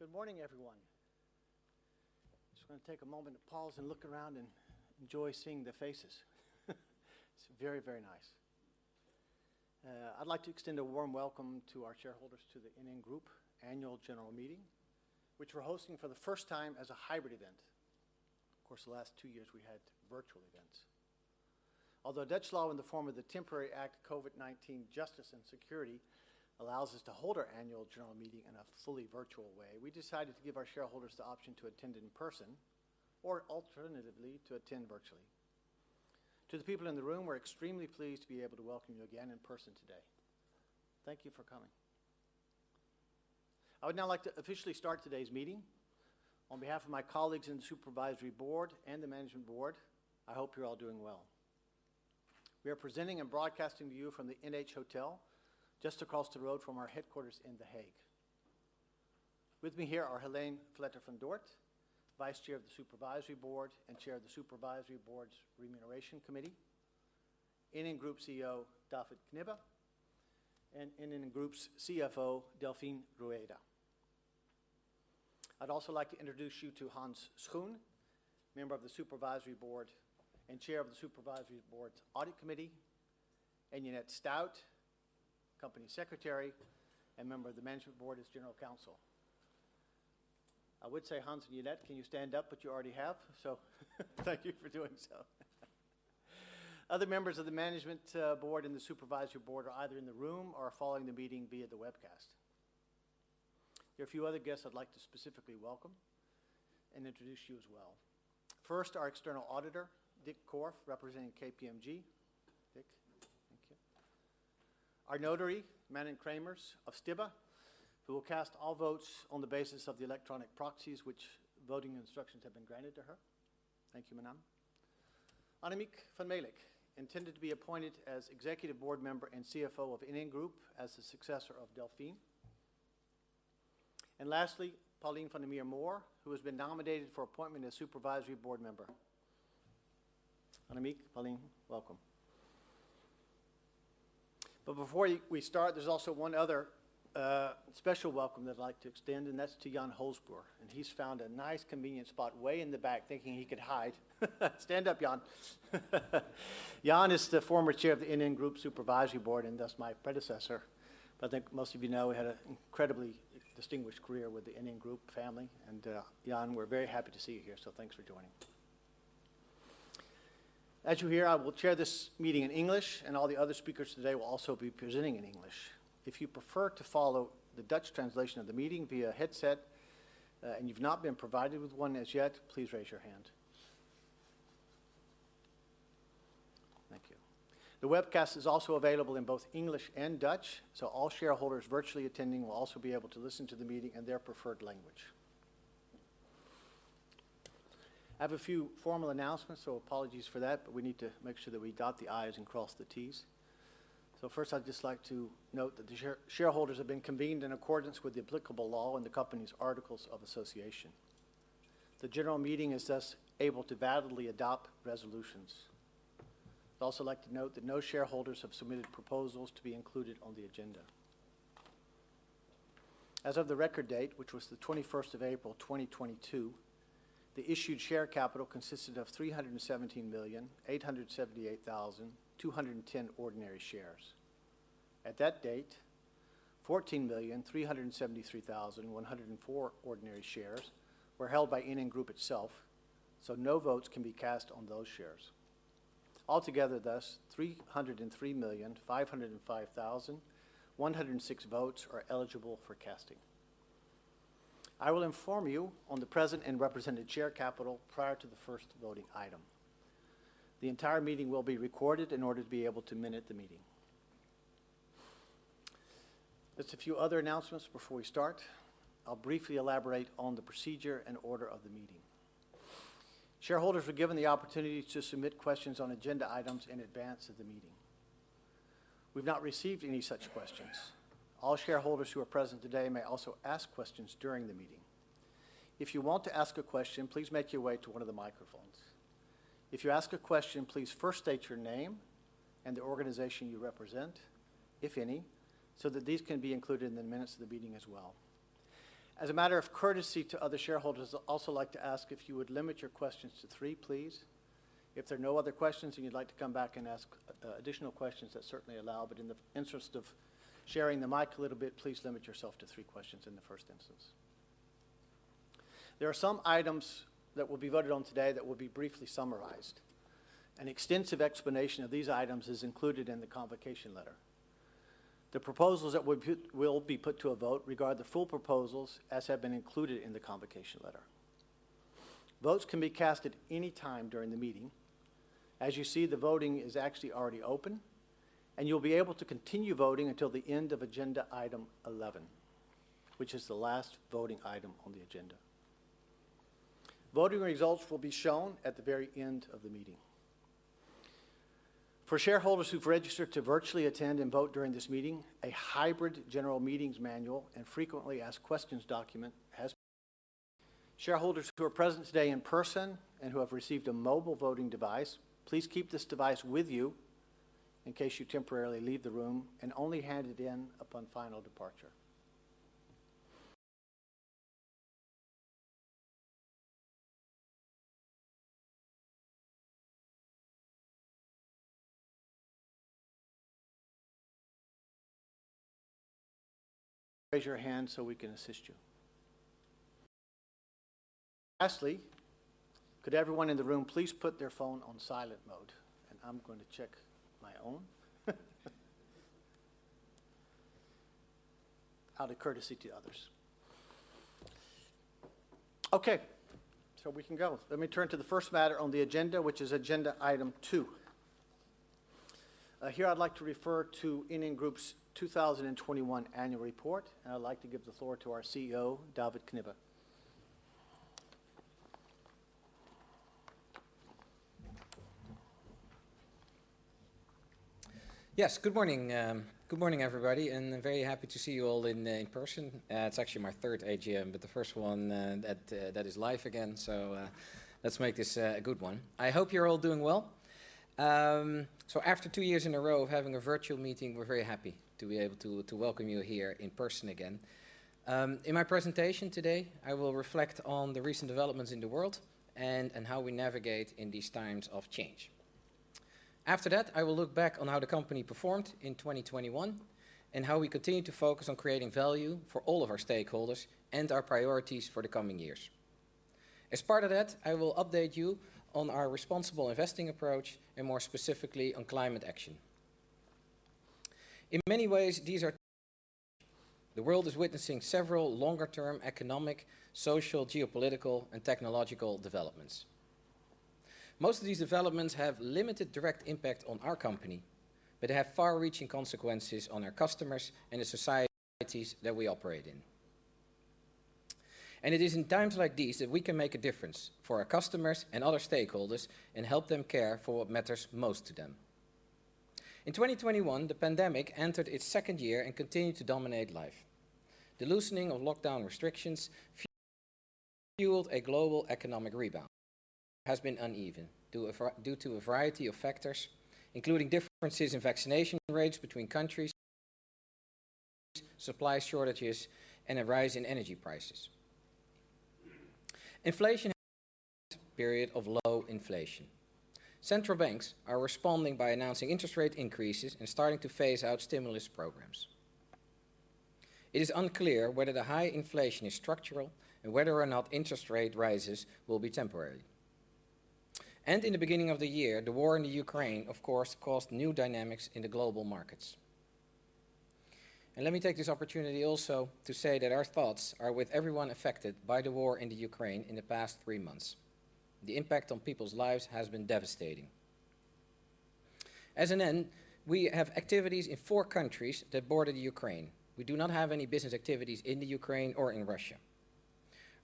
Good morning, everyone. Just gonna take a moment to pause and look around and enjoy seeing the faces. It's very, very nice. I'd like to extend a warm welcome to our shareholders to the NN Group Annual General Meeting, which we're hosting for the first time as a hybrid event. Of course, the last two years we had virtual events. Although Dutch law in the form of the Temporary Act COVID-19 Justice and Security allows us to hold our annual general meeting in a fully virtual way, we decided to give our shareholders the option to attend in person or alternatively, to attend virtually. To the people in the room, we're extremely pleased to be able to welcome you again in person today. Thank you for coming. I would now like to officially start today's meeting. On behalf of my colleagues in the Supervisory Board and the Management Board, I hope you're all doing well. We are presenting and broadcasting to you from the NH Hotel just across the road from our headquarters in The Hague. With me here are Hélène Vletter-van Dort, Vice Chair of the Supervisory Board and Chair of the Supervisory Board's Remuneration Committee, NN Group CEO, David Knibbe, and NN Group's CFO, Annemiek van Melick. I'd also like to introduce you to Hans Schoen, member of the Supervisory Board and Chair of the Supervisory Board's Audit Committee, and Janet Stuijt, Company Secretary and member of the Management Board as General Counsel. I would say Hans and Janet, can you stand up, but you already have. Thank you for doing so. Other members of the Management Board and the Supervisory Board are either in the room or are following the meeting via the webcast. There are a few other guests I'd like to specifically welcome and introduce you as well. First, our external auditor, Dick Korf, representing KPMG. Dick, thank you. Our notary, Manon Cremers of Stibbe, who will cast all votes on the basis of the electronic proxies which voting instructions have been granted to her. Thank you, Manon. Annemiek van Melick, intended to be appointed as Executive Board member and CFO of NN Group as the successor of Delfin. Lastly, Pauline van der Meer Mohr, who has been nominated for appointment as Supervisory Board member. Annemiek, Pauline, welcome. Before we start, there's also one other special welcome I'd like to extend, and that's to Jan-Henk Hulsbos, and he's found a nice, convenient spot way in the back, thinking he could hide. Stand up, Jan. Jan is the former chair of the NN Group Supervisory Board, and thus my predecessor, but I think most of you know he had an incredibly distinguished career with the NN Group family. Jan, we're very happy to see you here, so thanks for joining. As you hear, I will chair this meeting in English, and all the other speakers today will also be presenting in English. If you prefer to follow the Dutch translation of the meeting via headset, and you've not been provided with one as yet, please raise your hand. Thank you. The webcast is also available in both English and Dutch, so all shareholders virtually attending will also be able to listen to the meeting in their preferred language. I have a few formal announcements, so apologies for that, but we need to make sure that we dot the I's and cross the T's. First I'd just like to note that the shareholders have been convened in accordance with the applicable law and the company's articles of association. The general meeting is thus able to validly adopt resolutions. I'd also like to note that no shareholders have submitted proposals to be included on the agenda. As of the record date, which was the 21st of April, 2022, the issued share capital consisted of 317,878,210 ordinary shares. At that date, 14,373,104 ordinary shares were held by NN Group itself, so no votes can be cast on those shares. Altogether, thus, 303,505,106 votes are eligible for casting. I will inform you on the present and represented share capital prior to the first voting item. The entire meeting will be recorded in order to be able to minute the meeting. Just a few other announcements before we start. I'll briefly elaborate on the procedure and order of the meeting. Shareholders were given the opportunity to submit questions on agenda items in advance of the meeting. We've not received any such questions. All shareholders who are present today may also ask questions during the meeting. If you want to ask a question, please make your way to one of the microphones. If you ask a question, please first state your name and the organization you represent, if any, so that these can be included in the minutes of the meeting as well. As a matter of courtesy to other shareholders, I'd also like to ask if you would limit your questions to three, please. If there are no other questions and you'd like to come back and ask, additional questions, that's certainly allowed, but in the interest of sharing the mic a little bit, please limit yourself to three questions in the first instance. There are some items that will be voted on today that will be briefly summarized. An extensive explanation of these items is included in the convocation letter. The proposals that would will be put to a vote regarding the full proposals that have been included in the convocation letter. Votes can be cast at any time during the meeting. As you see, the voting is actually already open, and you'll be able to continue voting until the end of agenda item 11, which is the last voting item on the a`genda. Voting results will be shown at the very end of the meeting. For shareholders who've registered to virtually attend and vote during this meeting, a hybrid general meetings manual and frequently asked questions document has. Shareholders who are present today in person and who have received a mobile voting device, please keep this device with you in case you temporarily leave the room and only hand it in upon final departure. Raise your hand so we can assist you. Lastly, could everyone in the room please put their phone on silent mode, and I'm going to check my own out of courtesy to others. Okay, we can go. Let me turn to the first matter on the agenda, which is agenda item 2. Here I'd like to refer to NN Group's 2021 annual report, and I'd like to give the floor to our CEO, David Knibbe. Yes. Good morning. Good morning, everybody, and very happy to see you all in person. It's actually my third AGM, but the first one that is live again. Let's make this a good one. I hope you're all doing well. After two years in a row of having a virtual meeting, we're very happy to be able to welcome you here in person again. In my presentation today, I will reflect on the recent developments in the world and how we navigate in these times of change. After that, I will look back on how the company performed in 2021 and how we continue to focus on creating value for all of our stakeholders and our priorities for the coming years. As part of that, I will update you on our responsible investing approach and more specifically on climate action. In many ways, the world is witnessing several longer-term economic, social, geopolitical, and technological developments. Most of these developments have limited direct impact on our company, but have far-reaching consequences on our customers and the societies that we operate in. It is in times like these that we can make a difference for our customers and other stakeholders and help them care for what matters most to them. In 2021, the pandemic entered its second year and continued to dominate life. The loosening of lockdown restrictions fueled a global economic rebound that has been uneven due to a variety of factors, including differences in vaccination rates between countries, supply shortages, and a rise in energy prices, inflation ending a period of low inflation. Central banks are responding by announcing interest rate increases and starting to phase out stimulus programs. It is unclear whether the high inflation is structural and whether or not interest rate rises will be temporary. In the beginning of the year, the war in the Ukraine, of course, caused new dynamics in the global markets. Let me take this opportunity also to say that our thoughts are with everyone affected by the war in the Ukraine in the past three months. The impact on people's lives has been devastating. As noted, we have activities in four countries that border the Ukraine. We do not have any business activities in the Ukraine or in Russia.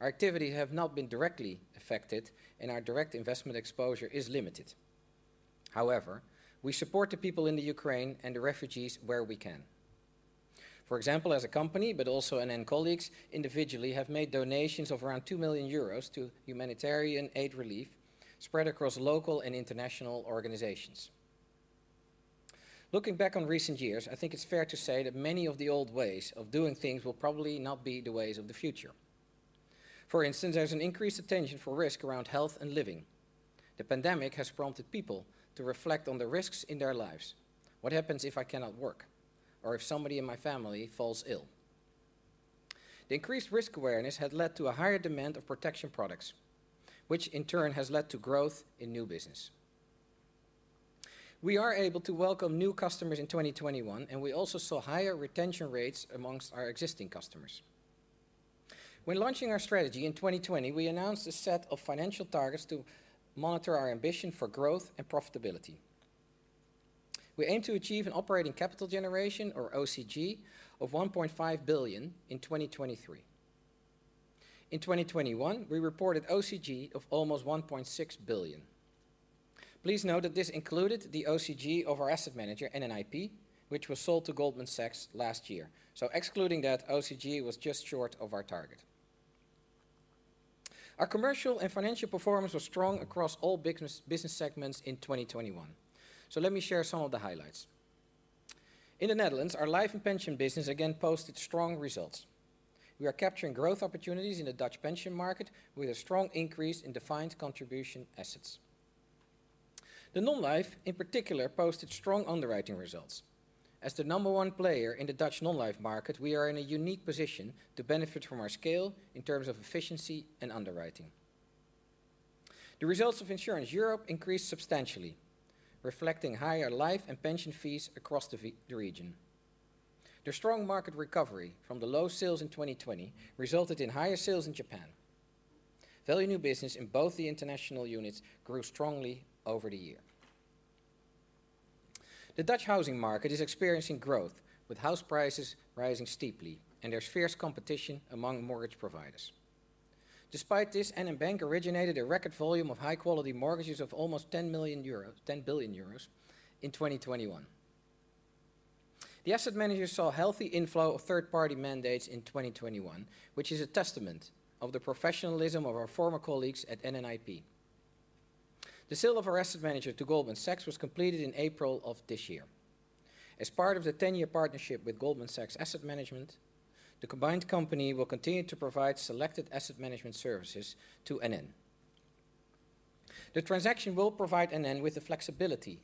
Our activities have not been directly affected, and our direct investment exposure is limited. However, we support the people in the Ukraine and the refugees where we can. For example, as a company, but also NN colleagues individually, have made donations of around 2 million euros to humanitarian aid relief spread across local and international organizations. Looking back on recent years, I think it's fair to say that many of the old ways of doing things will probably not be the ways of the future. For instance, there's an increased attention to risk around health and living. The pandemic has prompted people to reflect on the risks in their lives. What happens if I cannot work or if somebody in my family falls ill? The increased risk awareness had led to a higher demand for protection products, which in turn has led to growth in new business. We are able to welcome new customers in 2021, and we also saw higher retention rates among our existing customers. When launching our strategy in 2020, we announced a set of financial targets to monitor our ambition for growth and profitability. We aim to achieve an operating capital generation, or OCG, of 1.5 billion in 2023. In 2021, we reported OCG of almost 1.6 billion. Please note that this included the OCG of our asset manager, NN IP, which was sold to Goldman Sachs last year. Excluding that, OCG was just short of our target. Our commercial and financial performance was strong across all business segments in 2021. Let me share some of the highlights. In the Netherlands, our life and pension business again posted strong results. We are capturing growth opportunities in the Dutch pension market with a strong increase in defined contribution assets. The non-life in particular posted strong underwriting results. As the number one player in the Dutch non-life market, we are in a unique position to benefit from our scale in terms of efficiency and underwriting. The results of Insurance Europe increased substantially, reflecting higher life and pension fees across the region. The strong market recovery from the low sales in 2020 resulted in higher sales in Japan. Value new business in both the international units grew strongly over the year. The Dutch housing market is experiencing growth, with house prices rising steeply, and there's fierce competition among mortgage providers. Despite this, NN Bank originated a record volume of high-quality mortgages of almost 10 billion euros in 2021. The asset manager saw healthy inflow of third-party mandates in 2021, which is a testament of the professionalism of our former colleagues at NN IP. The sale of our asset manager to Goldman Sachs was completed in April of this year. As part of the 10-year partnership with Goldman Sachs Asset Management, the combined company will continue to provide selected asset management services to NN. The transaction will provide NN with the flexibility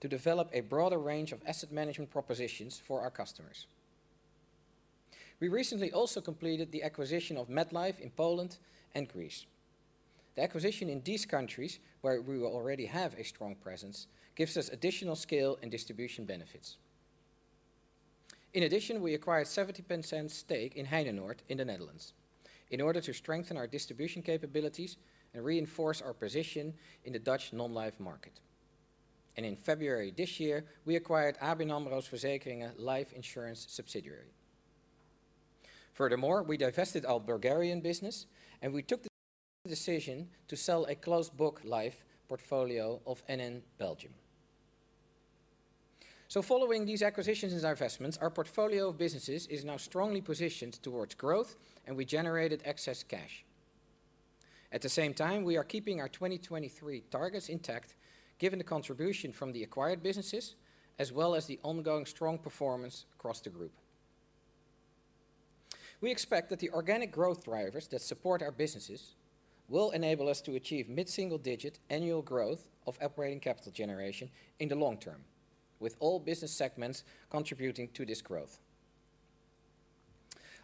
to develop a broader range of asset management propositions for our customers. We recently also completed the acquisition of MetLife in Poland and Greece. The acquisition in these countries, where we already have a strong presence, gives us additional scale and distribution benefits. In addition, we acquired 70% stake in Heinenoord in the Netherlands in order to strengthen our distribution capabilities and reinforce our position in the Dutch non-life market. In February this year, we acquired ABN AMRO Verzekeringen life insurance subsidiary. Furthermore, we divested our Bulgarian business, and we took the decision to sell a closed book life portfolio of NN Belgium. Following these acquisitions and divestments, our portfolio of businesses is now strongly positioned towards growth, and we generated excess cash. At the same time, we are keeping our 2023 targets intact given the contribution from the acquired businesses as well as the ongoing strong performance across the group. We expect that the organic growth drivers that support our businesses will enable us to achieve mid-single-digit annual growth of operating capital generation in the long term, with all business segments contributing to this growth.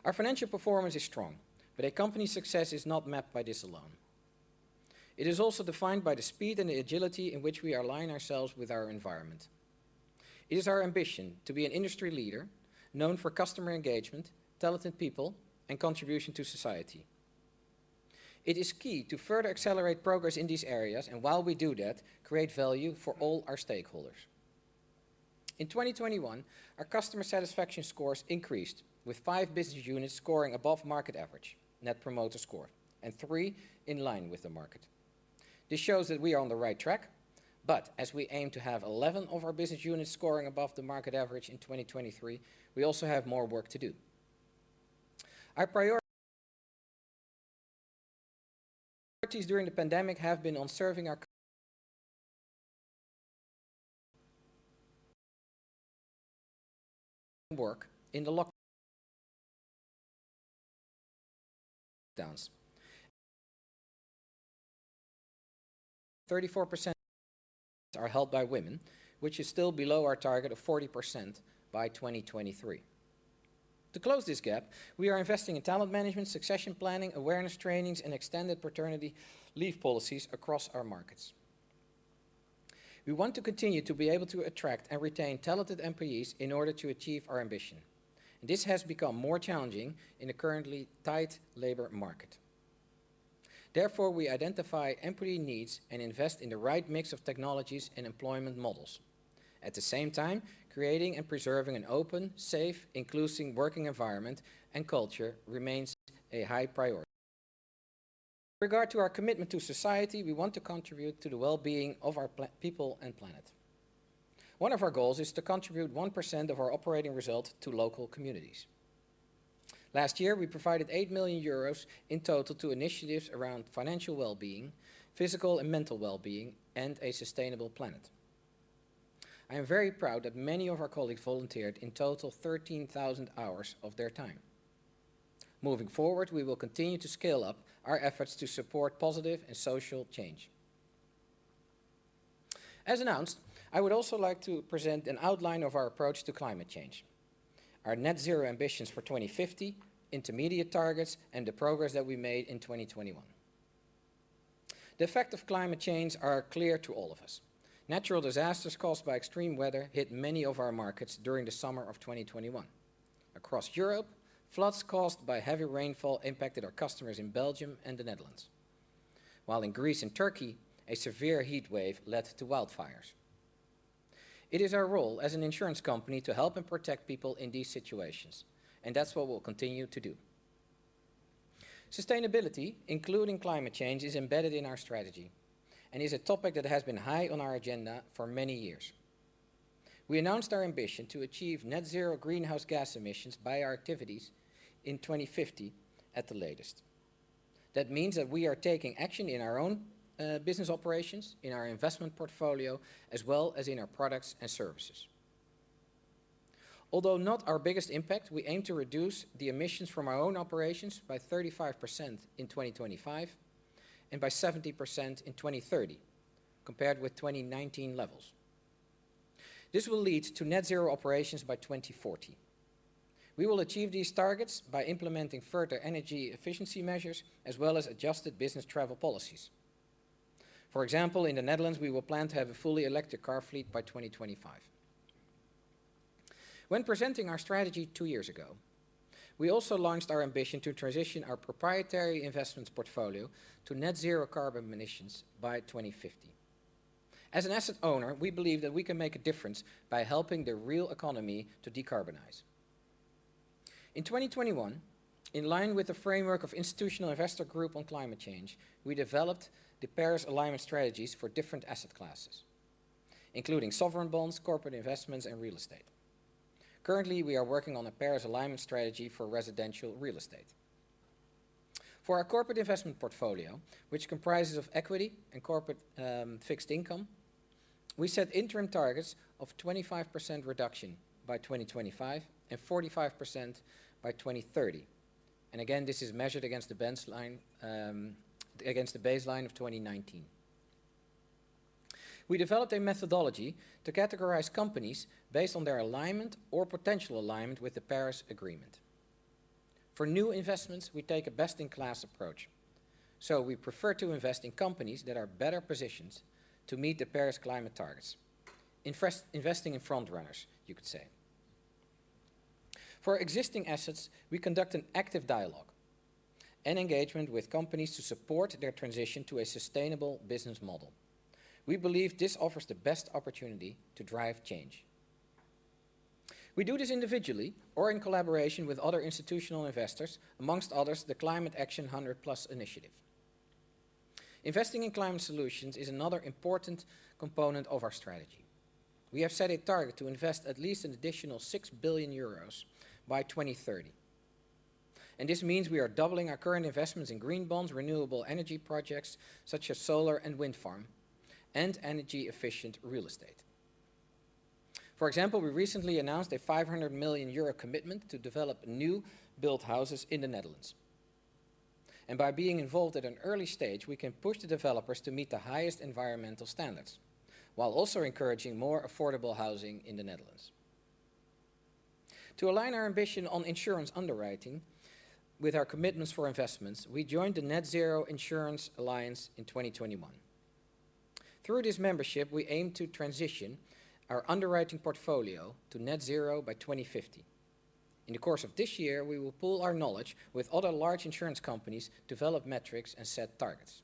Our financial performance is strong, but a company's success is not mapped by this alone. It is also defined by the speed and the agility in which we align ourselves with our environment. It is our ambition to be an industry leader known for customer engagement, talented people, and contribution to society. It is key to further accelerate progress in these areas, and while we do that, create value for all our stakeholders. In 2021, our customer satisfaction scores increased, with five business units scoring above market average Net Promoter Score and three in line with the market. This shows that we are on the right track, but as we aim to have 11 of our business units scoring above the market average in 2023, we also have more work to do. Our priorities during the pandemic have been on serving our customers. In the lockdown, 34% are held by women, which is still below our target of 40% by 2023. To close this gap, we are investing in talent management, succession planning, awareness trainings, and extended paternity leave policies across our markets. We want to continue to be able to attract and retain talented employees in order to achieve our ambition. This has become more challenging in the currently tight labor market. Therefore, we identify employee needs and invest in the right mix of technologies and employment models. At the same time, creating and preserving an open, safe, inclusive working environment and culture remains a high priority. With regard to our commitment to society, we want to contribute to the well-being of our people and planet. One of our goals is to contribute 1% of our operating results to local communities. Last year, we provided 8 million euros in total to initiatives around financial well-being, physical and mental well-being, and a sustainable planet. I am very proud that many of our colleagues volunteered in total 13,000 hours of their time. Moving forward, we will continue to scale up our efforts to support positive and social change. As announced, I would also like to present an outline of our approach to climate change, our net zero ambitions for 2050, intermediate targets, and the progress that we made in 2021. The effect of climate change are clear to all of us. Natural disasters caused by extreme weather hit many of our markets during the summer of 2021. Across Europe, floods caused by heavy rainfall impacted our customers in Belgium and the Netherlands. While in Greece and Turkey, a severe heat wave led to wildfires. It is our role as an insurance company to help and protect people in these situations, and that's what we'll continue to do. Sustainability, including climate change, is embedded in our strategy and is a topic that has been high on our agenda for many years. We announced our ambition to achieve net zero greenhouse gas emissions by our activities in 2050 at the latest. That means that we are taking action in our own business operations, in our investment portfolio, as well as in our products and services. Although not our biggest impact, we aim to reduce the emissions from our own operations by 35% in 2025 and by 70% in 2030 compared with 2019 levels. This will lead to net zero operations by 2040. We will achieve these targets by implementing further energy efficiency measures as well as adjusted business travel policies. For example, in the Netherlands, we will plan to have a fully electric car fleet by 2025. When presenting our strategy two years ago, we also launched our ambition to transition our proprietary investments portfolio to net zero carbon emissions by 2050. As an asset owner, we believe that we can make a difference by helping the real economy to de-carbonize. In 2021, in line with the framework of Institutional Investor Group on Climate Change, we developed the Paris alignment strategies for different asset classes, including sovereign bonds, corporate investments, and real estate. Currently, we are working on a Paris alignment strategy for residential real estate. For our corporate investment portfolio, which comprises of equity and corporate, fixed income, we set interim targets of 25% reduction by 2025 and 45% by 2030. Again, this is measured against the baseline of 2019. We developed a methodology to categorize companies based on their alignment or potential alignment with the Paris Agreement. For new investments, we take a best-in-class approach, so we prefer to invest in companies that are better positioned to meet the Paris climate targets. Investing in front runners, you could say. For existing assets, we conduct an active dialogue and engagement with companies to support their transition to a sustainable business model. We believe this offers the best opportunity to drive change. We do this individually or in collaboration with other institutional investors, among others, the Climate Action 100+ initiative. Investing in climate solutions is another important component of our strategy. We have set a target to invest at least an additional 6 billion euros by 2030, and this means we are doubling our current investments in green bonds, renewable energy projects such as solar and wind farm, and energy-efficient real estate. For example, we recently announced a 500 million euro commitment to develop new-built houses in the Netherlands. By being involved at an early stage, we can push the developers to meet the highest environmental standards while also encouraging more affordable housing in the Netherlands. To align our ambition on insurance underwriting with our commitments for investments, we joined the Net-Zero Insurance Alliance in 2021. Through this membership, we aim to transition our underwriting portfolio to net zero by 2050. In the course of this year, we will pool our knowledge with other large insurance companies, develop metrics, and set targets.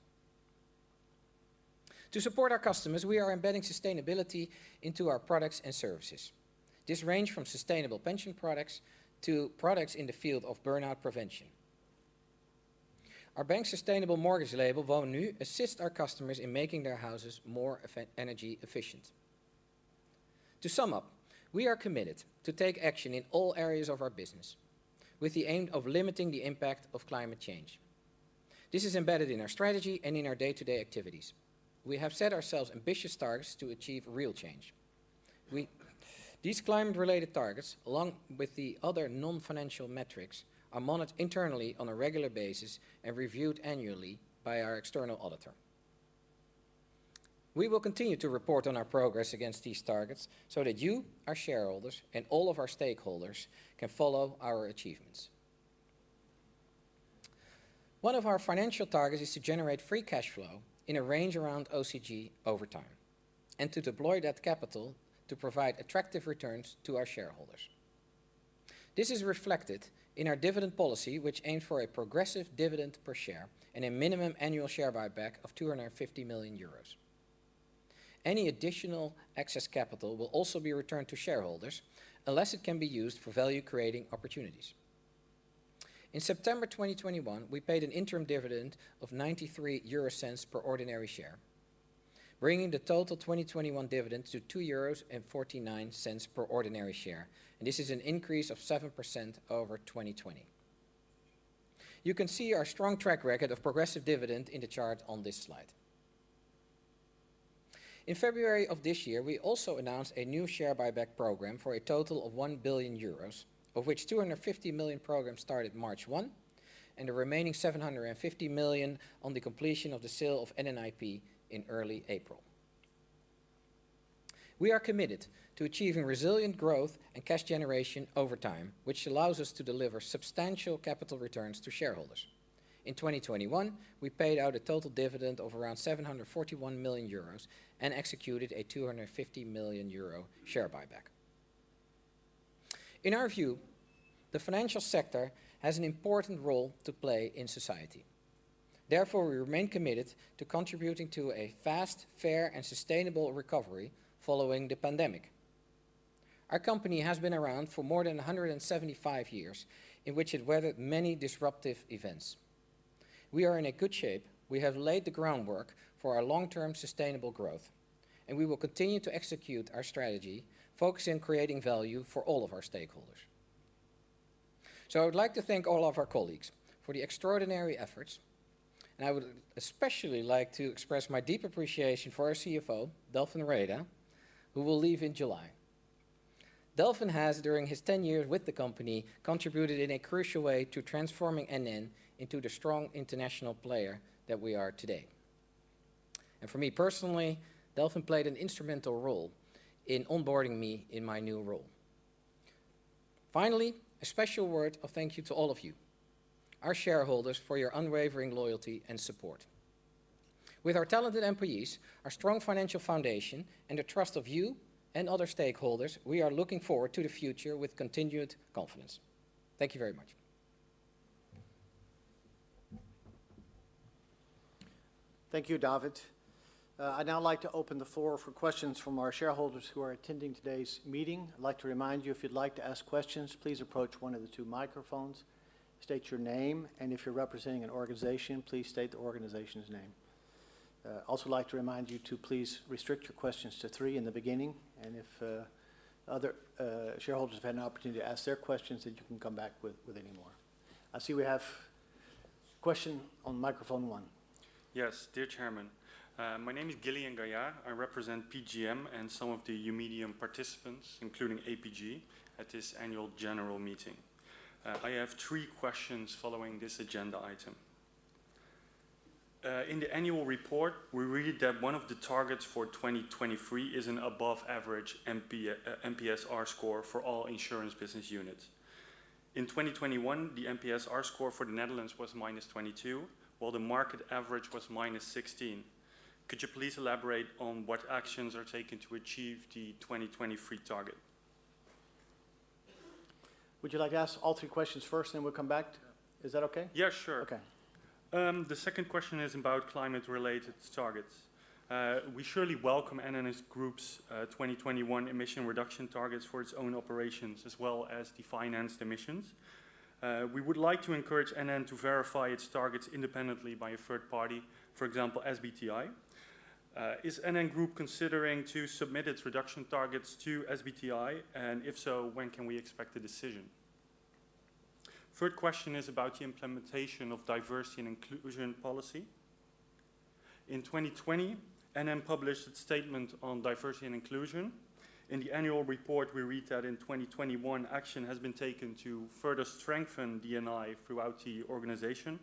To support our customers, we are embedding sustainability into our products and services. This range from sustainable pension products to products in the field of burnout prevention. Our bank's sustainable mortgage label, Woonnu, assists our customers in making their houses more energy efficient. To sum up, we are committed to take action in all areas of our business with the aim of limiting the impact of climate change. This is embedded in our strategy and in our day-to-day activities. We have set ourselves ambitious targets to achieve real change. These climate-related targets, along with the other non-financial metrics, are monitored internally on a regular basis and reviewed annually by our external auditor. We will continue to report on our progress against these targets so that you, our shareholders, and all of our stakeholders can follow our achievements. One of our financial targets is to generate free cash flow in a range around OCG over time and to deploy that capital to provide attractive returns to our shareholders. This is reflected in our dividend policy, which aims for a progressive dividend per share and a minimum annual share buyback of 250 million euros. Any additional excess capital will also be returned to shareholders unless it can be used for value-creating opportunities. In September 2021, we paid an interim dividend of 0.93 per ordinary share, bringing the total 2021 dividends to 2.49 euros per ordinary share, and this is an increase of 7% over 2020. You can see our strong track record of progressive dividend in the chart on this slide. In February of this year, we also announced a new share buyback program for a total of 1 billion euros, of which 250 million program started March 1, and the remaining 750 million on the completion of the sale of NN IP in early April. We are committed to achieving resilient growth and cash generation over time, which allows us to deliver substantial capital returns to shareholders. In 2021, we paid out a total dividend of around 741 million euros and executed a 250 million euro share buyback. In our view, the financial sector has an important role to play in society. Therefore, we remain committed to contributing to a fast, fair, and sustainable recovery following the pandemic. Our company has been around for more than 175 years, in which it weathered many disruptive events. We are in a good shape. We have laid the groundwork for our long-term sustainable growth, and we will continue to execute our strategy, focusing on creating value for all of our stakeholders. I would like to thank all of our colleagues for the extraordinary efforts, and I would especially like to express my deep appreciation for our CFO, Delfin Rueda, who will leave in July. Delfin has, during his 10 years with the company, contributed in a crucial way to transforming NN into the strong international player that we are today. For me personally, Delfin played an instrumental role in onboarding me in my new role. Finally, a special word of thank you to all of you, our shareholders, for your unwavering loyalty and support. With our talented employees, our strong financial foundation, and the trust of you and other stakeholders, we are looking forward to the future with continued confidence. Thank you very much. Thank you, David. I'd now like to open the floor for questions from our shareholders who are attending today's meeting. I'd like to remind you, if you'd like to ask questions, please approach one of the two microphones, state your name, and if you're representing an organization, please state the organization's name. I'd also like to remind you to please restrict your questions to three in the beginning, and if other shareholders have had an opportunity to ask their questions, then you can come back with any more. I see we have question on microphone one. Yes. Dear Chairman, my name is Gillian Gailliaert. I represent PGGM and some of the Eumedion participants, including APG, at this annual general meeting. I have three questions following this agenda item. In the annual report, we read that one of the targets for 2023 is an above-average MP, NPS score for all insurance business units. In 2021, the NPS score for the Netherlands was -22, while the market average was -16. Could you please elaborate on what actions are taken to achieve the 2023 target? Would you like to ask all three questions first, then we'll come back? Yeah. Is that okay? Yeah, sure. Okay. The second question is about climate-related targets. We surely welcome NN Group's 2021 emission reduction targets for its own operations as well as the financed emissions. We would like to encourage NN to verify its targets independently by a third party, for example, SBTi. Is NN Group considering to submit its reduction targets to SBTi, and if so, when can we expect a decision? Third question is about the implementation of diversity and inclusion policy. In 2020, NN published its statement on diversity and inclusion. In the annual report, we read that in 2021, action has been taken to further strengthen D&I throughout the organization.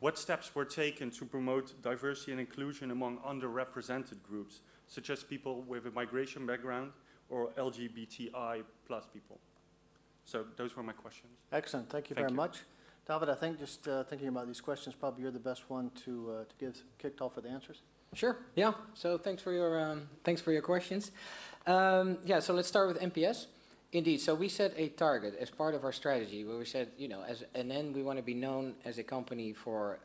What steps were taken to promote diversity and inclusion among underrepresented groups, such as people with a migration background or LGBTI+ people? Those were my questions. Excellent. Thank you. Thank you very much. David, I think just thinking about these questions, probably you're the best one to kick off with the answers. Sure, yeah. Thanks for your questions. Let's start with NPS. Indeed, we set a target as part of our strategy where we said, you know, as NN, we wanna be known as a company for,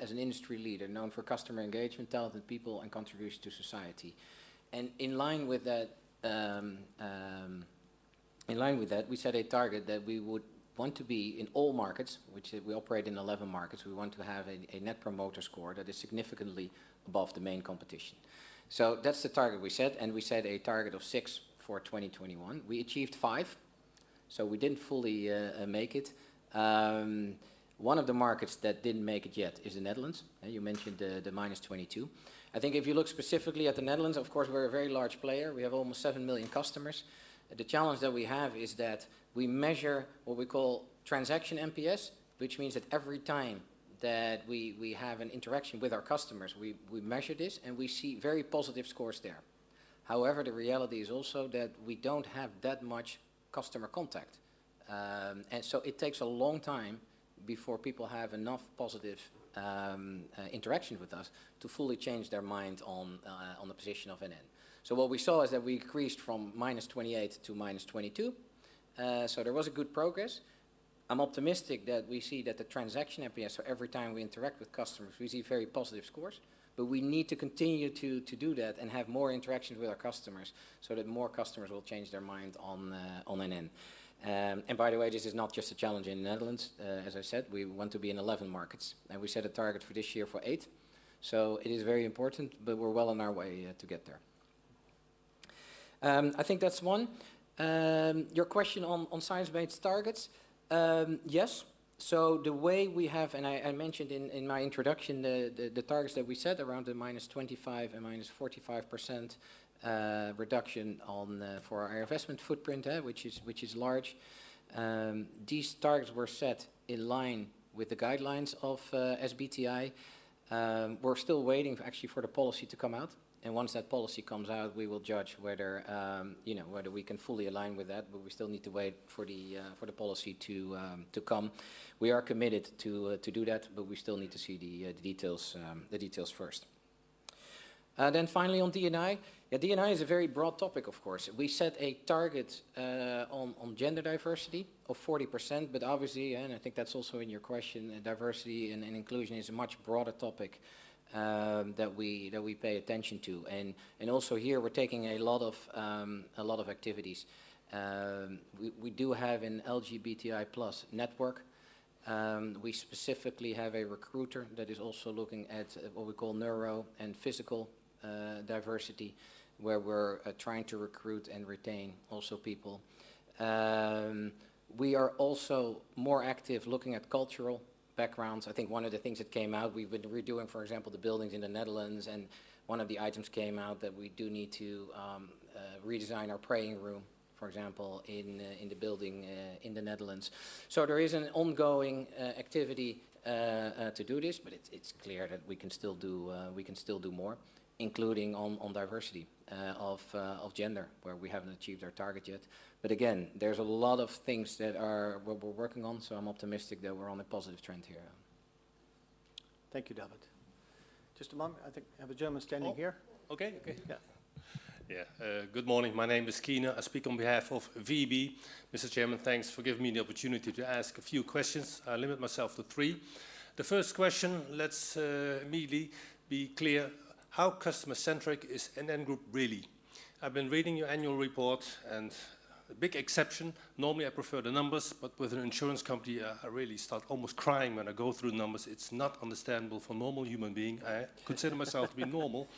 as an industry leader, known for customer engagement, talented people, and contribution to society. In line with that, we set a target that we would want to be in all markets, which we operate in 11 markets. We want to have a net promoter score that is significantly above the main competition. That's the target we set, and we set a target of six for 2021. We achieved five, so we didn't fully make it. One of the markets that didn't make it yet is the Netherlands. You mentioned the -22. I think if you look specifically at the Netherlands, of course, we're a very large player. We have almost 7 million customers. The challenge that we have is that we measure what we call transaction NPS, which means that every time that we have an interaction with our customers, we measure this, and we see very positive scores there. However, the reality is also that we don't have that much customer contact. It takes a long time before people have enough positive interactions with us to fully change their mind on the position of NN. What we saw is that we increased from -28 to -22, so there was a good progress. I'm optimistic that we see that the transaction NPS, so every time we interact with customers, we see very positive scores. We need to continue to do that and have more interactions with our customers so that more customers will change their mind on NN. By the way, this is not just a challenge in the Netherlands. As I said, we want to be in 11 markets, and we set a target for this year for eight. It is very important, but we're well on our way to get there. I think that's one. Your question on science-based targets, yes. The way we have... I mentioned in my introduction the targets that we set around the -25% and -45% reduction in our investment footprint, which is large. These targets were set in line with the guidelines of SBTi. We're still waiting actually for the policy to come out, and once that policy comes out, we will judge whether you know whether we can fully align with that. But we still need to wait for the policy to come. We are committed to do that, but we still need to see the details first. Finally on D&I. Yeah, D&I is a very broad topic, of course. We set a target on gender diversity of 40%, but obviously, and I think that's also in your question, diversity and inclusion is a much broader topic that we pay attention to. Also here, we're taking a lot of activities. We do have an LGBTI+ network. We specifically have a recruiter that is also looking at what we call neuro and physical diversity, where we're trying to recruit and retain also people. We are also more active looking at cultural backgrounds. I think one of the things that came out, we've been redoing, for example, the buildings in the Netherlands, and one of the items came out that we do need to redesign our prayer room, for example, in the building in the Netherlands. There is an ongoing activity to do this, but it's clear that we can still do more, including on diversity of gender, where we haven't achieved our target yet. Again, there's a lot of things that we're working on, so I'm optimistic that we're on a positive trend here. Thank you, David. Just a moment. I think I have a gentleman standing here. Oh. Okay. Yeah. Yeah. Good morning. My name is Keyner. I speak on behalf of VEB. Mr. Chairman, thanks for giving me the opportunity to ask a few questions. I'll limit myself to three. The first question, let's immediately be clear, how customer-centric is NN Group really? I've been reading your annual report, and a big exception, normally I prefer the numbers, but with an insurance company, I really start almost crying when I go through the numbers. It's not understandable for normal human being. I consider myself to be normal.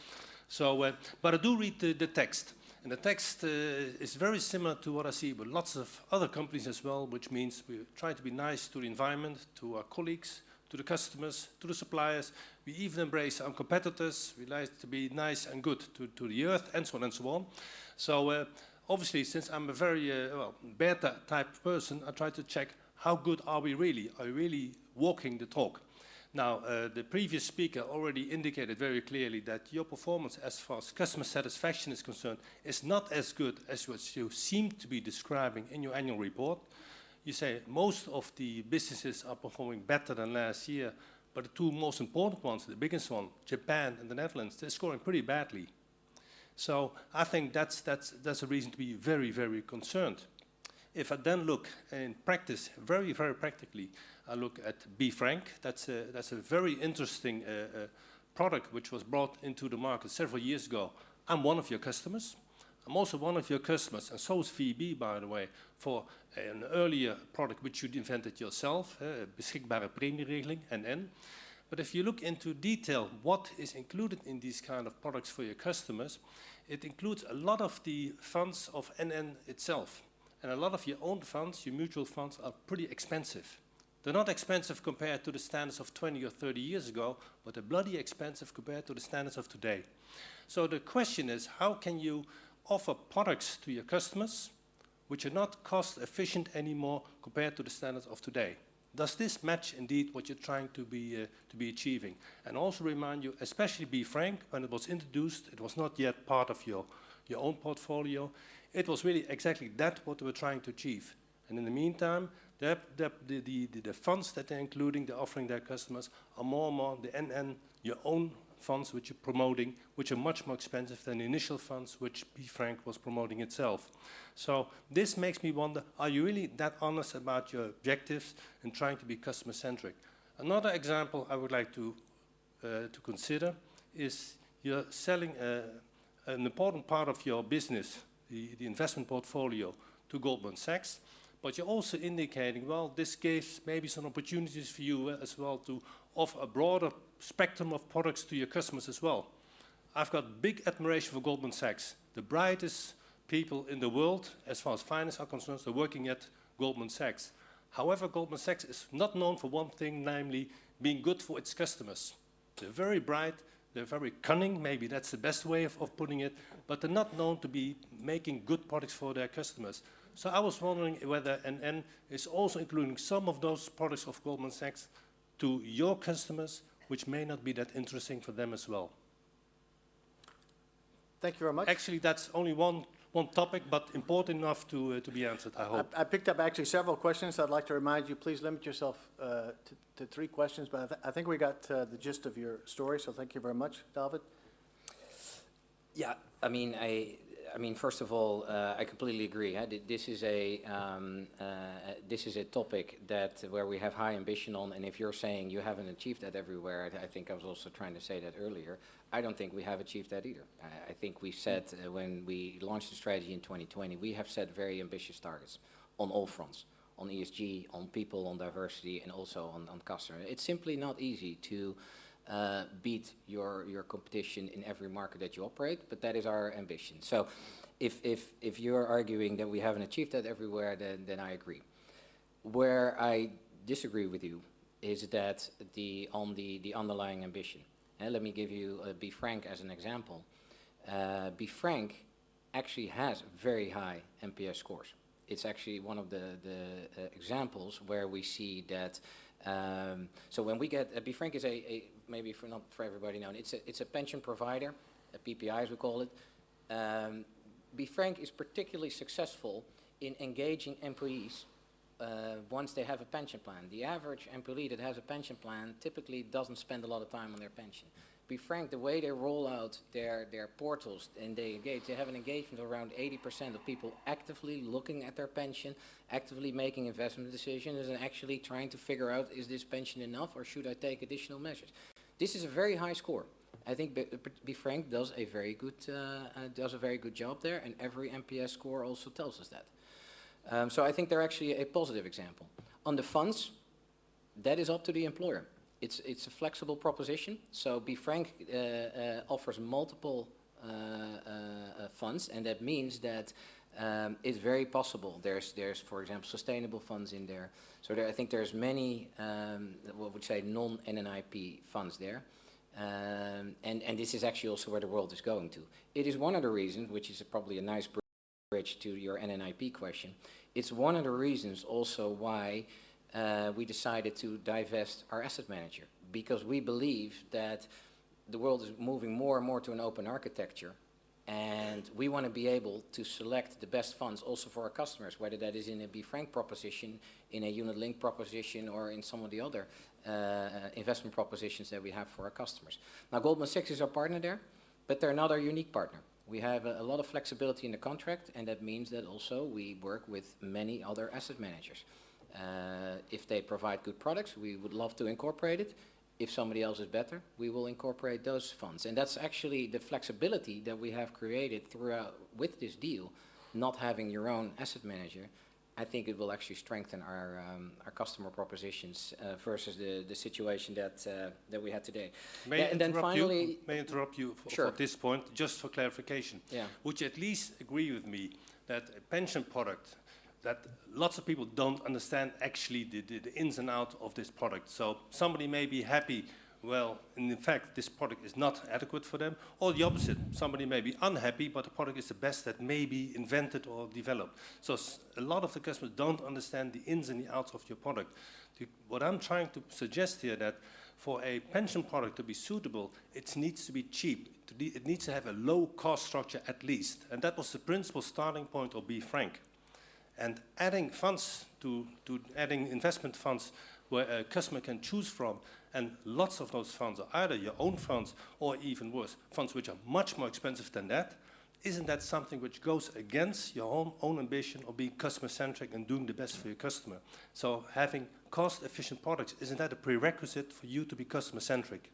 I do read the text, and the text is very similar to what I see with lots of other companies as well, which means we try to be nice to the environment, to our colleagues, to the customers, to the suppliers. We even embrace our competitors. We like to be nice and good to the Earth, and so on and so on. Obviously, since I'm a very, well, beta-type person, I try to check how good are we really, are we really walking the talk. Now, the previous speaker already indicated very clearly that your performance as far as customer satisfaction is concerned is not as good as what you seem to be describing in your annual report. You say most of the businesses are performing better than last year, but the two most important ones, the biggest one, Japan and the Netherlands, they're scoring pretty badly. I think that's a reason to be very concerned. If I then look in practice, very practically, I look at BeFrank, that's a very interesting product which was brought into the market several years ago. I'm one of your customers. I'm also one of your customers, and so is VEB, by the way, for an earlier product which you'd invented yourself, Beschikbare premieregeling, NN. If you look in detail what is included in these kind of products for your customers, it includes a lot of the funds of NN itself, and a lot of your own funds, your mutual funds, are pretty expensive. They're not expensive compared to the standards of 20 or 30 years ago, but they're bloody expensive compared to the standards of today. The question is, how can you offer products to your customers which are not cost-efficient anymore compared to the standards of today? Does this match indeed what you're trying to be, to be achieving? Also remind you, especially BeFrank, when it was introduced, it was not yet part of your own portfolio. It was really exactly that what we were trying to achieve. In the meantime, the funds that they're including, they're offering their customers are more and more the NN, your own funds which you're promoting, which are much more expensive than the initial funds which BeFrank was promoting itself. This makes me wonder, are you really that honest about your objectives in trying to be customer-centric? Another example I would like to consider is you're selling an important part of your business, the investment portfolio, to Goldman Sachs, but you're also indicating, well, this gives maybe some opportunities for you as well to offer a broader spectrum of products to your customers as well. I've got big admiration for Goldman Sachs. The brightest people in the world as far as finance are concerned are working at Goldman Sachs. However, Goldman Sachs is not known for one thing, namely being good for its customers. They're very bright. They're very cunning. Maybe that's the best way of putting it. But they're not known to be making good products for their customers. I was wondering whether NN is also including some of those products of Goldman Sachs to your customers, which may not be that interesting for them as well. Thank you very much. Actually, that's only one topic, but important enough to be answered, I hope. I picked up actually several questions. I'd like to remind you, please limit yourself to three questions. I think we got the gist of your story, so thank you very much, David. I mean, first of all, I completely agree. This is a topic where we have high ambition on. If you're saying you haven't achieved that everywhere, I think I was also trying to say that earlier. I don't think we have achieved that either. I think we said when we launched the strategy in 2020, we have set very ambitious targets on all fronts, on ESG, on people, on diversity, and also on customer. It's simply not easy to beat your competition in every market that you operate, but that is our ambition. If you're arguing that we haven't achieved that everywhere, then I agree. Where I disagree with you is on the underlying ambition. Let me give you BeFrank as an example. BeFrank actually has very high NPS scores. It's actually one of the examples where we see that. BeFrank is a maybe if not for everybody now, and it's a pension provider, a PPI, as we call it. BeFrank is particularly successful in engaging employees, once they have a pension plan. The average employee that has a pension plan typically doesn't spend a lot of time on their pension. BeFrank, the way they roll out their portals, and they engage, they have an engagement around 80% of people actively looking at their pension, actively making investment decisions, and actually trying to figure out, is this pension enough, or should I take additional measures? This is a very high score. I think BeFrank does a very good job there, and every NPS score also tells us that. I think they're actually a positive example. On the funds, that is up to the employer. It's a flexible proposition. BeFrank offers multiple funds, and that means that it's very possible. There's, for example, sustainable funds in there. I think there's many what would you say non-NN IP funds there. This is actually also where the world is going to. It is one of the reasons, which is probably a nice bridge to your NN IP question. It's one of the reasons also why we decided to divest our asset manager because we believe that the world is moving more and more to an open architecture, and we wanna be able to select the best funds also for our customers, whether that is in a BeFrank proposition, in a unit link proposition, or in some of the other investment propositions that we have for our customers. Now, Goldman Sachs is our partner there. They're not our unique partner. We have a lot of flexibility in the contract, and that means that also we work with many other asset managers. If they provide good products, we would love to incorporate it. If somebody else is better, we will incorporate those funds. That's actually the flexibility that we have created throughout with this deal, not having your own asset manager. I think it will actually strengthen our customer propositions versus the situation that we had today. Finally May I interrupt you? Sure. At this point, just for clarification. Yeah. Would you at least agree with me that a pension product that lots of people don't understand actually the ins and out of this product? Somebody may be happy, well, and in fact, this product is not adequate for them, or the opposite, somebody may be unhappy, but the product is the best that may be invented or developed. A lot of the customers don't understand the ins and the outs of your product. What I'm trying to suggest here that for a pension product to be suitable, it needs to be cheap. It needs to have a low cost structure, at least. That was the principle starting point of BeFrank. Adding funds to... Adding investment funds where a customer can choose from, and lots of those funds are either your own funds or even worse, funds which are much more expensive than that. Isn't that something which goes against your own ambition of being customer-centric and doing the best for your customer? Having cost-efficient products, isn't that a prerequisite for you to be customer-centric?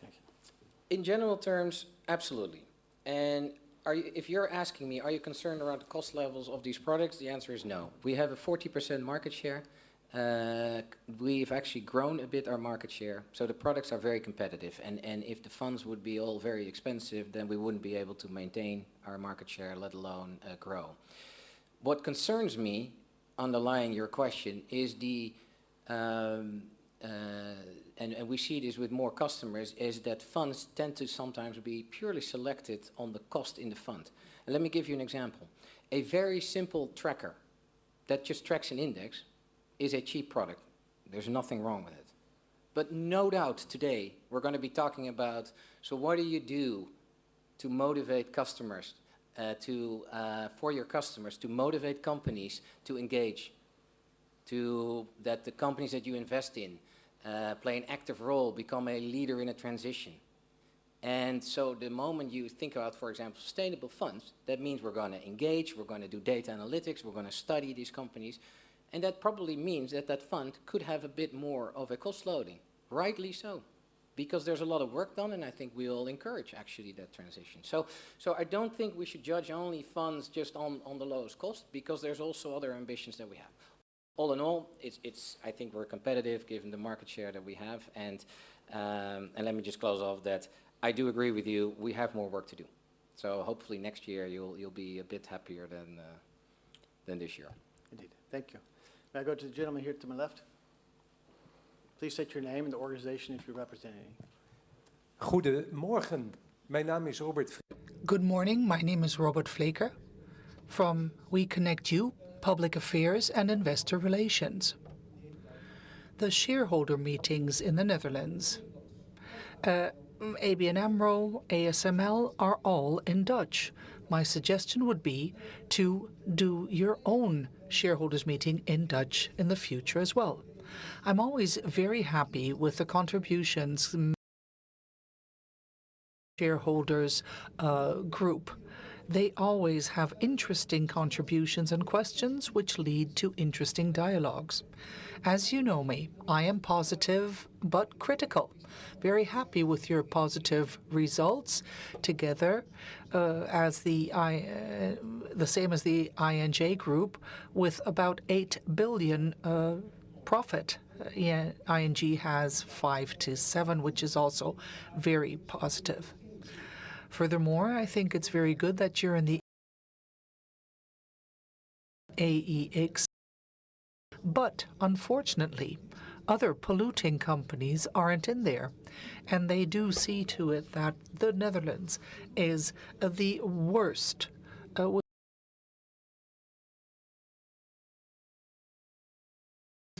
Thank you. In general terms, absolutely. If you're asking me, are you concerned around the cost levels of these products? The answer is no. We have a 40% market share. We've actually grown a bit our market share, so the products are very competitive. If the funds would be all very expensive, then we wouldn't be able to maintain our market share, let alone grow. What concerns me, underlying your question, is we see this with more customers, is that funds tend to sometimes be purely selected on the cost in the fund. Let me give you an example. A very simple tracker that just tracks an index is a cheap product. There's nothing wrong with it. No doubt today we're gonna be talking about, so what do you do to motivate customers to motivate companies to engage, that the companies that you invest in play an active role, become a leader in a transition. The moment you think about, for example, sustainable funds, that means we're gonna engage, we're gonna do data analytics, we're gonna study these companies. That probably means that that fund could have a bit more of a cost loading. Rightly so, because there's a lot of work done, and I think we all encourage actually that transition. I don't think we should judge only funds just on the lowest cost because there's also other ambitions that we have. All in all, it's I think we're competitive given the market share that we have. Let me just close off that I do agree with you, we have more work to do. Hopefully next year you'll be a bit happier than this year. Indeed. Thank you. May I go to the gentleman here to my left? Please state your name and the organization that you're representing. Good morning. My name is Robert Vreeken from WeConnectYou, Public Affairs and Investor Relations. The shareholder meetings in the Netherlands, ABN AMRO, ASML, are all in Dutch. My suggestion would be to do your own shareholders meeting in Dutch in the future as well. I'm always very happy with the contributions shareholders group. They always have interesting contributions and questions which lead to interesting dialogues. As you know me, I am positive but critical. Very happy with your positive results together, as the same as the ING Group with about 8 billion profit. Yeah, ING has 5 billion-7 billion, which is also very positive. Furthermore, I think it's very good that you're in the AEX. Unfortunately, other polluting companies aren't in there, and they do see to it that the Netherlands is the worst with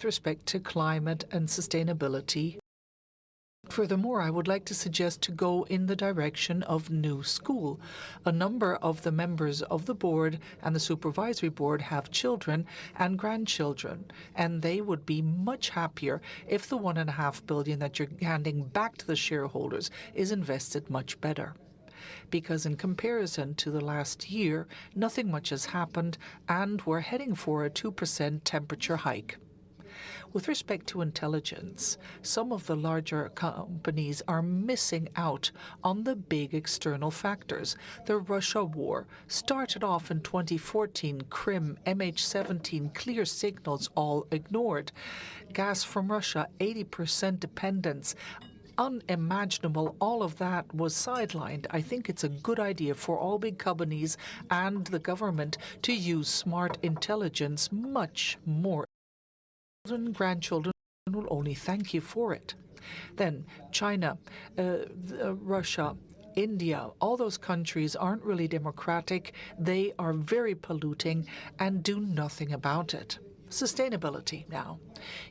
respect to climate and sustainability. Furthermore, I would like to suggest to go in the direction of new school. A number of the members of the board and the supervisory board have children and grandchildren, and they would be much happier if the 1.5 billion that you're handing back to the shareholders is invested much better. Because in comparison to the last year, nothing much has happened, and we're heading for a 2% temperature hike. With respect to intelligence, some of the larger companies are missing out on the big external factors. The Russia war started off in 2014, Crimea, MH17, clear signals all ignored. Gas from Russia, 80% dependence. Unimaginable, all of that was sidelined. I think it's a good idea for all big companies and the government to use smart intelligence much more. Children and grandchildren will only thank you for it. China, Russia, India, all those countries aren't really democratic. They are very polluting and do nothing about it. Sustainability now.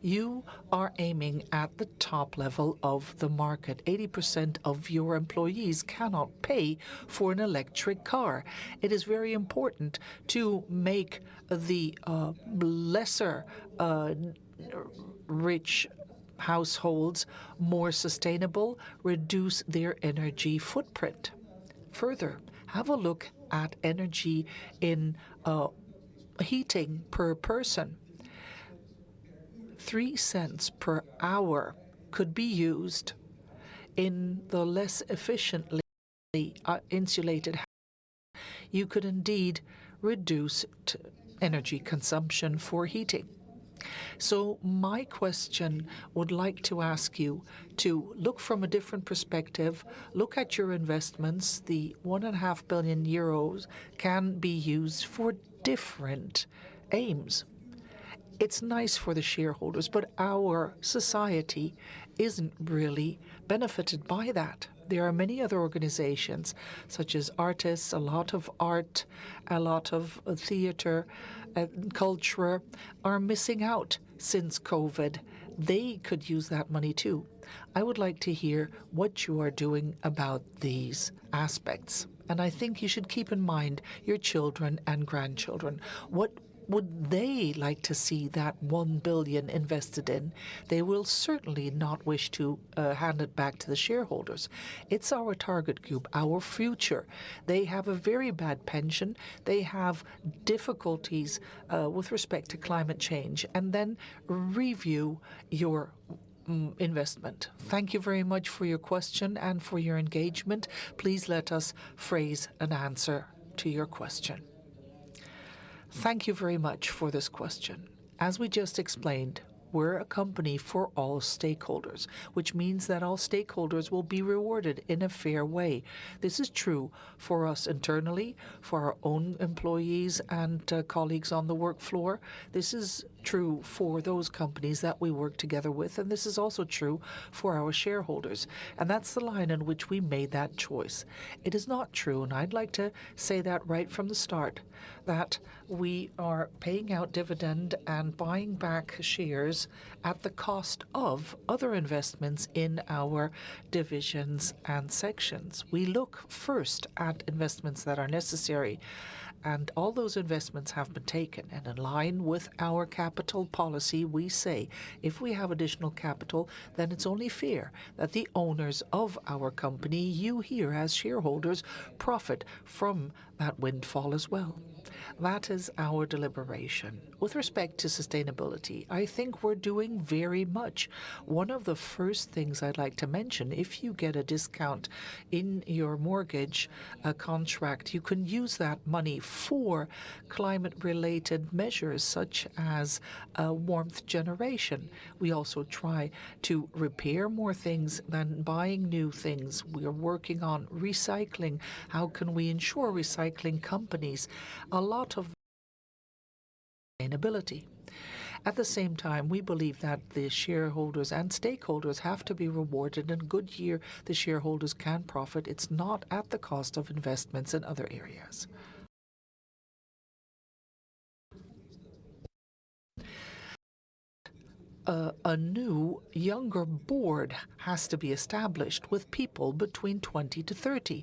You are aiming at the top level of the market. 80% of your employees cannot pay for an electric car. It is very important to make the less rich households more sustainable, reduce their energy footprint. Further, have a look at energy in heating per person. EUR 0.03 per hour could be used in the less efficiently insulated houses. You could indeed reduce the energy consumption for heating. My question would like to ask you to look from a different perspective, look at your investments. The 1.5 billion euros can be used for different aims. It's nice for the shareholders, but our society isn't really benefited by that. There are many other organizations, such as artists, a lot of art, a lot of theater and culture are missing out since COVID. They could use that money too. I would like to hear what you are doing about these aspects, and I think you should keep in mind your children and grandchildren. What would they like to see that 1 billion invested in? They will certainly not wish to hand it back to the shareholders. It's our target group, our future. They have a very bad pension. They have difficulties with respect to climate change. Then review your investment. Thank you very much for your question and for your engagement. Please let us phrase an answer to your question. Thank you very much for this question. As we just explained, we're a company for all stakeholders, which means that all stakeholders will be rewarded in a fair way. This is true for us internally, for our own employees and colleagues on the work floor. This is true for those companies that we work together with, and this is also true for our shareholders. That's the line in which we made that choice. It is not true, and I'd like to say that right from the start, that we are paying out dividend and buying back shares at the cost of other investments in our divisions and sections. We look first at investments that are necessary, and all those investments have been taken. In line with our capital policy, we say, if we have additional capital, then it's only fair that the owners of our company, you here as shareholders, profit from that windfall as well. That is our deliberation. With respect to sustainability, I think we're doing very much. One of the first things I'd like to mention, if you get a discount in your mortgage, contract, you can use that money for climate-related measures such as, warmth generation. We also try to repair more things than buying new things. We are working on recycling. How can we insure recycling companies? A lot of sustainability. At the same time, we believe that the shareholders and stakeholders have to be rewarded. In good year, the shareholders can profit. It's not at the cost of investments in other areas. A new younger board has to be established with people between 20 to 30,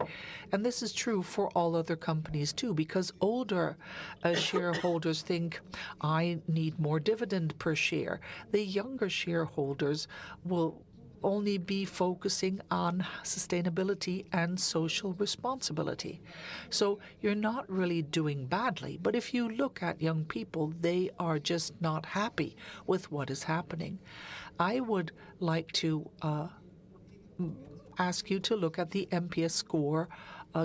and this is true for all other companies too. Older shareholders think, "I need more dividend per share." The younger shareholders will only be focusing on sustainability and social responsibility. You're not really doing badly. If you look at young people, they are just not happy with what is happening. I would like to ask you to look at the NPS score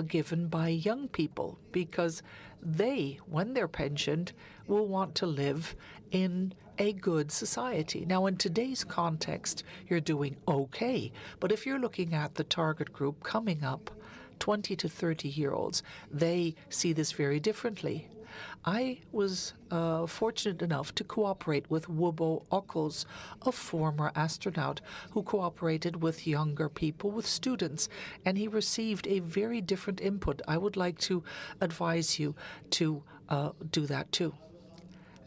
given by young people because they, when they're pensioned, will want to live in a good society. Now, in today's context, you're doing okay. If you're looking at the target group coming up, 20 to 30-year-olds, they see this very differently. I was fortunate enough to cooperate with Wubbo Ockels, a former astronaut, who cooperated with younger people, with students, and he received a very different input. I would like to advise you to do that too.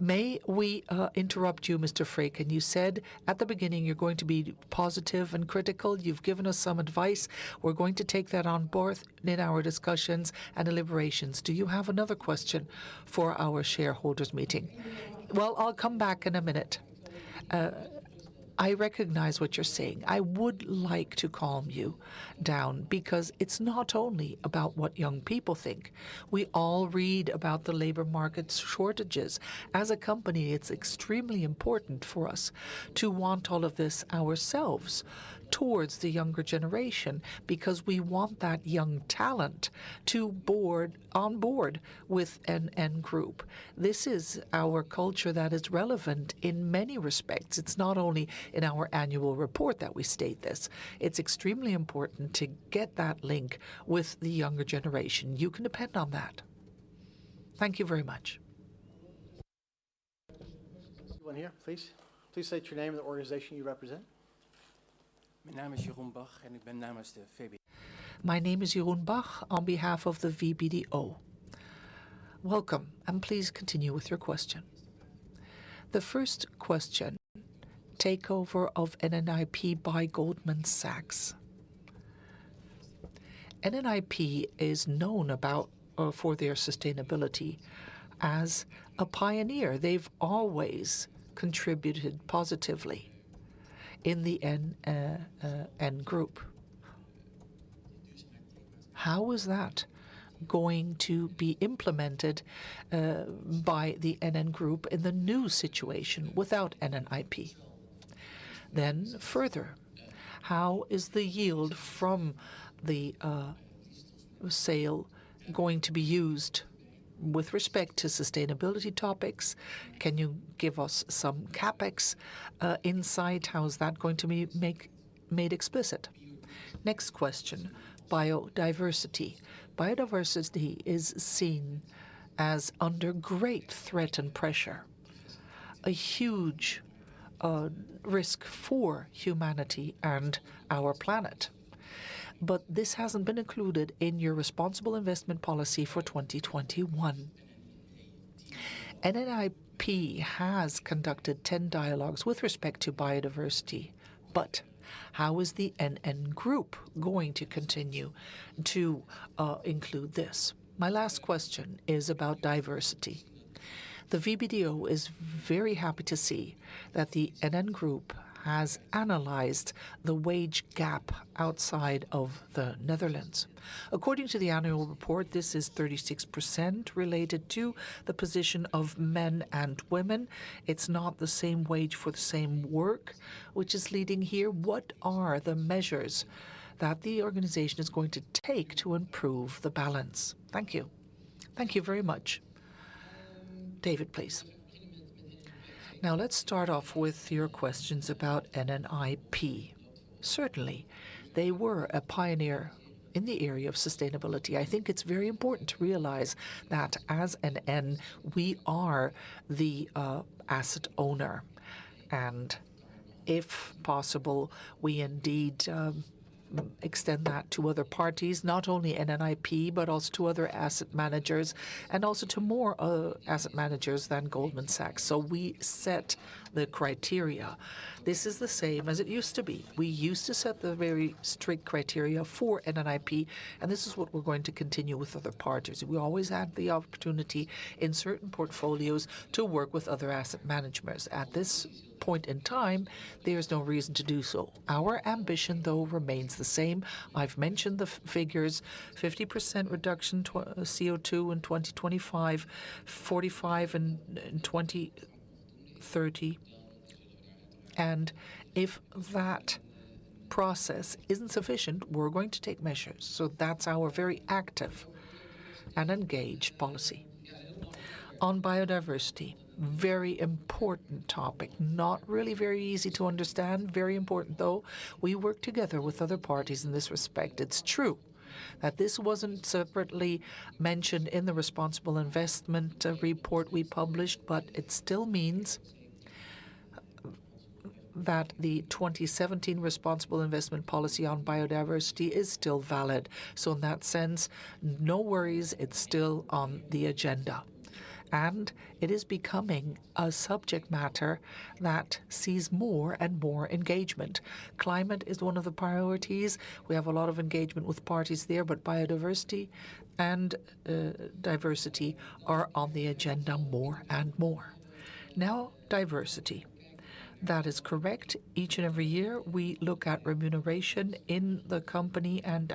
May we interrupt you, Mr. Knibbe? You said at the beginning you're going to be positive and critical. You've given us some advice. We're going to take that on board in our discussions and deliberations. Do you have another question for our shareholders meeting? Well, I'll come back in a minute. I recognize what you're saying. I would like to calm you down because it's not only about what young people think. We all read about the labor market shortages. As a company, it's extremely important for us to want all of this ourselves towards the younger generation because we want that young talent to get on board with NN Group. This is our culture that is relevant in many respects. It's not only in our annual report that we state this. It's extremely important to get that link with the younger generation. You can depend on that. Thank you very much. One here, please. Please state your name and the organization you represent. My name is Jeroen Bach. My name is Jeroen Bach on behalf of the VBDO. Welcome, and please continue with your question. The first question, takeover of NN IP by Goldman Sachs. NN IP is known for their sustainability as a pioneer. They've always contributed positively in the NN Group. How is that going to be implemented by the NN Group in the new situation without NN IP? Then further, how is the yield from the sale going to be used with respect to sustainability topics? Can you give us some CapEx insight? How is that going to be made explicit? Next question, biodiversity. Biodiversity is seen as under great threat and pressure, a huge risk for humanity and our planet. This hasn't been included in your responsible investment policy for 2021. NN IP has conducted 10 dialogues with respect to biodiversity, but how is the NN Group going to continue to include this? My last question is about diversity. The VBDO is very happy to see that the NN Group has analyzed the wage gap outside of the Netherlands. According to the annual report, this is 36% related to the position of men and women. It's not the same wage for the same work which is leading here. What are the measures that the organization is going to take to improve the balance? Thank you. Thank you very much. David, please. Now, let's start off with your questions about NN IP. Certainly, they were a pioneer in the area of sustainability. I think it's very important to realize that as NN, we are the asset owner. If possible, we indeed extend that to other parties, not only NN IP, but also to other asset managers, and also to more asset managers than Goldman Sachs. We set the criteria. This is the same as it used to be. We used to set the very strict criteria for NN IP, and this is what we're going to continue with other parties. We always had the opportunity in certain portfolios to work with other asset managers. At this point in time, there's no reason to do so. Our ambition, though, remains the same. I've mentioned the figures, 50% reduction in CO2 in 2025, 45% in 2030. If that process isn't sufficient, we're going to take measures. That's our very active and engaged policy. On biodiversity, very important topic. Not really very easy to understand. Very important, though. We work together with other parties in this respect. It's true that this wasn't separately mentioned in the responsible investment report we published, but it still means that the 2017 responsible investment policy on biodiversity is still valid. In that sense, no worries, it's still on the agenda. It is becoming a subject matter that sees more and more engagement. Climate is one of the priorities. We have a lot of engagement with parties there, but biodiversity and diversity are on the agenda more and more. Now, diversity. That is correct. Each and every year, we look at remuneration in the company and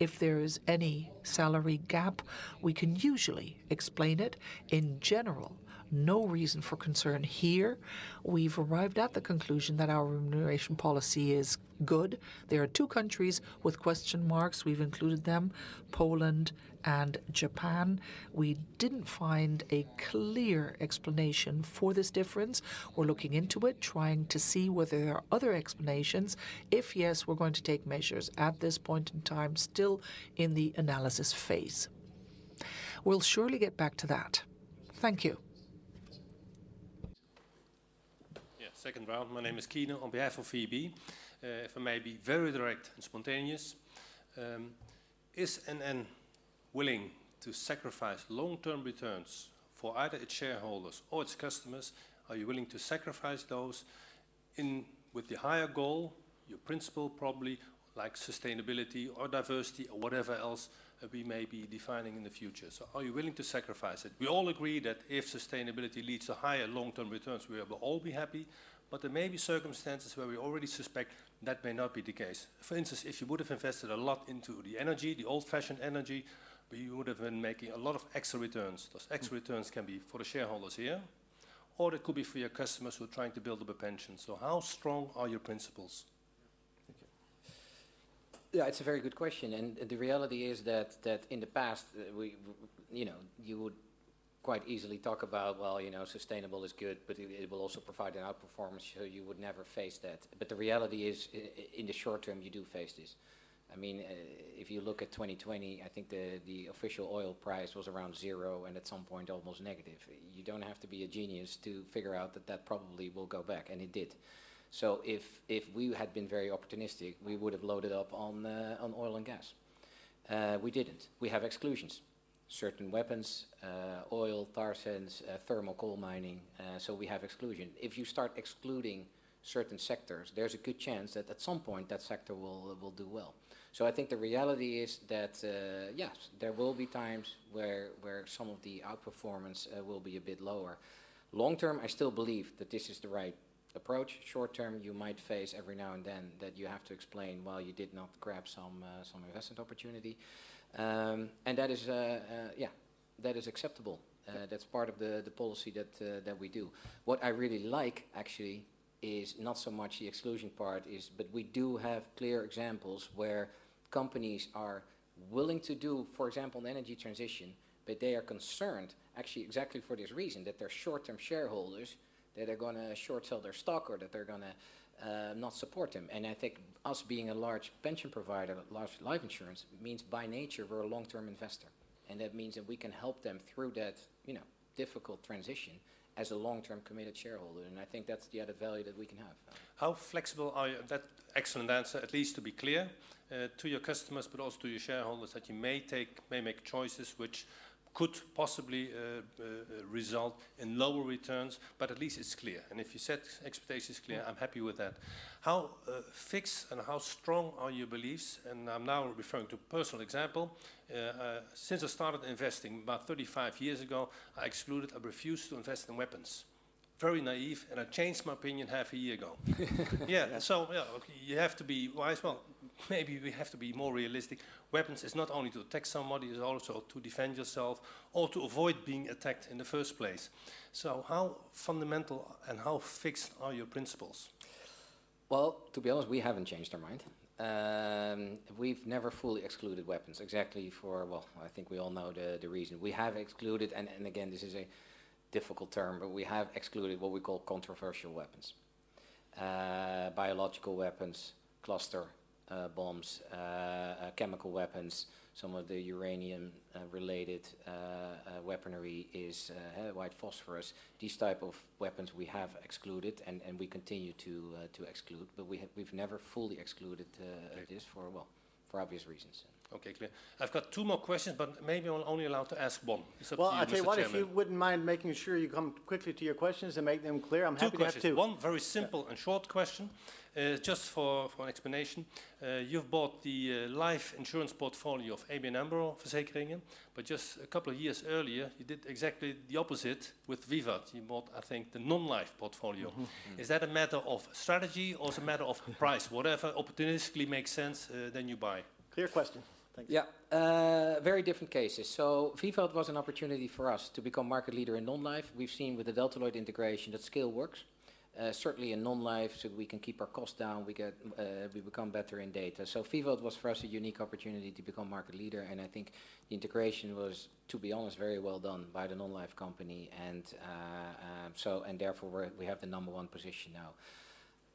if there is any salary gap, we can usually explain it. In general, no reason for concern here. We've arrived at the conclusion that our remuneration policy is good. There are two countries with question marks. We've included them, Poland and Japan. We didn't find a clear explanation for this difference. We're looking into it, trying to see whether there are other explanations. If yes, we're going to take measures. At this point in time, still in the analysis phase. We'll surely get back to that. Thank you. Yeah. Second round. My name is Keyner, on behalf of VEB. If I may be very direct and spontaneous, is NN willing to sacrifice long-term returns for either its shareholders or its customers? Are you willing to sacrifice those with the higher goal, your principle probably, like sustainability or diversity or whatever else we may be defining in the future? Are you willing to sacrifice it? We all agree that if sustainability leads to higher long-term returns, we will all be happy. There may be circumstances where we already suspect that may not be the case. For instance, if you would have invested a lot into the energy, the old-fashioned energy, you would have been making a lot of extra returns. Those extra returns can be for the shareholders here, or it could be for your customers who are trying to build up a pension. How strong are your principles? Thank you. Yeah, it's a very good question. The reality is that in the past, we, you know, you would quite easily talk about, well, you know, sustainable is good, but it will also provide an outperformance, so you would never face that. The reality is in the short term, you do face this. I mean, if you look at 2020, I think the official oil price was around zero and at some point almost negative. You don't have to be a genius to figure out that that probably will go back, and it did. If we had been very opportunistic, we would have loaded up on on oil and gas. We didn't. We have exclusions Certain weapons, oil, tar sands, thermal coal mining, so we have exclusion. If you start excluding certain sectors, there's a good chance that at some point that sector will do well. I think the reality is that, yes, there will be times where some of the outperformance will be a bit lower. Long term, I still believe that this is the right approach. Short term, you might face every now and then that you have to explain why you did not grab some investment opportunity. That is acceptable. That's part of the policy that we do. What I really like actually is not so much the exclusion part, but we do have clear examples where companies are willing to do, for example, an energy transition, but they are concerned actually exactly for this reason, that their short-term shareholders, that they're gonna short sell their stock or that they're gonna not support them. I think us being a large pension provider, large life insurance means by nature we're a long-term investor, and that means that we can help them through that, you know, difficult transition as a long-term committed shareholder, and I think that's the added value that we can have. How flexible are you? That excellent answer, at least to be clear, to your customers, but also to your shareholders, that you may make choices which could possibly result in lower returns, but at least it's clear. If you set expectations clear, I'm happy with that. How fixed and how strong are your beliefs? I'm now referring to personal example. Since I started investing about 35 years ago, I refused to invest in weapons. Very naive, and I changed my opinion half a year ago. Yeah. Yeah, you have to be wise. Well, maybe we have to be more realistic. Weapons is not only to attack somebody, it's also to defend yourself or to avoid being attacked in the first place. How fundamental and how fixed are your principles? Well, to be honest, we haven't changed our mind. We've never fully excluded weapons exactly for, well, I think we all know the reason. We have excluded, and again, this is a difficult term, but we have excluded what we call controversial weapons. Biological weapons, cluster bombs, chemical weapons, some of the uranium related weaponry is white phosphorus. These type of weapons we have excluded and we continue to exclude, but we've never fully excluded this for, well, for obvious reasons. Okay. Clear. I've got two more questions, but maybe I'm only allowed to ask one. It's up to you, Mr. Chairman. Well, I tell you what, if you wouldn't mind making sure you come quickly to your questions and make them clear, I'm happy to have two. Two questions. One very simple and short question, just for an explanation. You've bought the life insurance portfolio of ABN AMRO Verzekeringen, but just a couple of years earlier, you did exactly the opposite with Vivat. You bought, I think, the non-life portfolio. Mm-hmm. Is that a matter of strategy or it's a matter of price? Whatever opportunistically makes sense, then you buy. Clear question. Thanks. Yeah. Very different cases. Vivat was an opportunity for us to become market leader in non-life. We've seen with the Delta Lloyd integration that scale works, certainly in non-life, so we can keep our costs down. We become better in data. Vivat was for us a unique opportunity to become market leader, and I think the integration was, to be honest, very well done by the non-life company, and therefore we have the number one position now.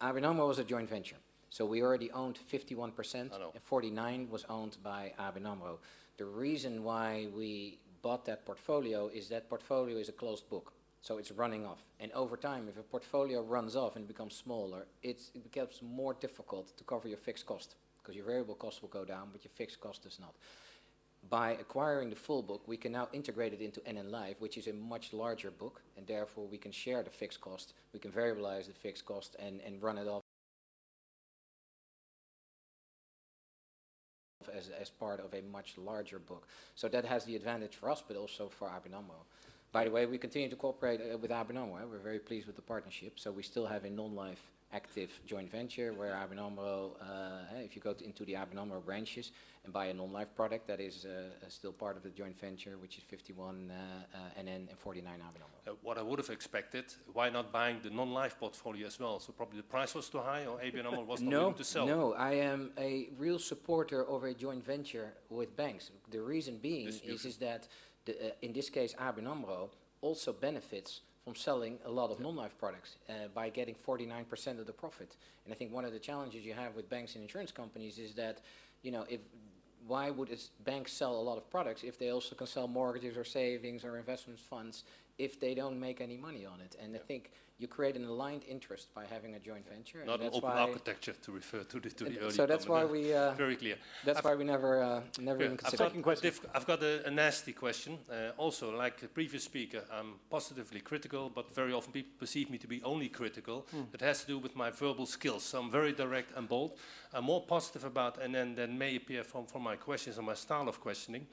ABN AMRO was a joint venture, so we already owned 51%. I know. 49% was owned by ABN AMRO. The reason why we bought that portfolio is that portfolio is a closed book, so it's running off. Over time, if a portfolio runs off and becomes smaller, it becomes more difficult to cover your fixed cost because your variable cost will go down, but your fixed cost does not. By acquiring the full book, we can now integrate it into NN Life, which is a much larger book, and therefore we can share the fixed cost. We can variabilize the fixed cost and run it off as part of a much larger book. That has the advantage for us, but also for ABN AMRO. By the way, we continue to cooperate with ABN AMRO. We're very pleased with the partnership, so we still have a non-life active joint venture where ABN AMRO, if you go into the ABN AMRO branches and buy a non-life product, that is still part of the joint venture, which is 51% NN and 49% ABN AMRO. What I would have expected, why not buying the non-life portfolio as well? Probably the price was too high or ABN AMRO was not willing to sell. No, no. I am a real supporter of a joint venture with banks. The reason being. This is beautiful. is that the, in this case, ABN AMRO also benefits from selling a lot of non-life products, by getting 49% of the profit. I think one of the challenges you have with banks and insurance companies is that, you know, why would a bank sell a lot of products if they also can sell mortgages or savings or investment funds if they don't make any money on it? Yeah. I think you create an aligned interest by having a joint venture, and that's why. Not open architecture to refer to the earlier comment there. That's why we. Very clear. That's why we never even considered it. Second question. I've got a nasty question. Also like the previous speaker, I'm positively critical, but very often people perceive me to be only critical. Mm. It has to do with my verbal skills. I'm very direct and bold. I'm more positive about NN than may appear from my questions and my style of questioning.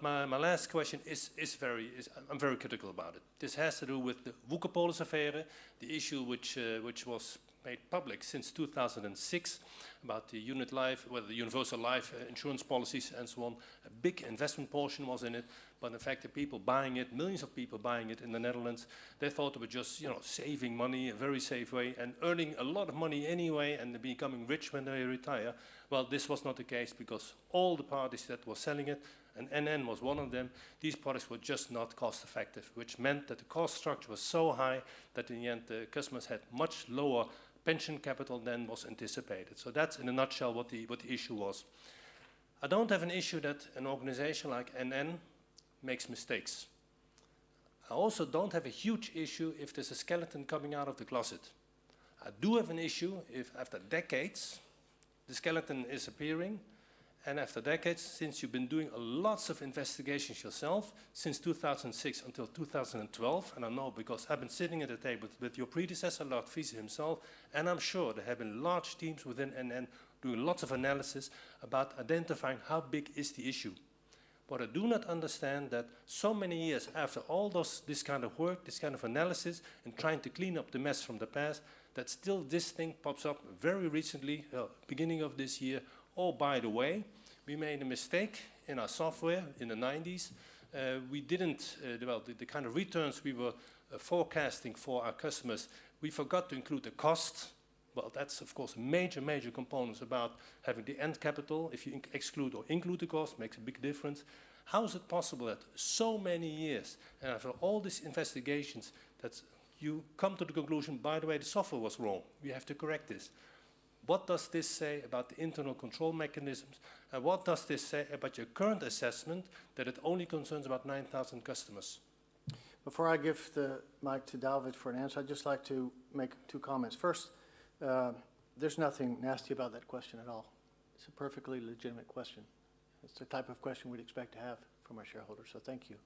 My last question is very. I'm very critical about it. This has to do with the Woekerpolisaffaire, the issue which was made public since 2006 about the unit-linked life, well, the universal life insurance policies and so on. A big investment portion was in it, but in fact, the people buying it, millions of people buying it in the Netherlands, they thought they were just, you know, saving money a very safe way and earning a lot of money anyway and becoming rich when they retire. Well, this was not the case because all the parties that were selling it, and NN was one of them, these products were just not cost-effective, which meant that the cost structure was so high that in the end the customers had much lower pension capital than was anticipated. That's in a nutshell what the issue was. I don't have an issue that an organization like NN makes mistakes. I also don't have a huge issue if there's a skeleton coming out of the closet. I do have an issue if after decades the skeleton is appearing and after decades since you've been doing lots of investigations yourself since 2006 until 2012. I know because I've been sitting at a table with your predecessor, Lard Friese himself, and I'm sure there have been large teams within NN doing lots of analysis about identifying how big is the issue. What I do not understand that so many years after all those, this kind of work, this kind of analysis and trying to clean up the mess from the past, that still this thing pops up very recently, beginning of this year. Oh, by the way, we made a mistake in our software in the nineties. We didn't develop the kind of returns we were forecasting for our customers. We forgot to include the cost. Well, that's of course major components about having the end capital. If you exclude or include the cost makes a big difference. How is it possible that so many years and after all these investigations that you come to the conclusion, by the way, the software was wrong, we have to correct this? What does this say about the internal control mechanisms? What does this say about your current assessment that it only concerns about 9,000 customers? Before I give the mic to David for an answer, I'd just like to make two comments. First, there's nothing nasty about that question at all. It's a perfectly legitimate question. It's the type of question we'd expect to have from our shareholders, so thank you.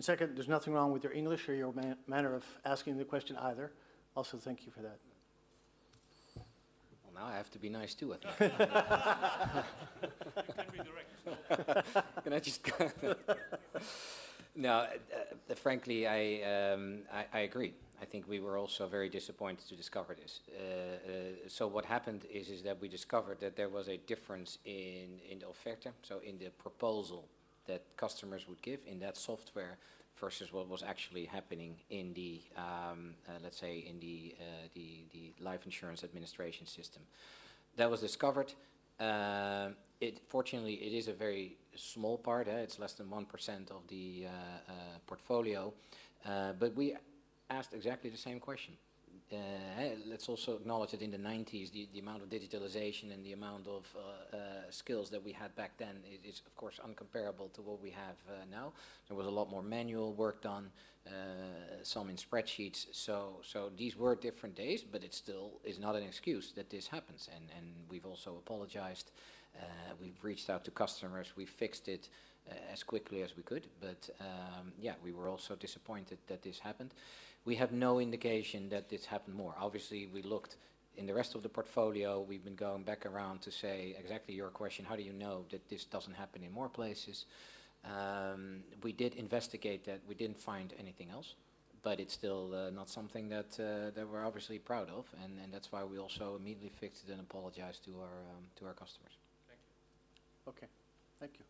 Second, there's nothing wrong with your English or your manner of asking the question either. Also, thank you for that. Well, now I have to be nice too, I think. You can be direct as well. Frankly, I agree. I think we were also very disappointed to discover this. What happened is that we discovered that there was a difference in the offer, so in the proposal that customers would give in that software versus what was actually happening in the life insurance administration system. That was discovered. Fortunately, it is a very small part. It's less than 1% of the portfolio. We asked exactly the same question. Let's also acknowledge that in the nineties, the amount of digitalization and the amount of skills that we had back then is of course incomparable to what we have now. There was a lot more manual work on some in spreadsheets. These were different days, but it still is not an excuse that this happens. We've also apologized. We've reached out to customers. We fixed it as quickly as we could. Yeah, we were also disappointed that this happened. We have no indication that this happened more. Obviously, we looked in the rest of the portfolio. We've been going back around to say exactly your question, how do you know that this doesn't happen in more places? We did investigate that. We didn't find anything else. It's still not something that we're obviously proud of. That's why we also immediately fixed it and apologized to our customers. Thank you. Okay. Thank you.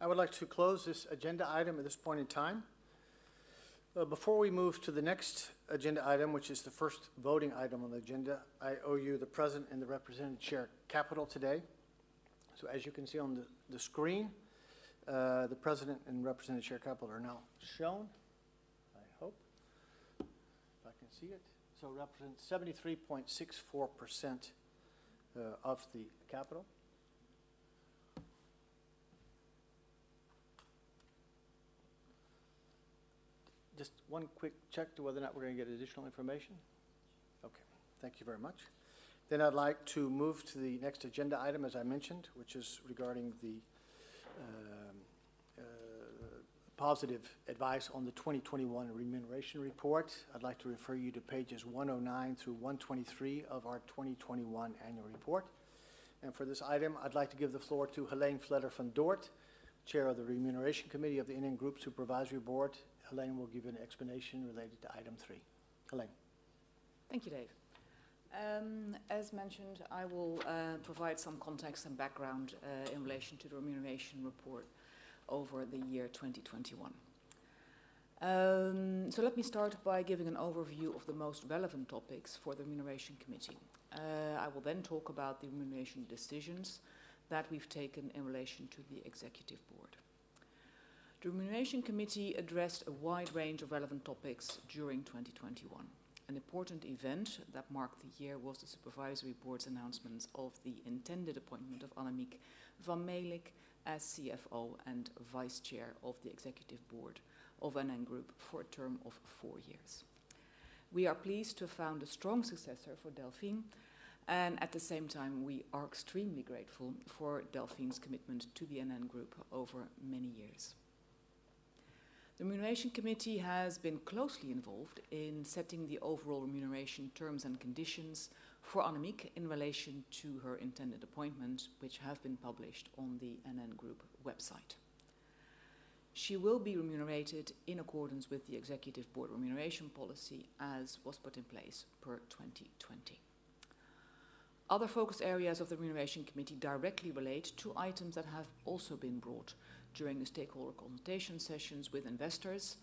I would like to close this agenda item at this point in time. Before we move to the next agenda item, which is the first voting item on the agenda, I owe you the present and the represented share capital today. As you can see on the screen, the present and represented share capital are now shown, I hope, if I can see it. Represents 73.64% of the capital. Just one quick check as to whether or not we're gonna get additional information. Okay. Thank you very much. I'd like to move to the next agenda item, as I mentioned, which is regarding the positive advice on the 2021 remuneration report. I'd like to refer you to pages 109 through 123 of our 2021 annual report. For this item, I'd like to give the floor to Hélène Vletter-van Dort, Chair of the Remuneration Committee of the NN Group Supervisory Board. Hélène will give an explanation related to item 3. Hélène. Thank you, Dave. As mentioned, I will provide some context and background in relation to the remuneration report over the year 2021. Let me start by giving an overview of the most relevant topics for the Remuneration Committee. I will then talk about the remuneration decisions that we've taken in relation to the executive board. The Remuneration Committee addressed a wide range of relevant topics during 2021. An important event that marked the year was the Supervisory Board's announcements of the intended appointment of Annemiek van Melick as CFO and Vice Chair of the Executive Board of NN Group for a term of four years. We are pleased to have found a strong successor for Delfin, and at the same time, we are extremely grateful for Delfin's commitment to the NN Group over many years. The Remuneration Committee has been closely involved in setting the overall remuneration terms and conditions for Annemiek in relation to her intended appointment, which have been published on the NN Group website. She will be remunerated in accordance with the executive board remuneration policy as was put in place per 2020. Other focus areas of the Remuneration Committee directly relate to items that have also been brought during the stakeholder consultation sessions with investors,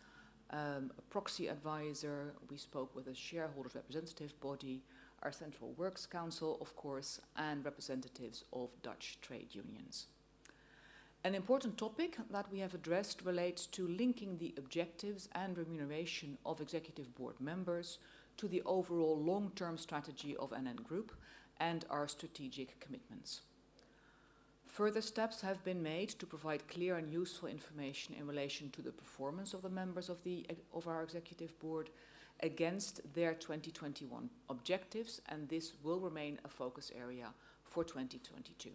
a proxy advisor. We spoke with a shareholders representative body, our central works council of course, and representatives of Dutch trade unions. An important topic that we have addressed relates to linking the objectives and remuneration of Executive Board members to the overall long-term strategy of NN Group and our strategic commitments. Further steps have been made to provide clear and useful information in relation to the performance of the members of our Executive Board against their 2021 objectives, and this will remain a focus area for 2022.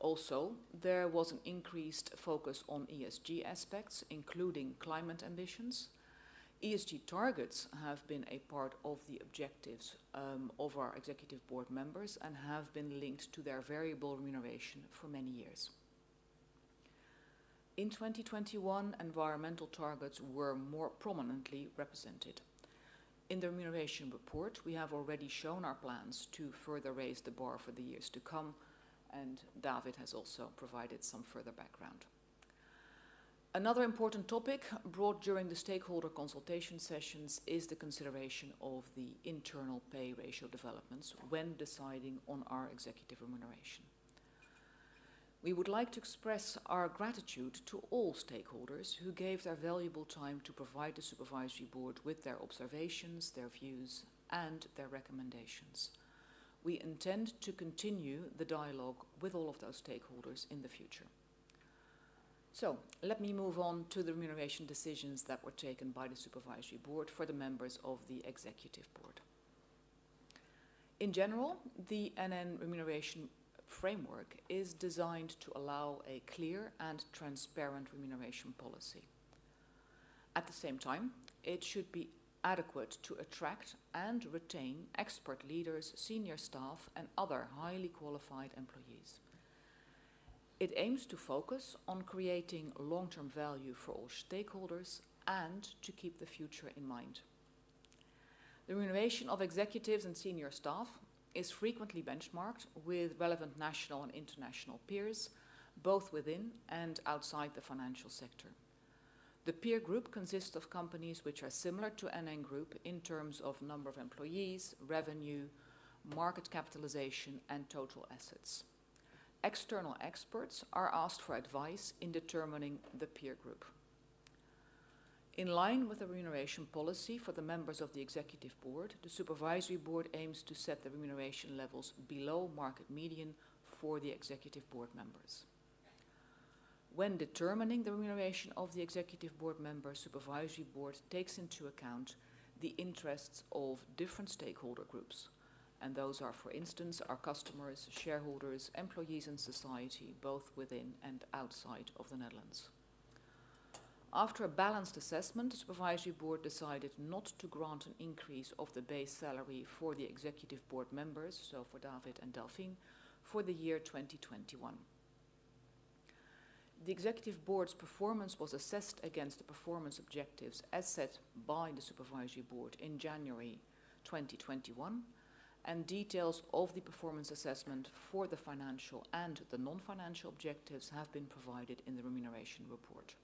Also, there was an increased focus on ESG aspects, including climate ambitions. ESG targets have been a part of the objectives of our Executive Board members and have been linked to their variable remuneration for many years. In 2021, environmental targets were more prominently represented. In the remuneration report, we have already shown our plans to further raise the bar for the years to come, and David has also provided some further background. Another important topic brought during the stakeholder consultation sessions is the consideration of the internal pay ratio developments when deciding on our executive remuneration. We would like to express our gratitude to all stakeholders who gave their valuable time to provide the supervisory board with their observations, their views, and their recommendations. We intend to continue the dialogue with all of those stakeholders in the future. Let me move on to the remuneration decisions that were taken by the supervisory board for the members of the executive board. In general, the NN remuneration framework is designed to allow a clear and transparent remuneration policy. At the same time, it should be adequate to attract and retain expert leaders, senior staff, and other highly qualified employees. It aims to focus on creating long-term value for all stakeholders and to keep the future in mind. The remuneration of executives and senior staff is frequently benchmarked with relevant national and international peers, both within and outside the financial sector. The peer group consists of companies which are similar to NN Group in terms of number of employees, revenue, market capitalization, and total assets. External experts are asked for advice in determining the peer group. In line with the remuneration policy for the members of the executive board, the supervisory board aims to set the remuneration levels below market median for the executive board members. When determining the remuneration of the executive board members, supervisory board takes into account the interests of different stakeholder groups, and those are, for instance, our customers, shareholders, employees, and society, both within and outside of the Netherlands. After a balanced assessment, the Supervisory Board decided not to grant an increase of the base salary for the Executive Board members, so for David and Delfin, for the year 2021. The Executive Board's performance was assessed against the performance objectives as set by the Supervisory Board in January 2021, and details of the performance assessment for the financial and the non-financial objectives have been provided in the remuneration report.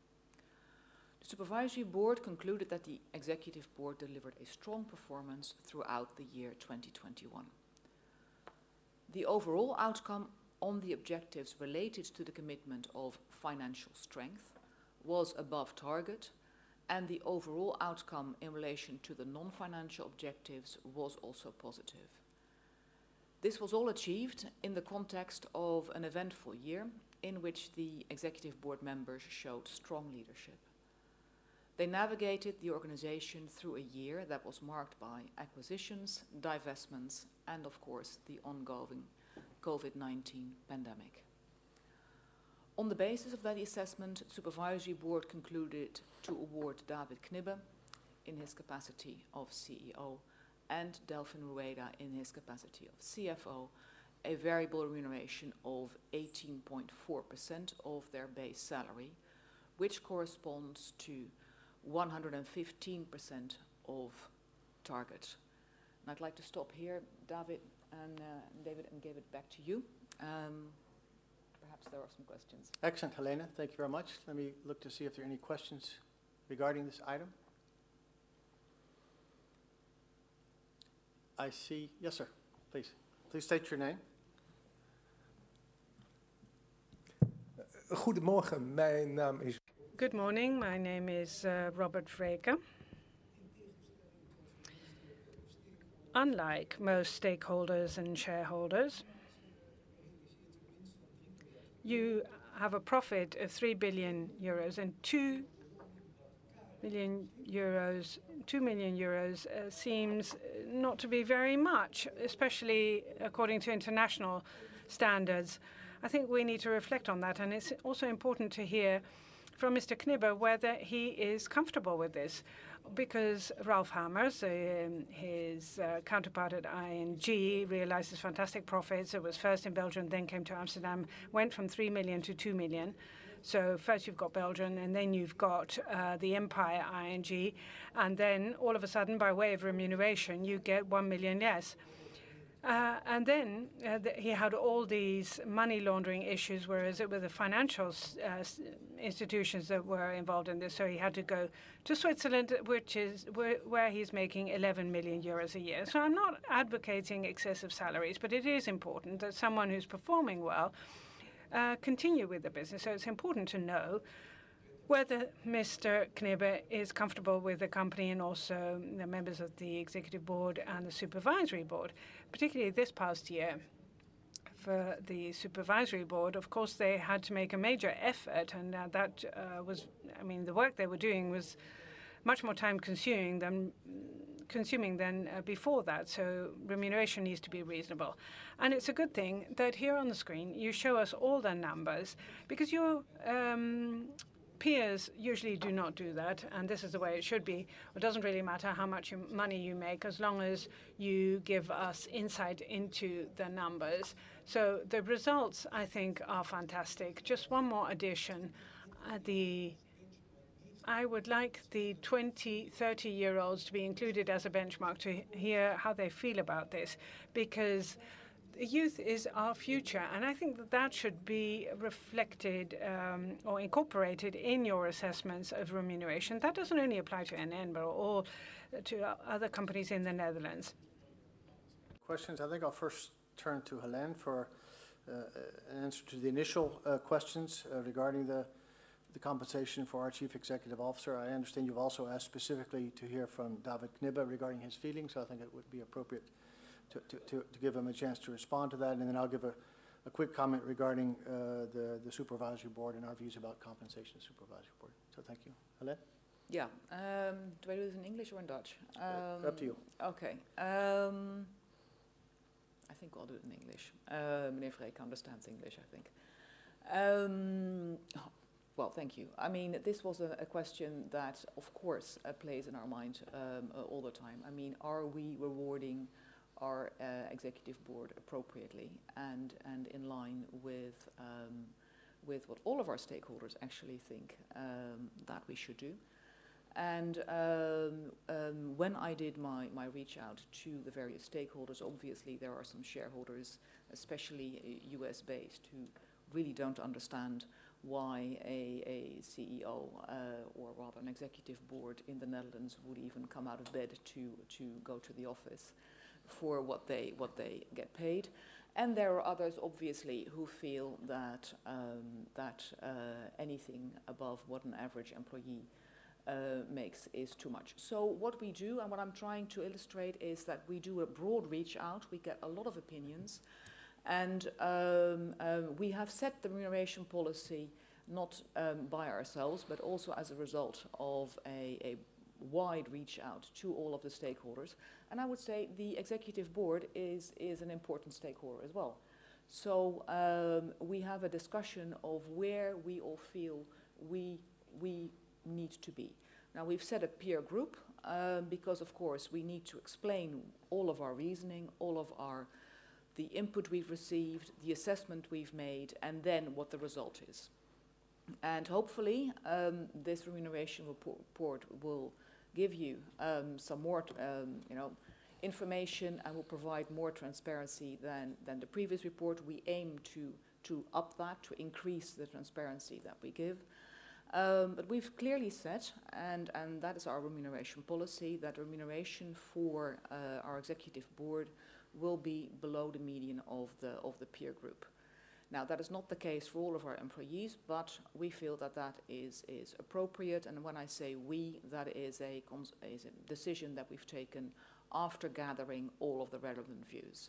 The Supervisory Board concluded that the Executive Board delivered a strong performance throughout the year 2021. The overall outcome on the objectives related to the commitment of financial strength was above target, and the overall outcome in relation to the non-financial objectives was also positive. This was all achieved in the context of an eventful year in which the Executive Board members showed strong leadership. They navigated the organization through a year that was marked by acquisitions, divestments, and of course, the ongoing COVID-19 pandemic. On the basis of that assessment, Supervisory Board concluded to award David Knibbe, in his capacity of CEO, and Delfin Rueda, in his capacity of CFO, a variable remuneration of 18.4% of their base salary, which corresponds to 115% of target. I'd like to stop here, David, and give it back to you. Perhaps there are some questions. Excellent, Hélène. Thank you very much. Let me look to see if there are any questions regarding this item. I see. Yes, sir. Please. Please state your name. Good morning. My name is Robert Vreeken. Unlike most stakeholders and shareholders, you have a profit of 3 billion euros, and 2 million euros seems not to be very much, especially according to international standards. I think we need to reflect on that, and it's also important to hear from Mr. Knibbe whether he is comfortable with this. Because Ralph Hamers, his counterpart at ING, realizes fantastic profits. It was first in Belgium, then came to Amsterdam, went from 3 million-2 million. First you've got Belgium, and then you've got the empire ING, and then all of a sudden, by way of remuneration, you get 1 million, yes. And then the... He had all these money laundering issues, whereas it were the financial institutions that were involved in this, so he had to go to Switzerland, which is where he's making 11 million euros a year. I'm not advocating excessive salaries, but it is important that someone who's performing well continue with the business. It's important to know whether Mr. Knibbe is comfortable with the company and also the members of the executive board and the supervisory board, particularly this past year for the supervisory board, of course, they had to make a major effort, and now that was I mean, the work they were doing was much more time-consuming than before that. Remuneration needs to be reasonable. It's a good thing that here on the screen you show us all the numbers because your peers usually do not do that, and this is the way it should be. It doesn't really matter how much money you make, as long as you give us insight into the numbers. The results, I think, are fantastic. Just one more addition. I would like the 20 and 30-year-olds to be included as a benchmark to hear how they feel about this, because youth is our future, and I think that should be reflected or incorporated in your assessments of remuneration. That doesn't only apply to NN, but to other companies in the Netherlands. Questions. I think I'll first turn to Hélène for an answer to the initial questions regarding the compensation for our Chief Executive Officer. I understand you've also asked specifically to hear from David Knibbe regarding his feelings. I think it would be appropriate to give him a chance to respond to that, and then I'll give a quick comment regarding the Supervisory Board and our views about compensation Supervisory Board. Thank you. Hélène? Yeah. Do I do this in English or in Dutch? It's up to you. Okay. I think I'll do it in English. Mr. Vreeken understands English, I think. Well, thank you. I mean, this was a question that, of course, plays on our mind all the time. I mean, are we rewarding our Executive Board appropriately and in line with what all of our stakeholders actually think that we should do? When I did my outreach to the various stakeholders, obviously there are some shareholders, especially U.S.-based, who really don't understand why a CEO or rather an Executive Board in the Netherlands would even come out of bed to go to the office for what they get paid. There are others, obviously, who feel that anything above what an average employee makes is too much. What we do, and what I'm trying to illustrate, is that we do a broad reach-out. We get a lot of opinions. We have set the remuneration policy not by ourselves, but also as a result of a wide reach-out to all of the stakeholders. I would say the executive board is an important stakeholder as well. We have a discussion of where we all feel we need to be. Now, we've set a peer group, because of course we need to explain all of our reasoning, the input we've received, the assessment we've made, and then what the result is. Hopefully, this remuneration report will give you some more, you know, information and will provide more transparency than the previous report. We aim to increase the transparency that we give. We've clearly said that that is our remuneration policy, that remuneration for our executive board will be below the median of the peer group. That is not the case for all of our employees, but we feel that that is appropriate. When I say we, that is a decision that we've taken after gathering all of the relevant views.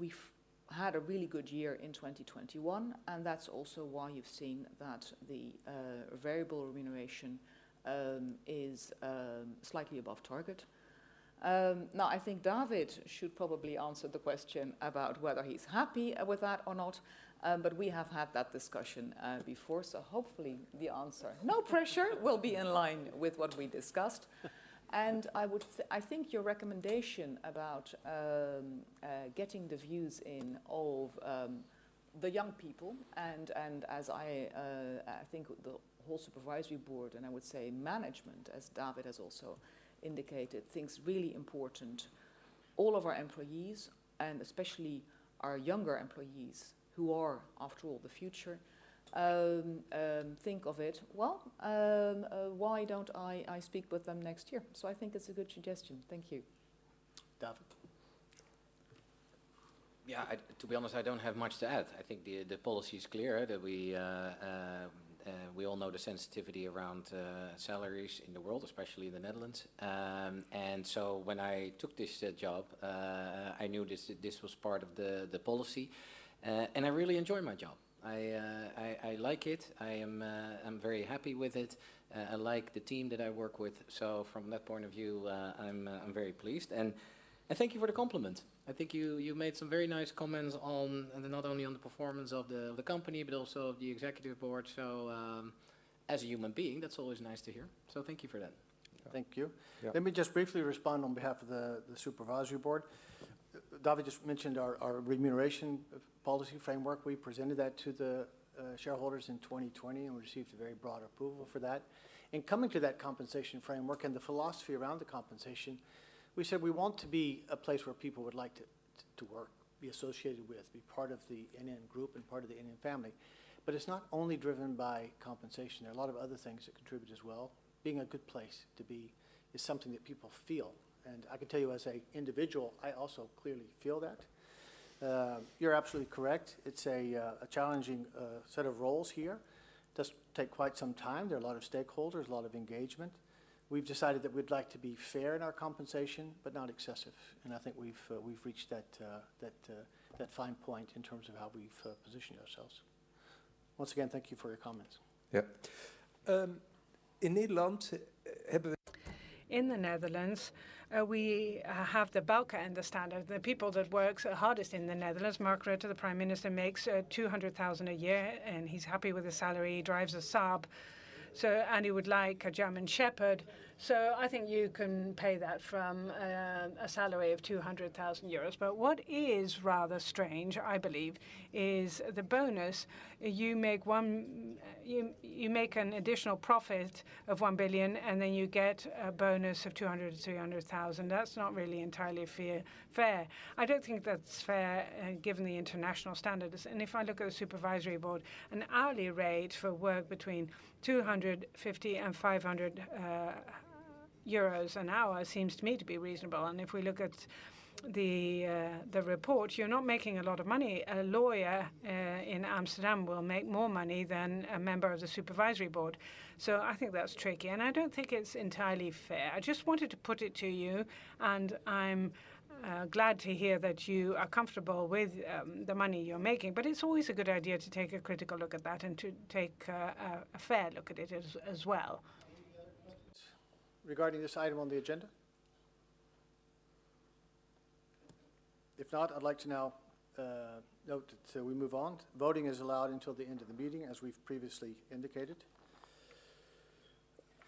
We've had a really good year in 2021, and that's also why you've seen that the variable remuneration is slightly above target. Now I think David should probably answer the question about whether he's happy with that or not. We have had that discussion before, so hopefully the answer, no pressure, will be in line with what we discussed. I think your recommendation about getting the views in of the young people and as I think the whole supervisory board, and I would say management, as David has also indicated, thinks really important, all of our employees, and especially our younger employees, who are, after all, the future, think of it. Well, why don't I speak with them next year? I think it's a good suggestion. Thank you. David? Yeah. To be honest, I don't have much to add. I think the policy is clear that we all know the sensitivity around salaries in the world, especially in the Netherlands. When I took this job, I knew this was part of the policy. I really enjoy my job. I like it. I'm very happy with it. I like the team that I work with. From that point of view, I'm very pleased and thank you for the compliment. I think you made some very nice comments on and not only on the performance of the company, but also of the executive board. As a human being, that's always nice to hear. Thank you for that. Thank you. Yeah. Let me just briefly respond on behalf of the Supervisory Board. David just mentioned our remuneration policy framework. We presented that to the shareholders in 2020, and we received a very broad approval for that. In coming to that compensation framework and the philosophy around the compensation, we said we want to be a place where people would like to work, be associated with, be part of the NN Group and part of the NN family. But it's not only driven by compensation. There are a lot of other things that contribute as well. Being a good place to be is something that people feel. I can tell you as an individual, I also clearly feel that. You're absolutely correct. It's a challenging set of roles here. Does take quite some time. There are a lot of stakeholders, a lot of engagement. We've decided that we'd like to be fair in our compensation, but not excessive, and I think we've reached that fine point in terms of how we've positioned ourselves. Once again, thank you for your comments. Yep. In Nederland, hebben. In the Netherlands, we have the Balkenendenorm and the Standard. The people that works the hardest in the Netherlands, Mark Rutte, the prime minister, makes 200,000 a year, and he's happy with his salary. He drives a Saab, and he would like a German Shepherd. I think you can pay that from a salary of 200,000 euros. What is rather strange, I believe, is the bonus. You make an additional profit of 1 billion, and then you get a bonus of 200,000-300,000. That's not really entirely fair. I don't think that's fair, given the international standards. If I look at the supervisory board, an hourly rate for work between 250 and 500 euros an hour seems to me to be reasonable. If we look at the report, you're not making a lot of money. A lawyer in Amsterdam will make more money than a member of the supervisory board. I think that's tricky, and I don't think it's entirely fair. I just wanted to put it to you, and I'm glad to hear that you are comfortable with the money you're making. It's always a good idea to take a critical look at that and to take a fair look at it as well. Any other questions regarding this item on the agenda? If not, I'd like to now note that we move on. Voting is allowed until the end of the meeting, as we've previously indicated.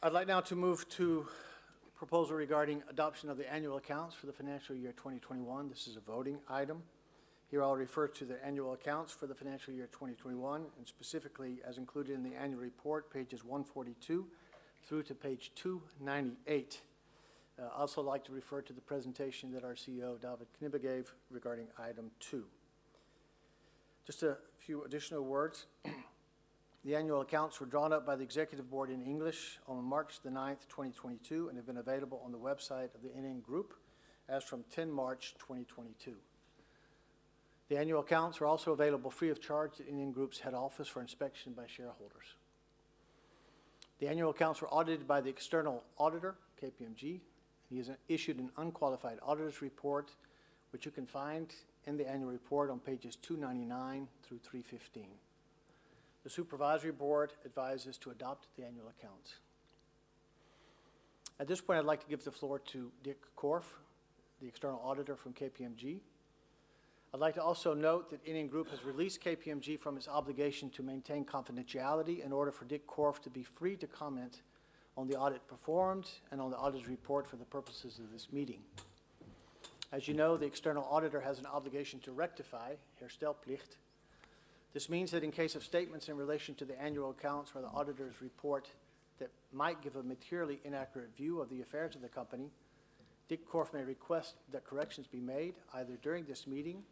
I'd like now to move to proposal regarding adoption of the annual accounts for the financial year 2021. This is a voting item. Here I'll refer to the annual accounts for the financial year 2021, and specifically as included in the annual report, pages 142 through to page 298. I'd also like to refer to the presentation that our CEO, David Knibbe, gave regarding item 2. Just a few additional words. The annual accounts were drawn up by the Executive Board in English on March 9, 2022, and have been available on the website of the NN Group as from 10 March 2022. The annual accounts are also available free of charge at NN Group's head office for inspection by shareholders. The annual accounts were audited by the external auditor, KPMG, and he has issued an unqualified auditor's report, which you can find in the annual report on pages 299 through 315. The supervisory board advises to adopt the annual accounts. At this point, I'd like to give the floor to Dick Korf, the external auditor from KPMG. I'd like to also note that NN Group has released KPMG from his obligation to maintain confidentiality in order for Dick Korf to be free to comment on the audit performed and on the auditor's report for the purposes of this meeting. As you know, the external auditor has an obligation to rectify, herstelplicht. This means that in case of statements in relation to the annual accounts or the auditor's report that might give a materially inaccurate view of the affairs of the company, Dick Korf may request that corrections be made either during this meeting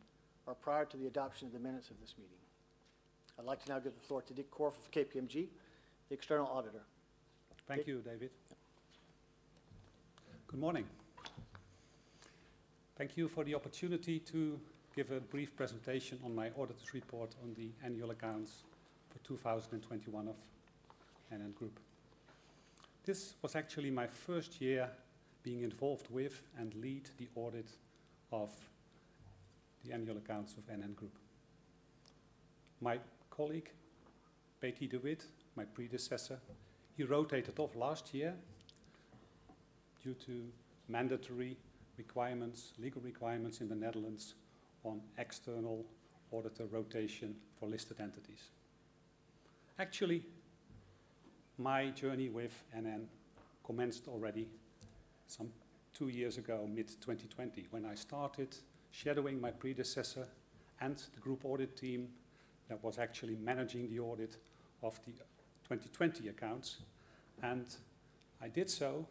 or prior to the adoption of the minutes of this meeting. I'd like to now give the floor to Dick Korf of KPMG, the external auditor. Dick. Thank you, David. Good morning. Thank you for the opportunity to give a brief presentation on my auditor's report on the annual accounts for 2021 of NN Group. This was actually my first year being involved with and lead the audit of the annual accounts of NN Group. My colleague, Bartel de Wit, my predecessor, he rotated off last year due to mandatory requirements, legal requirements in the Netherlands on external auditor rotation for listed entities. Actually, my journey with NN commenced already some two years ago, mid-2020, when I started shadowing my predecessor and the group audit team that was actually managing the audit of the 2020 accounts. I did so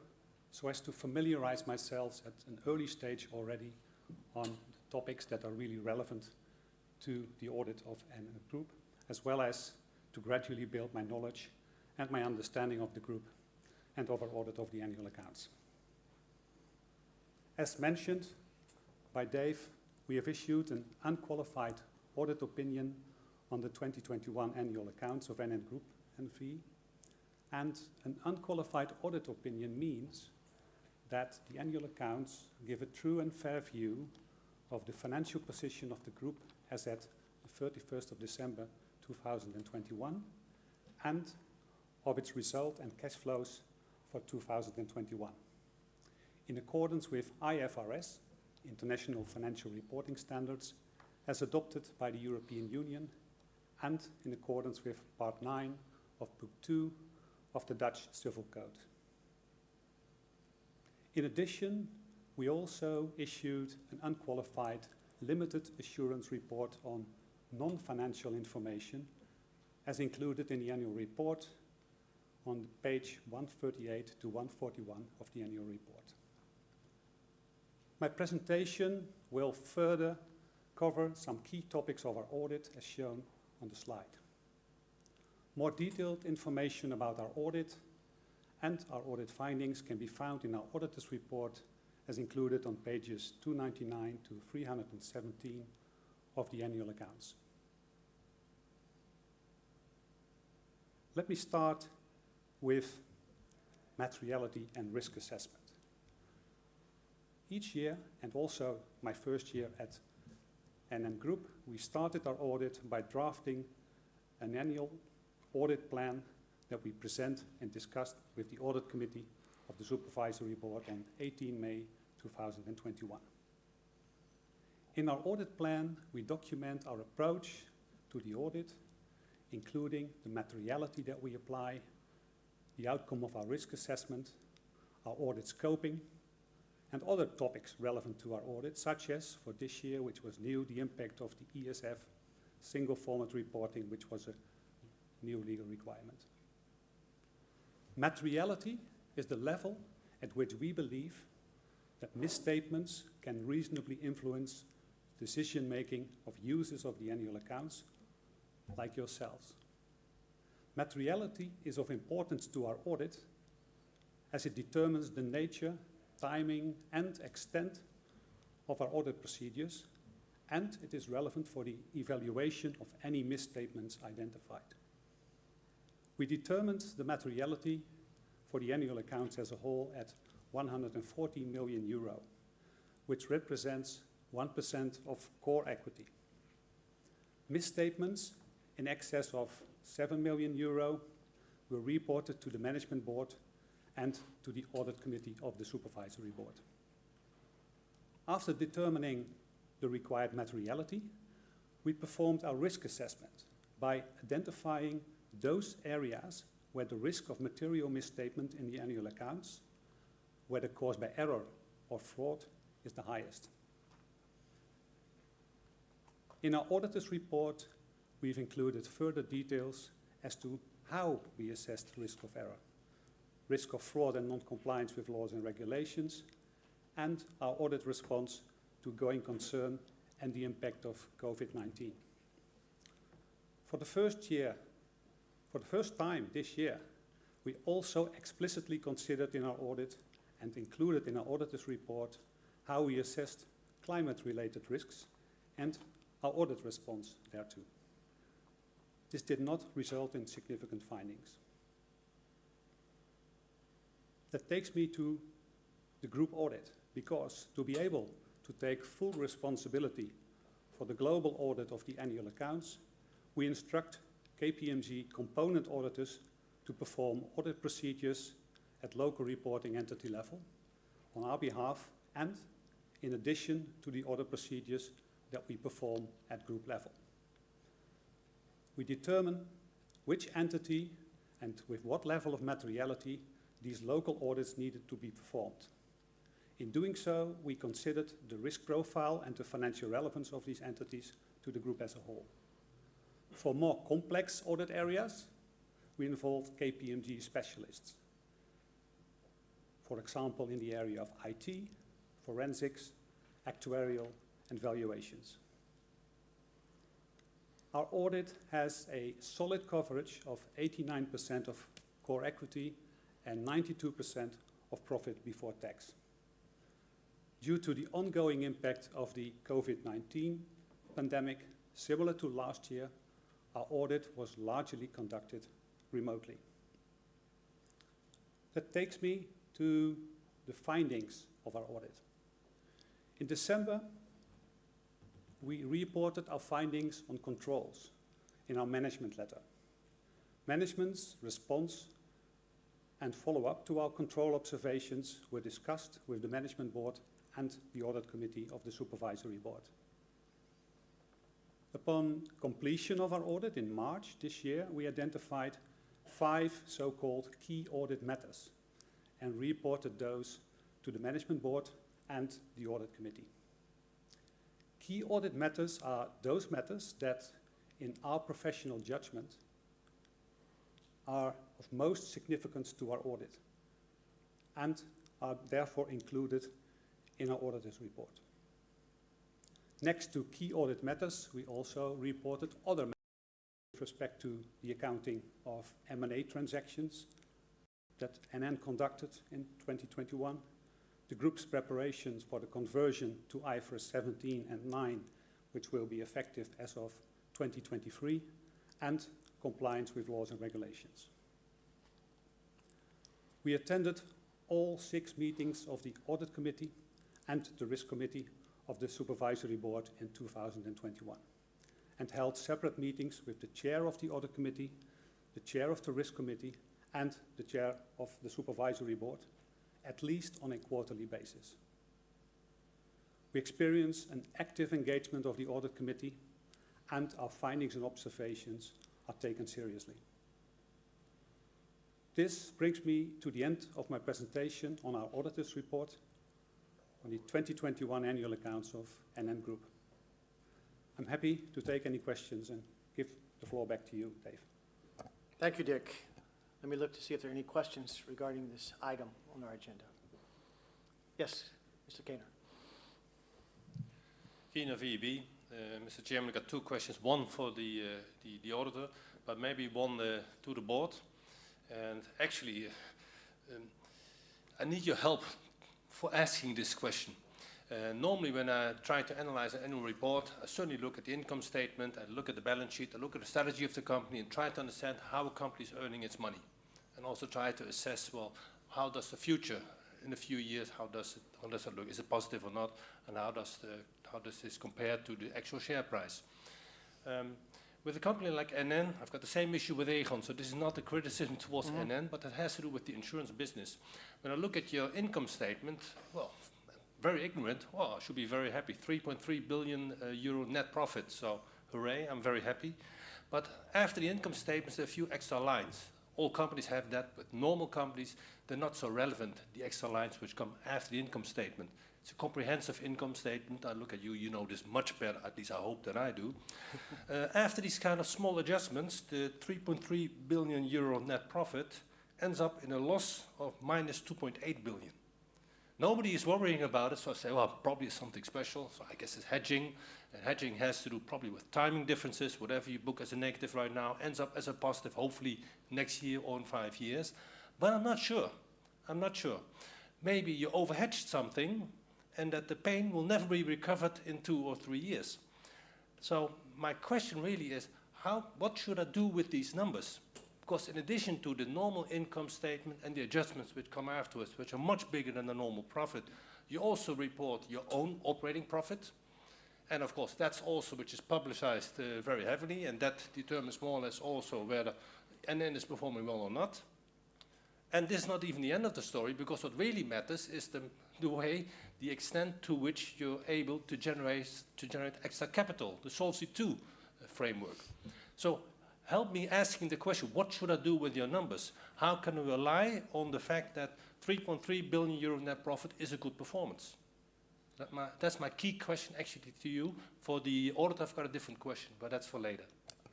as to familiarize myself at an early stage already on topics that are really relevant to the audit of NN Group, as well as to gradually build my knowledge and my understanding of the group and of our audit of the annual accounts. As mentioned by Dave, we have issued an unqualified audit opinion on the 2021 annual accounts of NN Group N.V. An unqualified audit opinion means that the annual accounts give a true and fair view of the financial position of the group as at the 31st of December 2021 and of its result and cash flows for 2021. In accordance with IFRS, International Financial Reporting Standards, as adopted by the European Union and in accordance with Part Nine of Book Two of the Dutch Civil Code. In addition, we also issued an unqualified limited assurance report on non-financial information as included in the annual report on page 138-141 of the annual report. My presentation will further cover some key topics of our audit, as shown on the slide. More detailed information about our audit and our audit findings can be found in our auditor's report as included on pages 299-317 of the annual accounts. Let me start with materiality and risk assessment. Each year, and also my first year at NN Group, we started our audit by drafting an annual audit plan that we present and discussed with the audit committee of the supervisory board on 18 May 2021. In our audit plan, we document our approach to the audit, including the materiality that we apply, the outcome of our risk assessment, our audit scoping, and other topics relevant to our audit, such as for this year, which was new, the impact of the ESEF single format reporting, which was a new legal requirement. Materiality is the level at which we believe that misstatements can reasonably influence decision-making of users of the annual accounts like yourselves. Materiality is of importance to our audit as it determines the nature, timing, and extent of our audit procedures, and it is relevant for the evaluation of any misstatements identified. We determined the materiality for the annual accounts as a whole at 140 million euro, which represents 1% of core equity. Misstatements in excess of 7 million euro were reported to the management board and to the audit committee of the supervisory board. After determining the required materiality, we performed our risk assessment by identifying those areas where the risk of material misstatement in the annual accounts, whether caused by error or fraud, is the highest. In our auditor's report, we've included further details as to how we assessed risk of error, risk of fraud, and non-compliance with laws and regulations, and our audit response to going concern and the impact of COVID-19. For the first time this year, we also explicitly considered in our audit and included in our auditor's report how we assessed climate-related risks and our audit response thereto. This did not result in significant findings. That takes me to the group audit, because to be able to take full responsibility for the global audit of the annual accounts, we instruct KPMG component auditors to perform audit procedures at local reporting entity level on our behalf and in addition to the audit procedures that we perform at group level. We determine which entity and with what level of materiality these local audits needed to be performed. In doing so, we considered the risk profile and the financial relevance of these entities to the group as a whole. For more complex audit areas, we involved KPMG specialists, for example, in the area of IT, forensics, actuarial, and valuations. Our audit has a solid coverage of 89% of core equity and 92% of profit before tax. Due to the ongoing impact of the COVID-19 pandemic, similar to last year, our audit was largely conducted remotely. That takes me to the findings of our audit. In December, we reported our findings on controls in our management letter. Management's response and follow-up to our control observations were discussed with the management board and the audit committee of the supervisory board. Upon completion of our audit in March this year, we identified five so-called key audit matters and reported those to the management board and the audit committee. Key audit matters are those matters that, in our professional judgment, are of most significance to our audit and are therefore included in our auditor's report. Next to key audit matters, we also reported other matters with respect to the accounting of M&A transactions that NN conducted in 2021, the group's preparations for the conversion to IFRS 17 and 9, which will be effective as of 2023, and compliance with laws and regulations. We attended all six meetings of the audit committee and the risk committee of the supervisory board in 2021, and held separate meetings with the chair of the audit committee, the chair of the risk committee, and the chair of the supervisory board, at least on a quarterly basis. We experience an active engagement of the audit committee, and our findings and observations are taken seriously. This brings me to the end of my presentation on our auditor's report on the 2021 annual accounts of NN Group. I'm happy to take any questions and give the floor back to you, Dave. Thank you, Dick. Let me look to see if there are any questions regarding this item on our agenda. Yes, Mr. Keyner. Errol Keyner. Mr. Chairman, I got two questions, one for the auditor, but maybe one to the board. Actually, I need your help for asking this question. Normally, when I try to analyze an annual report, I certainly look at the income statement, I look at the balance sheet, I look at the strategy of the company and try to understand how a company's earning its money, and also try to assess, well, how does the future in a few years look? Is it positive or not? How does this compare to the actual share price? With a company like NN, I've got the same issue with Aegon, so this is not a criticism towards NN. Mm-hmm. It has to do with the insurance business. When I look at your income statement, well, very ignorant. Well, I should be very happy, 3.3 billion euro net profit. Hooray, I'm very happy. After the income statement, there's a few extra lines. All companies have that, but normal companies, they're not so relevant, the extra lines which come after the income statement. It's a comprehensive income statement. I look at you know this much better, at least I hope, than I do. After these kind of small adjustments, the 3.3 billion euro net profit ends up in a loss of -2.8 billion. Nobody is worrying about it, so I say, "Well, probably something special." I guess it's hedging, and hedging has to do probably with timing differences. Whatever you book as a negative right now ends up as a positive, hopefully next year or in five years. I'm not sure. Maybe you over-hedged something and that the pain will never be recovered in two or three years. My question really is, what should I do with these numbers? 'Cause in addition to the normal income statement and the adjustments which come afterwards, which are much bigger than the normal profit, you also report your own operating profit. Of course, that's also which is publicized very heavily, and that determines more or less also whether NN is performing well or not. This is not even the end of the story, because what really matters is the way, the extent to which you're able to generate extra capital. The Solvency II framework. Help me asking the question, what should I do with your numbers? How can we rely on the fact that 3.3 billion euro net profit is a good performance? That's my key question actually to you. For the auditor, I've got a different question, but that's for later.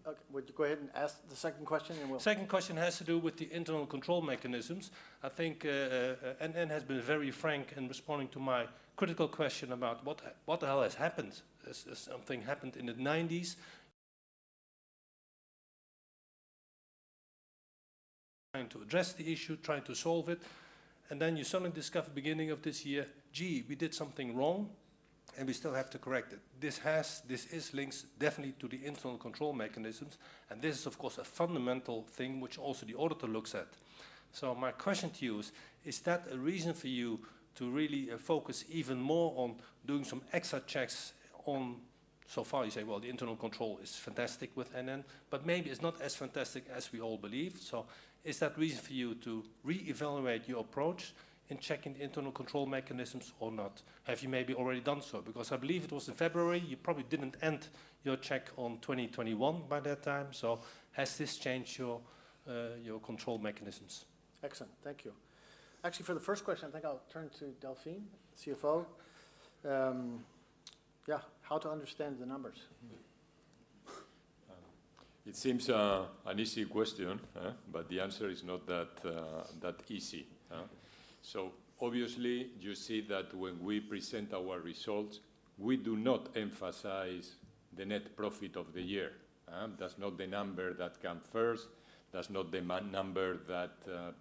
Okay. Would you go ahead and ask the second question, and we'll Second question has to do with the internal control mechanisms. I think NN has been very frank in responding to my critical question about what the hell has happened. Has something happened in the nineties. Trying to address the issue, trying to solve it, and then you suddenly discover beginning of this year, "Gee, we did something wrong, and we still have to correct it." This links definitely to the internal control mechanisms, and this is of course a fundamental thing which also the auditor looks at. My question to you is that a reason for you to really focus even more on doing some extra checks on. So far you say, well, the internal control is fantastic with NN, but maybe it is not as fantastic as we all believe. Is that reason for you to reevaluate your approach in checking the internal control mechanisms or not? Have you maybe already done so? Because I believe it was in February, you probably didn't end your check on 2021 by that time. Has this changed your control mechanisms? Excellent. Thank you. Actually, for the first question, I think I'll turn to Delfin, CFO. How to understand the numbers? It seems an easy question, huh? The answer is not that easy, huh? Obviously, you see that when we present our results, we do not emphasize the net profit of the year, huh? That's not the number that come first. That's not the number that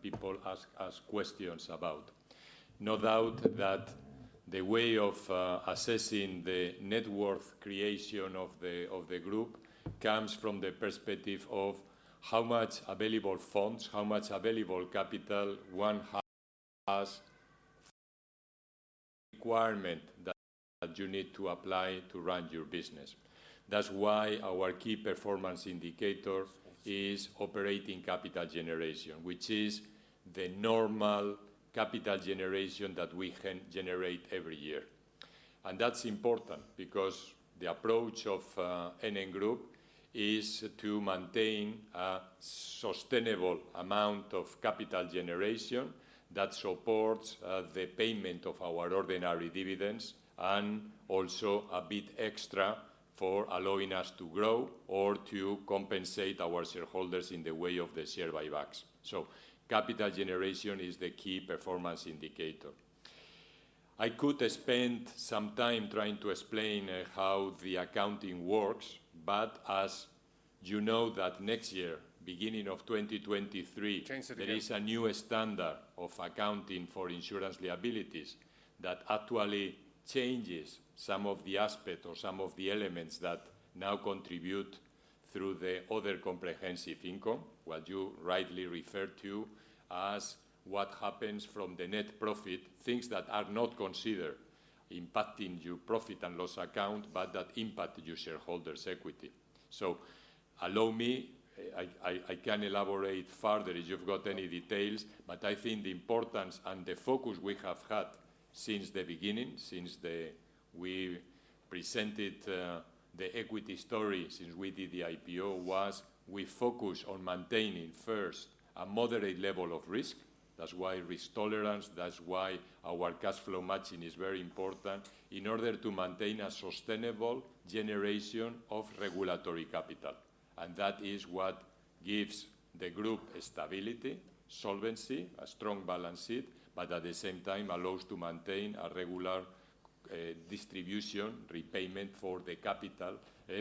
people ask questions about. No doubt that the way of assessing the net worth creation of the group comes from the perspective of how much available funds, how much available capital one has requirement that you need to apply to run your business. That's why our key performance indicator is operating capital generation, which is the normal capital generation that we can generate every year. That's important because the approach of NN Group is to maintain a sustainable amount of capital generation that supports the payment of our ordinary dividends and also a bit extra for allowing us to grow or to compensate our shareholders in the way of the share buybacks. Capital generation is the key performance indicator. I could spend some time trying to explain how the accounting works, but as you know that next year, beginning of 2023- Change the channel. There is a new standard of accounting for insurance liabilities that actually changes some of the aspect or some of the elements that now contribute through the other comprehensive income, what you rightly refer to as what happens from the net profit, things that are not considered impacting your profit and loss account, but that impact your shareholders' equity. Allow me, I can elaborate further if you've got any details, but I think the importance and the focus we have had since the beginning, since we presented the equity story, since we did the IPO, was we focus on maintaining first a moderate level of risk. That's why risk tolerance, that's why our cash flow matching is very important in order to maintain a sustainable generation of regulatory capital. That is what gives the group stability, solvency, a strong balance sheet, but at the same time allows to maintain a regular ca- Distribution repayment for the capital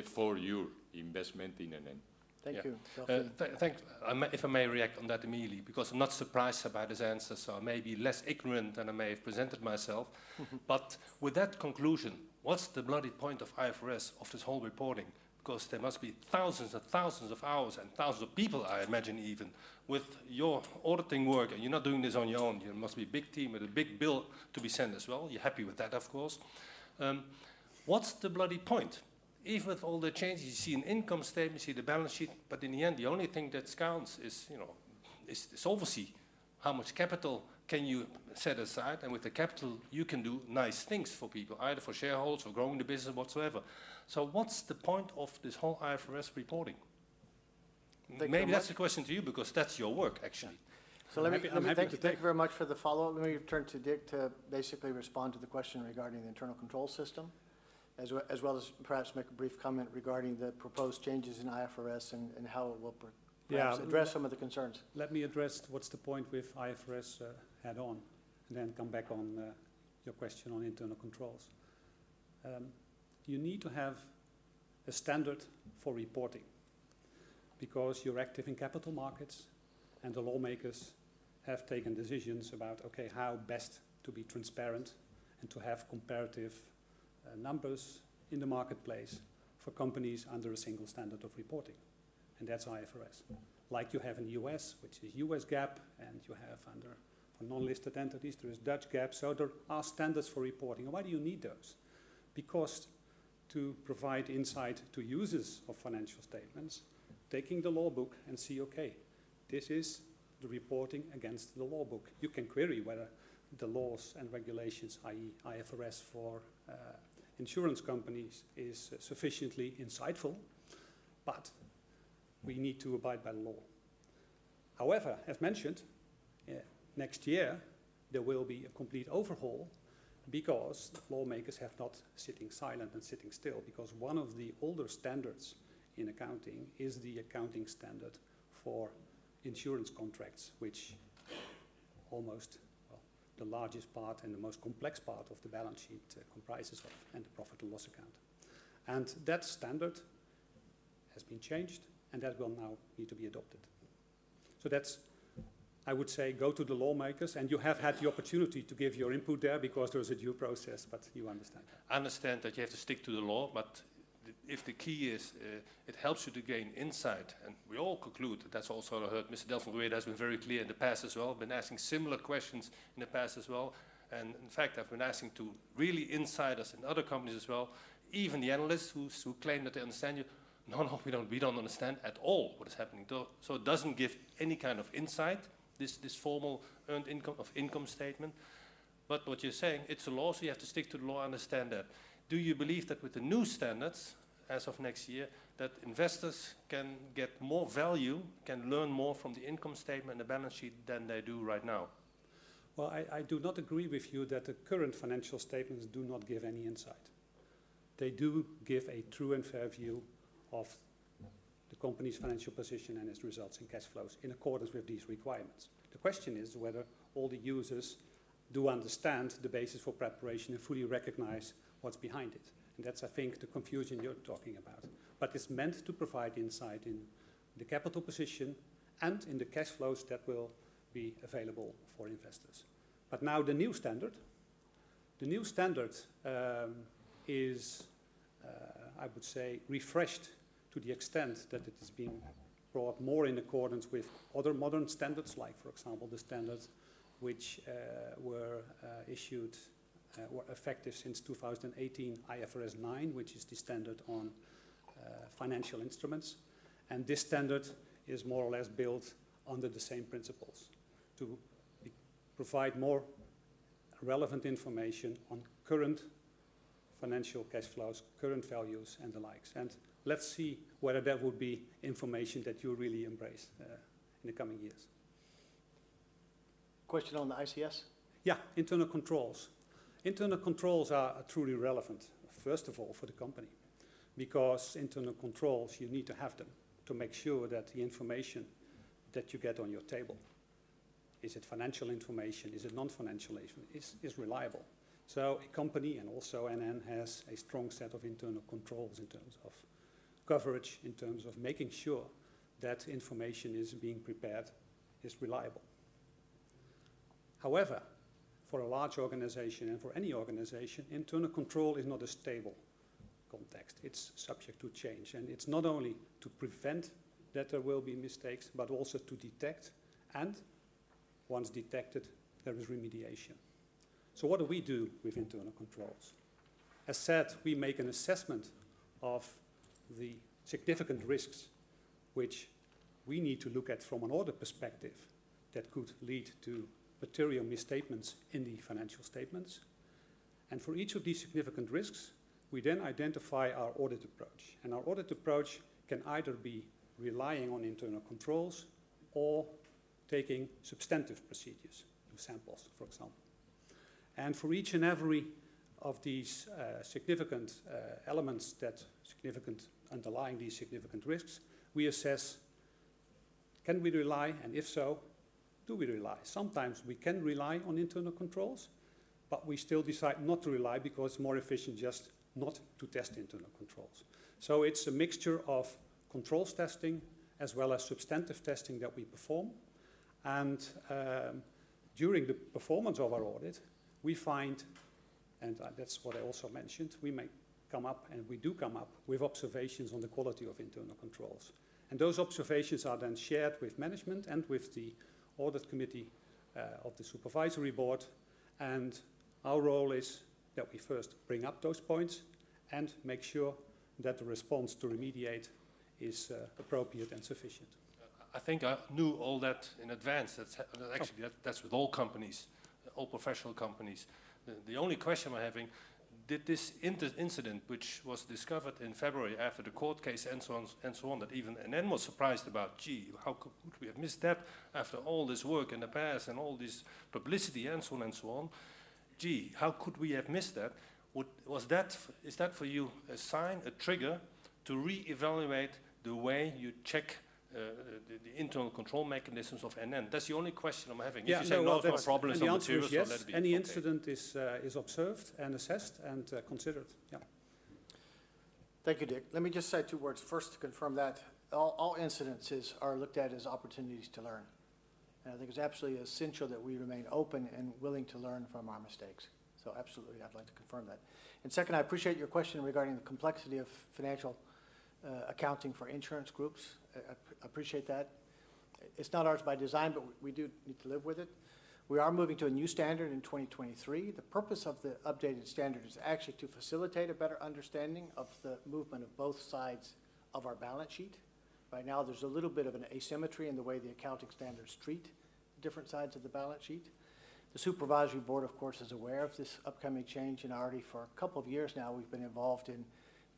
for your investment in NN. Thank you. Yeah. If I may react on that immediately because I'm not surprised about his answers, so I may be less ignorant than I may have presented myself. Mm-hmm. With that conclusion, what's the bloody point of IFRS of this whole reporting? Because there must be thousands and thousands of hours and thousands of people, I imagine even, with your auditing work, and you're not doing this on your own. You must be a big team with a big bill to be sent as well. You're happy with that, of course. What's the bloody point? Even with all the changes, you see an income statement, you see the balance sheet, but in the end, the only thing that counts is, you know, obviously how much capital can you set aside, and with the capital, you can do nice things for people, either for shareholders or growing the business whatsoever. What's the point of this whole IFRS reporting? Thank you very much. Maybe that's a question to you because that's your work, actually. Let me. I'm happy to take Thank you very much for the follow-up. Let me turn to Dick to basically respond to the question regarding the internal control system as well as perhaps make a brief comment regarding the proposed changes in IFRS and how it will per- Yeah. Perhaps address some of the concerns. Let me address what's the point with IFRS head on and then come back on your question on internal controls. You need to have a standard for reporting because you're active in capital markets and the lawmakers have taken decisions about, okay, how best to be transparent and to have comparative numbers in the marketplace for companies under a single standard of reporting, and that's IFRS. Like you have in the U.S., which is U.S. GAAP, and you have under, for non-listed entities, there is Dutch GAAP. There are standards for reporting. Why do you need those? Because to provide insight to users of financial statements, taking the law book and see, okay, this is the reporting against the law book. You can query whether the laws and regulations, i.e. IFRS for insurance companies is sufficiently insightful, but we need to abide by the law. However, as mentioned, next year there will be a complete overhaul because lawmakers have not been sitting silent and sitting still because one of the older standards in accounting is the accounting standard for insurance contracts, which almost, well, the largest part and the most complex part of the balance sheet comprises of, and the profit and loss account. That standard has been changed, and that will now need to be adopted. That's I would say go to the lawmakers, and you have had the opportunity to give your input there because there's a due process, but you understand. I understand that you have to stick to the law, but if the key is, it helps you to gain insight, and we all conclude that that's also. I heard Mr. Delfin has been very clear in the past as well. Been asking similar questions in the past as well. In fact, I've been asking for real insight into us and other companies as well, even the analysts who claim that they understand you. No, we don't understand at all what is happening. So it doesn't give any kind of insight, this formal earnings on the income statement. What you're saying, it's a law, so you have to stick to the law and the standard. Do you believe that with the new standards as of next year, that investors can get more value, can learn more from the income statement and the balance sheet than they do right now? Well, I do not agree with you that the current financial statements do not give any insight. They do give a true and fair view of the company's financial position and its results and cash flows in accordance with these requirements. The question is whether all the users do understand the basis for preparation and fully recognize what's behind it. That's, I think, the confusion you're talking about. It's meant to provide insight in the capital position and in the cash flows that will be available for investors. Now the new standard. The new standard is, I would say, refreshed to the extent that it is being brought more in accordance with other modern standards like, for example, the standards which were issued were effective since 2018, IFRS 9, which is the standard on financial instruments. This standard is more or less built under the same principles to provide more relevant information on current financial cash flows, current values, and the likes. Let's see whether that would be information that you really embrace in the coming years. Question on the ICS? Yeah, internal controls. Internal controls are truly relevant, first of all, for the company, because internal controls, you need to have them to make sure that the information that you get on your table, is it financial information? Is it non-financial information? Is reliable. A company, and also NN, has a strong set of internal controls in terms of coverage, in terms of making sure that information is being prepared, is reliable. However, for a large organization and for any organization, internal control is not a stable context. It's subject to change. It's not only to prevent that there will be mistakes, but also to detect and once detected, there is remediation. What do we do with internal controls? As said, we make an assessment of the significant risks which we need to look at from an audit perspective that could lead to material misstatements in the financial statements. For each of these significant risks, we then identify our audit approach. Our audit approach can either be relying on internal controls or taking substantive procedures, new samples, for example. For each and every of these significant elements underlying these significant risks, we assess. Can we rely? If so, do we rely? Sometimes we can rely on internal controls, but we still decide not to rely because it's more efficient just not to test internal controls. It's a mixture of controls testing as well as substantive testing that we perform. During the performance of our audit, we find, and that's what I also mentioned, we may come up, and we do come up with observations on the quality of internal controls. Those observations are then shared with management and with the audit committee of the supervisory board. Our role is that we first bring up those points and make sure that the response to remediate is appropriate and sufficient. I think I knew all that in advance. Oh. Actually, that's with all companies, all professional companies. The only question we're having, did this incident which was discovered in February after the court case and so on, that even NN was surprised about, "Gee, how could we have missed that after all this work in the past and all this publicity?" and so on. "Gee, how could we have missed that?" Is that for you a sign, a trigger to reevaluate the way you check the internal control mechanisms of NN? That's the only question I'm having. Yeah. No, well, that's. If you say, "No, there's no problems." I'm serious, so let it be. Okay. The answer is yes. Any incident is observed and assessed and considered. Yeah. Thank you, Dick. Let me just say two words first to confirm that all incidences are looked at as opportunities to learn. I think it's absolutely essential that we remain open and willing to learn from our mistakes. Absolutely, I'd like to confirm that. Second, I appreciate your question regarding the complexity of financial accounting for insurance groups. I appreciate that. It's not ours by design, but we do need to live with it. We are moving to a new standard in 2023. The purpose of the updated standard is actually to facilitate a better understanding of the movement of both sides of our balance sheet. Right now, there's a little bit of an asymmetry in the way the accounting standards treat different sides of the balance sheet. The supervisory board, of course, is aware of this upcoming change, and already for a couple of years now, we've been involved in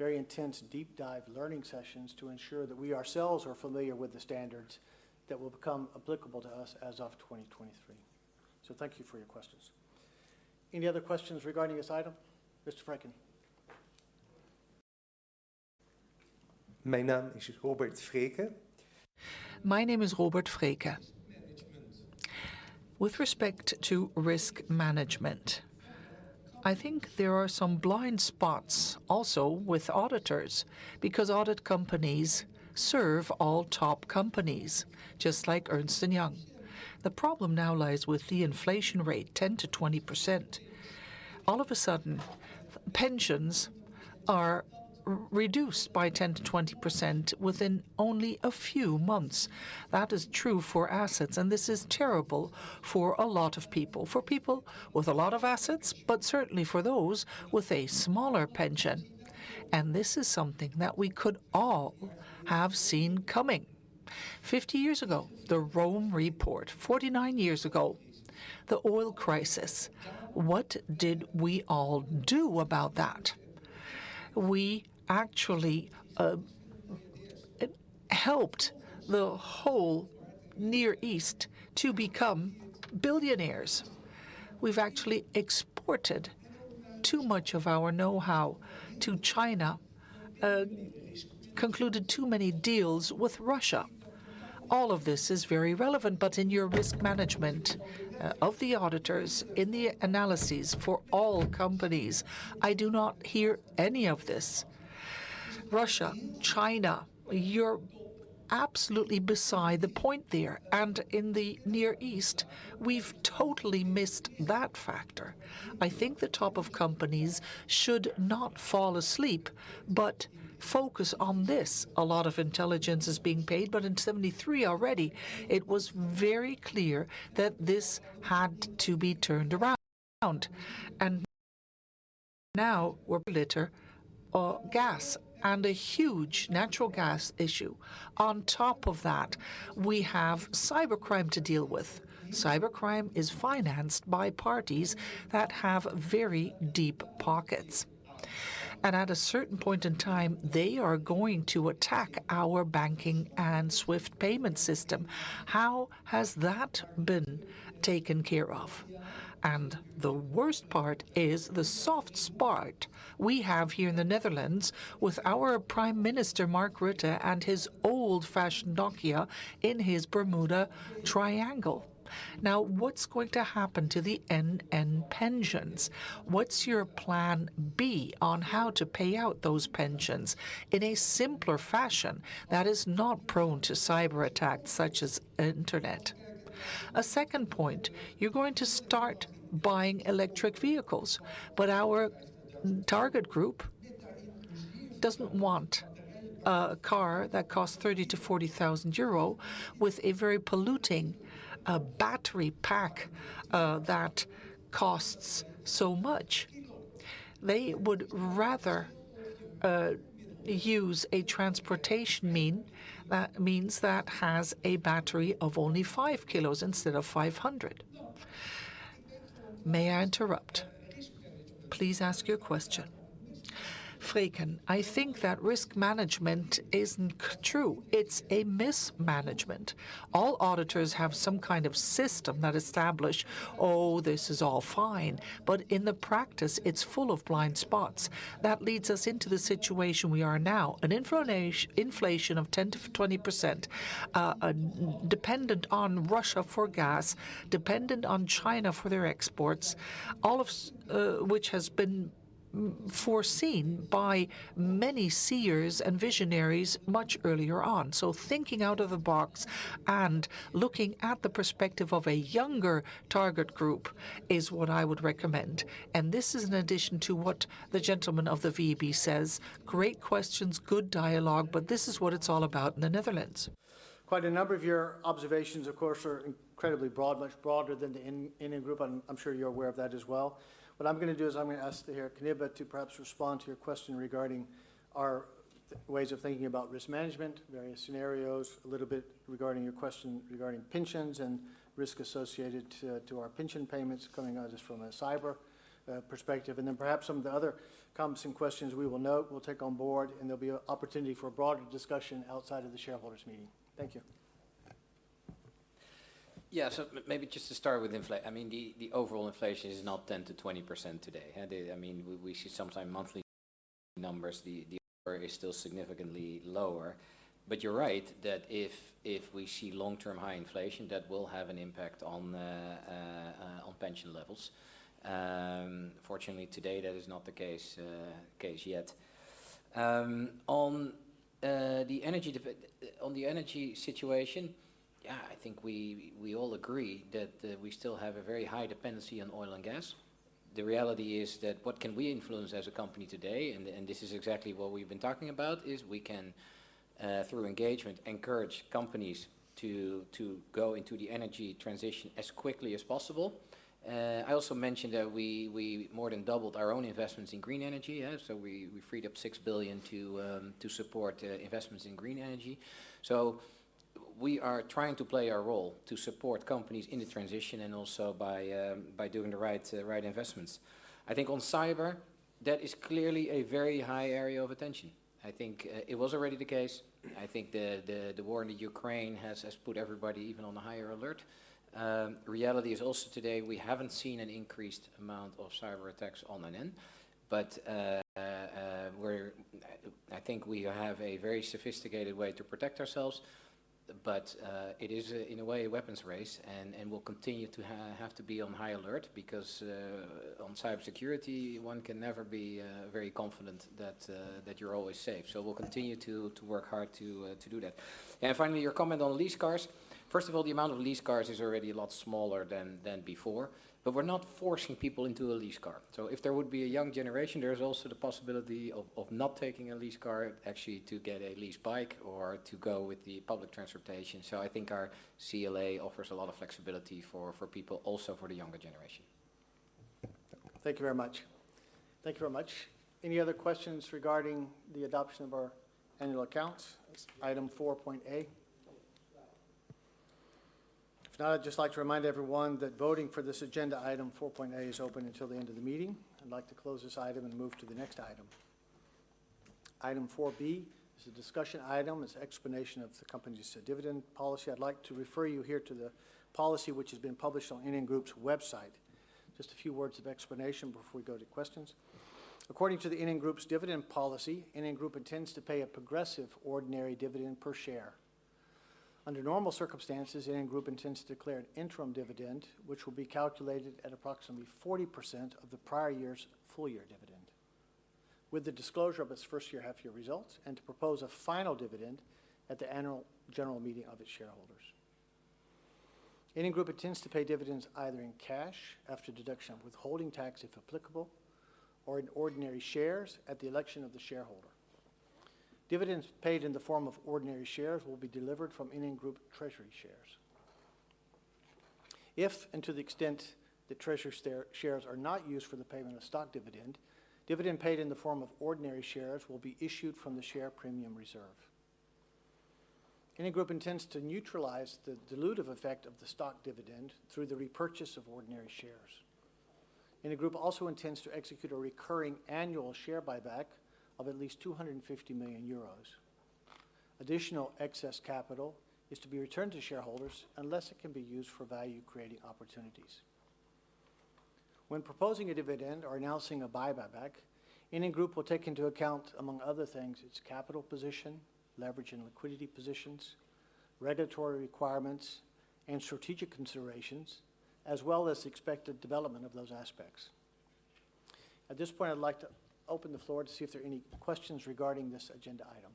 very intense deep dive learning sessions to ensure that we ourselves are familiar with the standards that will become applicable to us as of 2023. Thank you for your questions. Any other questions regarding this item? Mr. Vreeken. My name is Robert Vreeken. With respect to risk management, I think there are some blind spots also with auditors because audit companies serve all top companies, just like Ernst & Young. The problem now lies with the inflation rate, 10%-20%. All of a sudden, pensions are reduced by 10%-20% within only a few months. That is true for assets, and this is terrible for a lot of people. For people with a lot of assets, but certainly for those with a smaller pension. This is something that we could all have seen coming. 50 years ago, the Rome report. 49 years ago, the oil crisis. What did we all do about that? We actually helped the whole Near East to become billionaires. We've actually exported too much of our know-how to China, concluded too many deals with Russia. All of this is very relevant, but in your risk management of the auditors in the analyses for all companies, I do not hear any of this. Russia, China, you're absolutely beside the point there. In the Near East, we've totally missed that factor. I think the top of companies should not fall asleep, but focus on this. A lot of intelligence is being paid, but in 1973 already, it was very clear that this had to be turned around. Now we're importer gas and a huge natural gas issue. On top of that, we have cybercrime to deal with. Cybercrime is financed by parties that have very deep pockets. At a certain point in time, they are going to attack our banking and SWIFT payment system. How has that been taken care of? The worst part is the soft spot we have here in the Netherlands with our Prime Minister Mark Rutte and his old-fashioned Nokia in his Bermuda triangle. Now, what's going to happen to the NN pensions? What's your plan B on how to pay out those pensions in a simpler fashion that is not prone to cyberattacks such as internet? A second point, you're going to start buying electric vehicles, but our target group doesn't want a car that costs 30,000-40,000 euro with a very polluting battery pack that costs so much. They would rather use a transportation means that has a battery of only 5 kilos instead of 500. May I interrupt? Please ask your question. I think that risk management isn't true. It's a mismanagement. All auditors have some kind of system that establish, "Oh, this is all fine," but in the practice, it's full of blind spots. That leads us into the situation we are now, an inflation of 10%-20%, dependent on Russia for gas, dependent on China for their exports, all of which has been foreseen by many seers and visionaries much earlier on. Thinking out of the box and looking at the perspective of a younger target group is what I would recommend, and this is in addition to what the gentleman of the VEB says. Great questions, good dialogue, but this is what it's all about in the Netherlands. Quite a number of your observations, of course, are incredibly broad, much broader than the NN Group. I'm sure you're aware of that as well. What I'm gonna do is I'm gonna ask David Knibbe to perhaps respond to your question regarding our ways of thinking about risk management, various scenarios, a little bit regarding your question regarding pensions and risk associated to our pension payments coming at us from a cyber perspective. Then perhaps some of the other comments and questions we will note, we'll take on board, and there'll be an opportunity for a broader discussion outside of the shareholders' meeting. Thank you. Maybe just to start with, I mean, the overall inflation is not 10%-20% today. I mean, we see some monthly numbers, the overall is still significantly lower. But you're right that if we see long-term high inflation, that will have an impact on pension levels. Fortunately today, that is not the case yet. On the energy situation, yeah, I think we all agree that we still have a very high dependency on oil and gas. The reality is that what can we influence as a company today, and this is exactly what we've been talking about, is we can through engagement encourage companies to go into the energy transition as quickly as possible. I also mentioned that we more than doubled our own investments in green energy. We freed up 6 billion to support investments in green energy. We are trying to play our role to support companies in the transition and also by doing the right investments. I think on cyber, that is clearly a very high area of attention. I think it was already the case. I think the war in Ukraine has put everybody even on a higher alert. Reality is also today, we haven't seen an increased amount of cyberattacks on NN, but we're. I think we have a very sophisticated way to protect ourselves, but it is, in a way, a weapons race and we'll continue to have to be on high alert because on cybersecurity, one can never be very confident that that you're always safe. So we'll continue to work hard to do that. Finally, your comment on lease cars. First of all, the amount of lease cars is already a lot smaller than before, but we're not forcing people into a lease car. So if there would be a young generation, there is also the possibility of not taking a lease car, actually to get a lease bike or to go with the public transportation. So I think our CLA offers a lot of flexibility for people, also for the younger generation. Thank you very much. Any other questions regarding the adoption of our annual accounts, item 4.A? If not, I'd just like to remind everyone that voting for this agenda item, 4.A, is open until the end of the meeting. I'd like to close this item and move to the next item. Item 4.B Is a discussion item. It's explanation of the company's dividend policy. I'd like to refer you here to the policy which has been published on NN Group's website. Just a few words of explanation before we go to questions. According to the NN Group's dividend policy, NN Group intends to pay a progressive ordinary dividend per share. Under normal circumstances, NN Group intends to declare an interim dividend, which will be calculated at approximately 40% of the prior year's full-year dividend with the disclosure of its first half-year results and to propose a final dividend at the annual general meeting of its shareholders. NN Group intends to pay dividends either in cash after deduction of withholding tax, if applicable, or in ordinary shares at the election of the shareholder. Dividends paid in the form of ordinary shares will be delivered from NN Group treasury shares. If and to the extent that treasury shares are not used for the payment of stock dividend paid in the form of ordinary shares will be issued from the share premium reserve. NN Group intends to neutralize the dilutive effect of the stock dividend through the repurchase of ordinary shares. NN Group also intends to execute a recurring annual share buyback of at least 250 million euros. Additional excess capital is to be returned to shareholders unless it can be used for value-creating opportunities. When proposing a dividend or announcing a buyback, NN Group will take into account, among other things, its capital position, leverage and liquidity positions, regulatory requirements, and strategic considerations, as well as expected development of those aspects. At this point, I'd like to open the floor to see if there are any questions regarding this agenda item.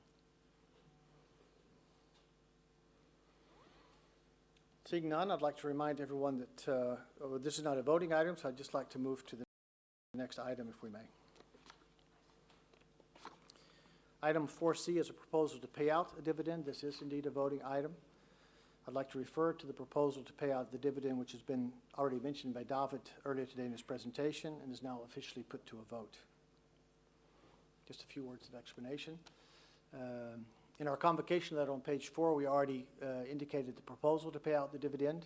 Seeing none, I'd like to remind everyone that this is not a voting item, so I'd just like to move to the next item, if we may. Item 4.C is a proposal to pay out a dividend. This is indeed a voting item. I'd like to refer to the proposal to pay out the dividend, which has been already mentioned by David earlier today in his presentation and is now officially put to a vote. Just a few words of explanation. In our convocation letter on page four, we already indicated the proposal to pay out the dividend.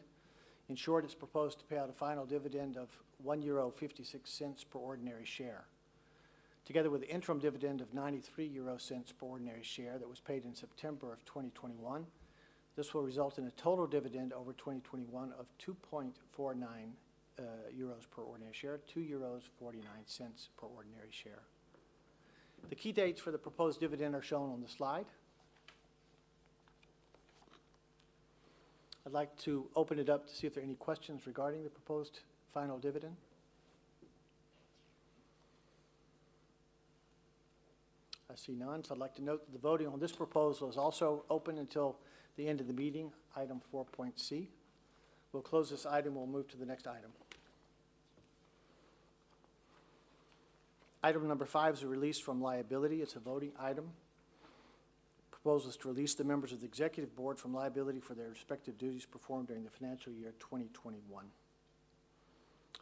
In short, it's proposed to pay out a final dividend of 1.56 euro per ordinary share. Together with the interim dividend of 0.93 per ordinary share that was paid in September 2021, this will result in a total dividend over 2021 of 2.49 euros per ordinary share, 2.49 euros per ordinary share. The key dates for the proposed dividend are shown on the slide. I'd like to open it up to see if there are any questions regarding the proposed final dividend. I see none, so I'd like to note that the voting on this proposal is also open until the end of the meeting, item 4.C. We'll close this item and we'll move to the next item. Item 5 is a release from liability. It's a voting item. It proposes to release the members of the executive board from liability for their respective duties performed during the financial year 2021.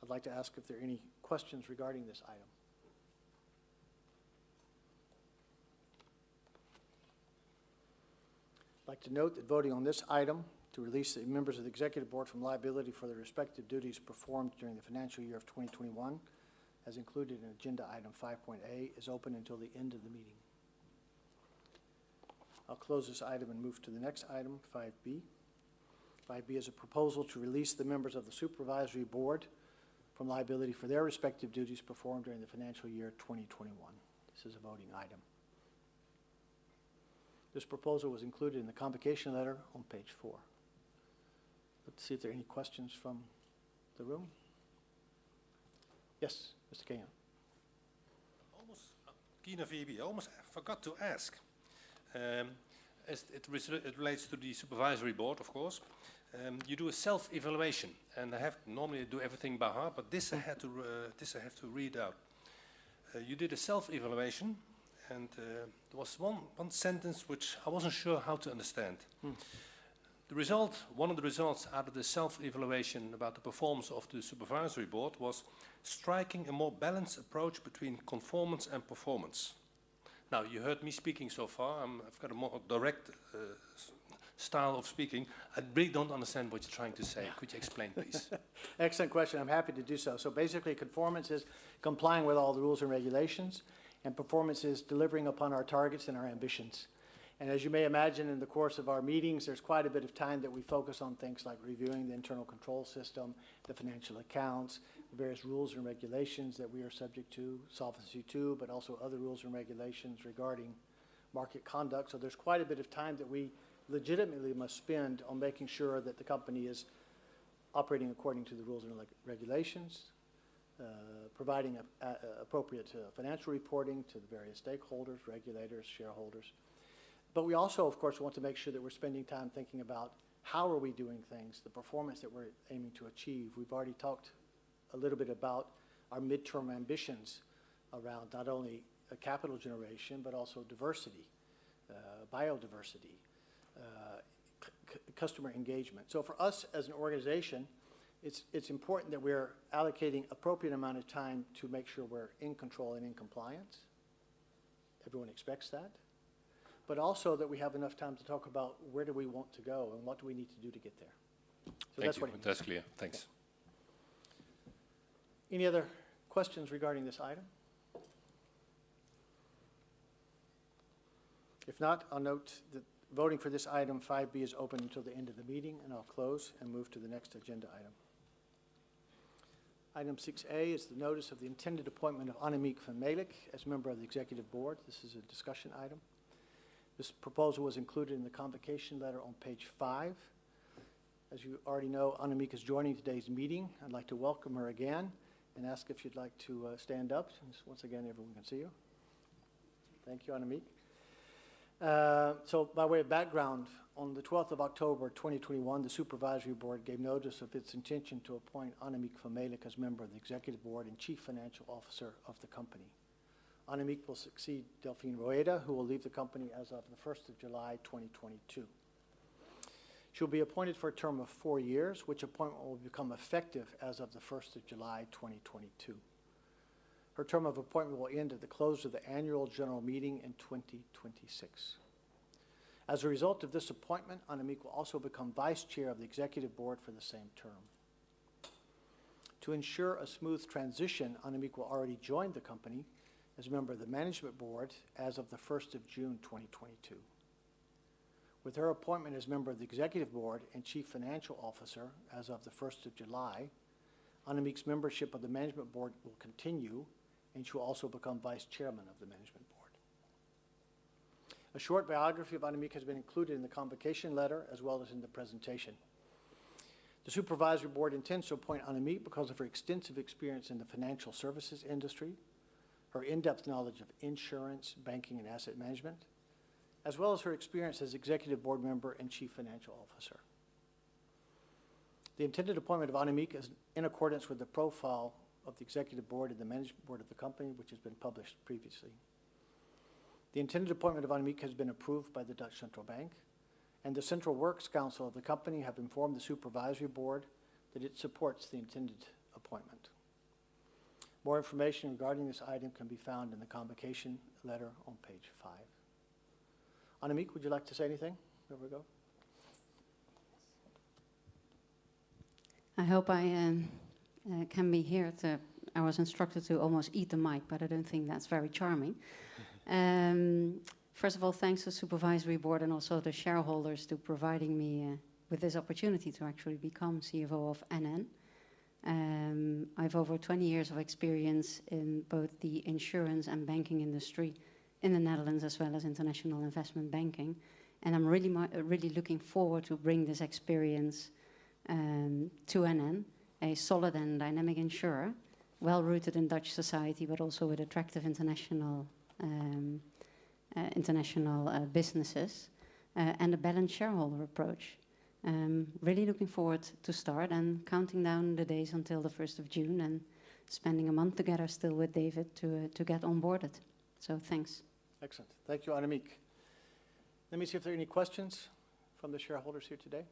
I'd like to ask if there are any questions regarding this item. I'd like to note that voting on this item, to release the members of the executive board from liability for their respective duties performed during the financial year of 2021, as included in agenda item 5.A, is open until the end of the meeting. I'll close this item and move to the next item, 5.B. 5.B is a proposal to release the members of the Supervisory Board from liability for their respective duties performed during the financial year 2021. This is a voting item. This proposal was included in the convocation letter on page four. Let's see if there are any questions from the room. Yes, Mr. Keyner. Almost, Keyner VEB, I almost forgot to ask, as it relates to the Supervisory Board, of course. You do a self-evaluation, and I have to. Normally, I do everything by heart, but this I have to read out. You did a self-evaluation, and there was one sentence which I wasn't sure how to understand. Mm. The result, one of the results out of the self-evaluation about the performance of the supervisory board was striking a more balanced approach between conformance and performance. Now, you heard me speaking so far. I've got a more direct customer engagement. For us as an organization, it's important that we're allocating appropriate amount of time to make sure we're in control and in compliance. Everyone expects that. Also that we have enough time to talk about where do we want to go and what do we need to do to get there. That's what Thank you. That's clear. Thanks. Any other questions regarding this item? If not, I'll note that voting for this item 5.B is open until the end of the meeting, and I'll close and move to the next agenda item. Item 6.A is the notice of the intended appointment of Annemiek van Melick as a member of the Executive Board. This is a discussion item. This proposal was included in the convocation letter on page five. As you already know, Annemiek is joining today's meeting. I'd like to welcome her again and ask if you'd like to stand up, so once again, everyone can see you. Thank you, Annemiek. By way of background, on the 12th of October, 2021, the Supervisory Board gave notice of its intention to appoint Annemiek van Melick as member of the Executive Board and Chief Financial Officer of the company. Annemiek will succeed Delfin Rueda, who will leave the company as of July 1, 2022. She'll be appointed for a term of four years, which appointment will become effective as of July 1, 2022. Her term of appointment will end at the close of the annual general meeting in 2026. As a result of this appointment, Annemiek will also become Vice Chair of the Executive Board for the same term. To ensure a smooth transition, Annemiek will already join the company as a member of the management board as of June 1, 2022. With her appointment as member of the executive board and chief financial officer as of July 1, Annemiek's membership of the management board will continue, and she will also become vice chairman of the management board. A short biography of Annemiek has been included in the convocation letter as well as in the presentation. The supervisory board intends to appoint Annemiek because of her extensive experience in the financial services industry, her in-depth knowledge of insurance, banking, and asset management, as well as her experience as executive board member and chief financial officer. The intended appointment of Annemiek is in accordance with the profile of the executive board and the management board of the company, which has been published previously. The intended appointment of Annemiek has been approved by the De Nederlandsche Bank, and the Central Works Council of the company have informed the supervisory board that it supports the intended appointment. More information regarding this item can be found in the convocation letter on page five. Annemiek, would you like to say anything before we go? I hope I can be heard. I was instructed to almost eat the mic, but I don't think that's very charming. First of all, thanks to the Supervisory Board and also the shareholders for providing me with this opportunity to actually become CFO of NN. I have over 20 years of experience in both the insurance and banking industry in the Netherlands, as well as international investment banking, and I'm really looking forward to bring this experience to NN, a solid and dynamic insurer, well-rooted in Dutch society, but also with attractive international businesses and a balanced shareholder approach. I'm really looking forward to start and counting down the days until the first of June and spending a month together still with David to get onboarded. Thanks. Excellent. Thank you, Annemiek. Let me see if there are any questions from the shareholders here today.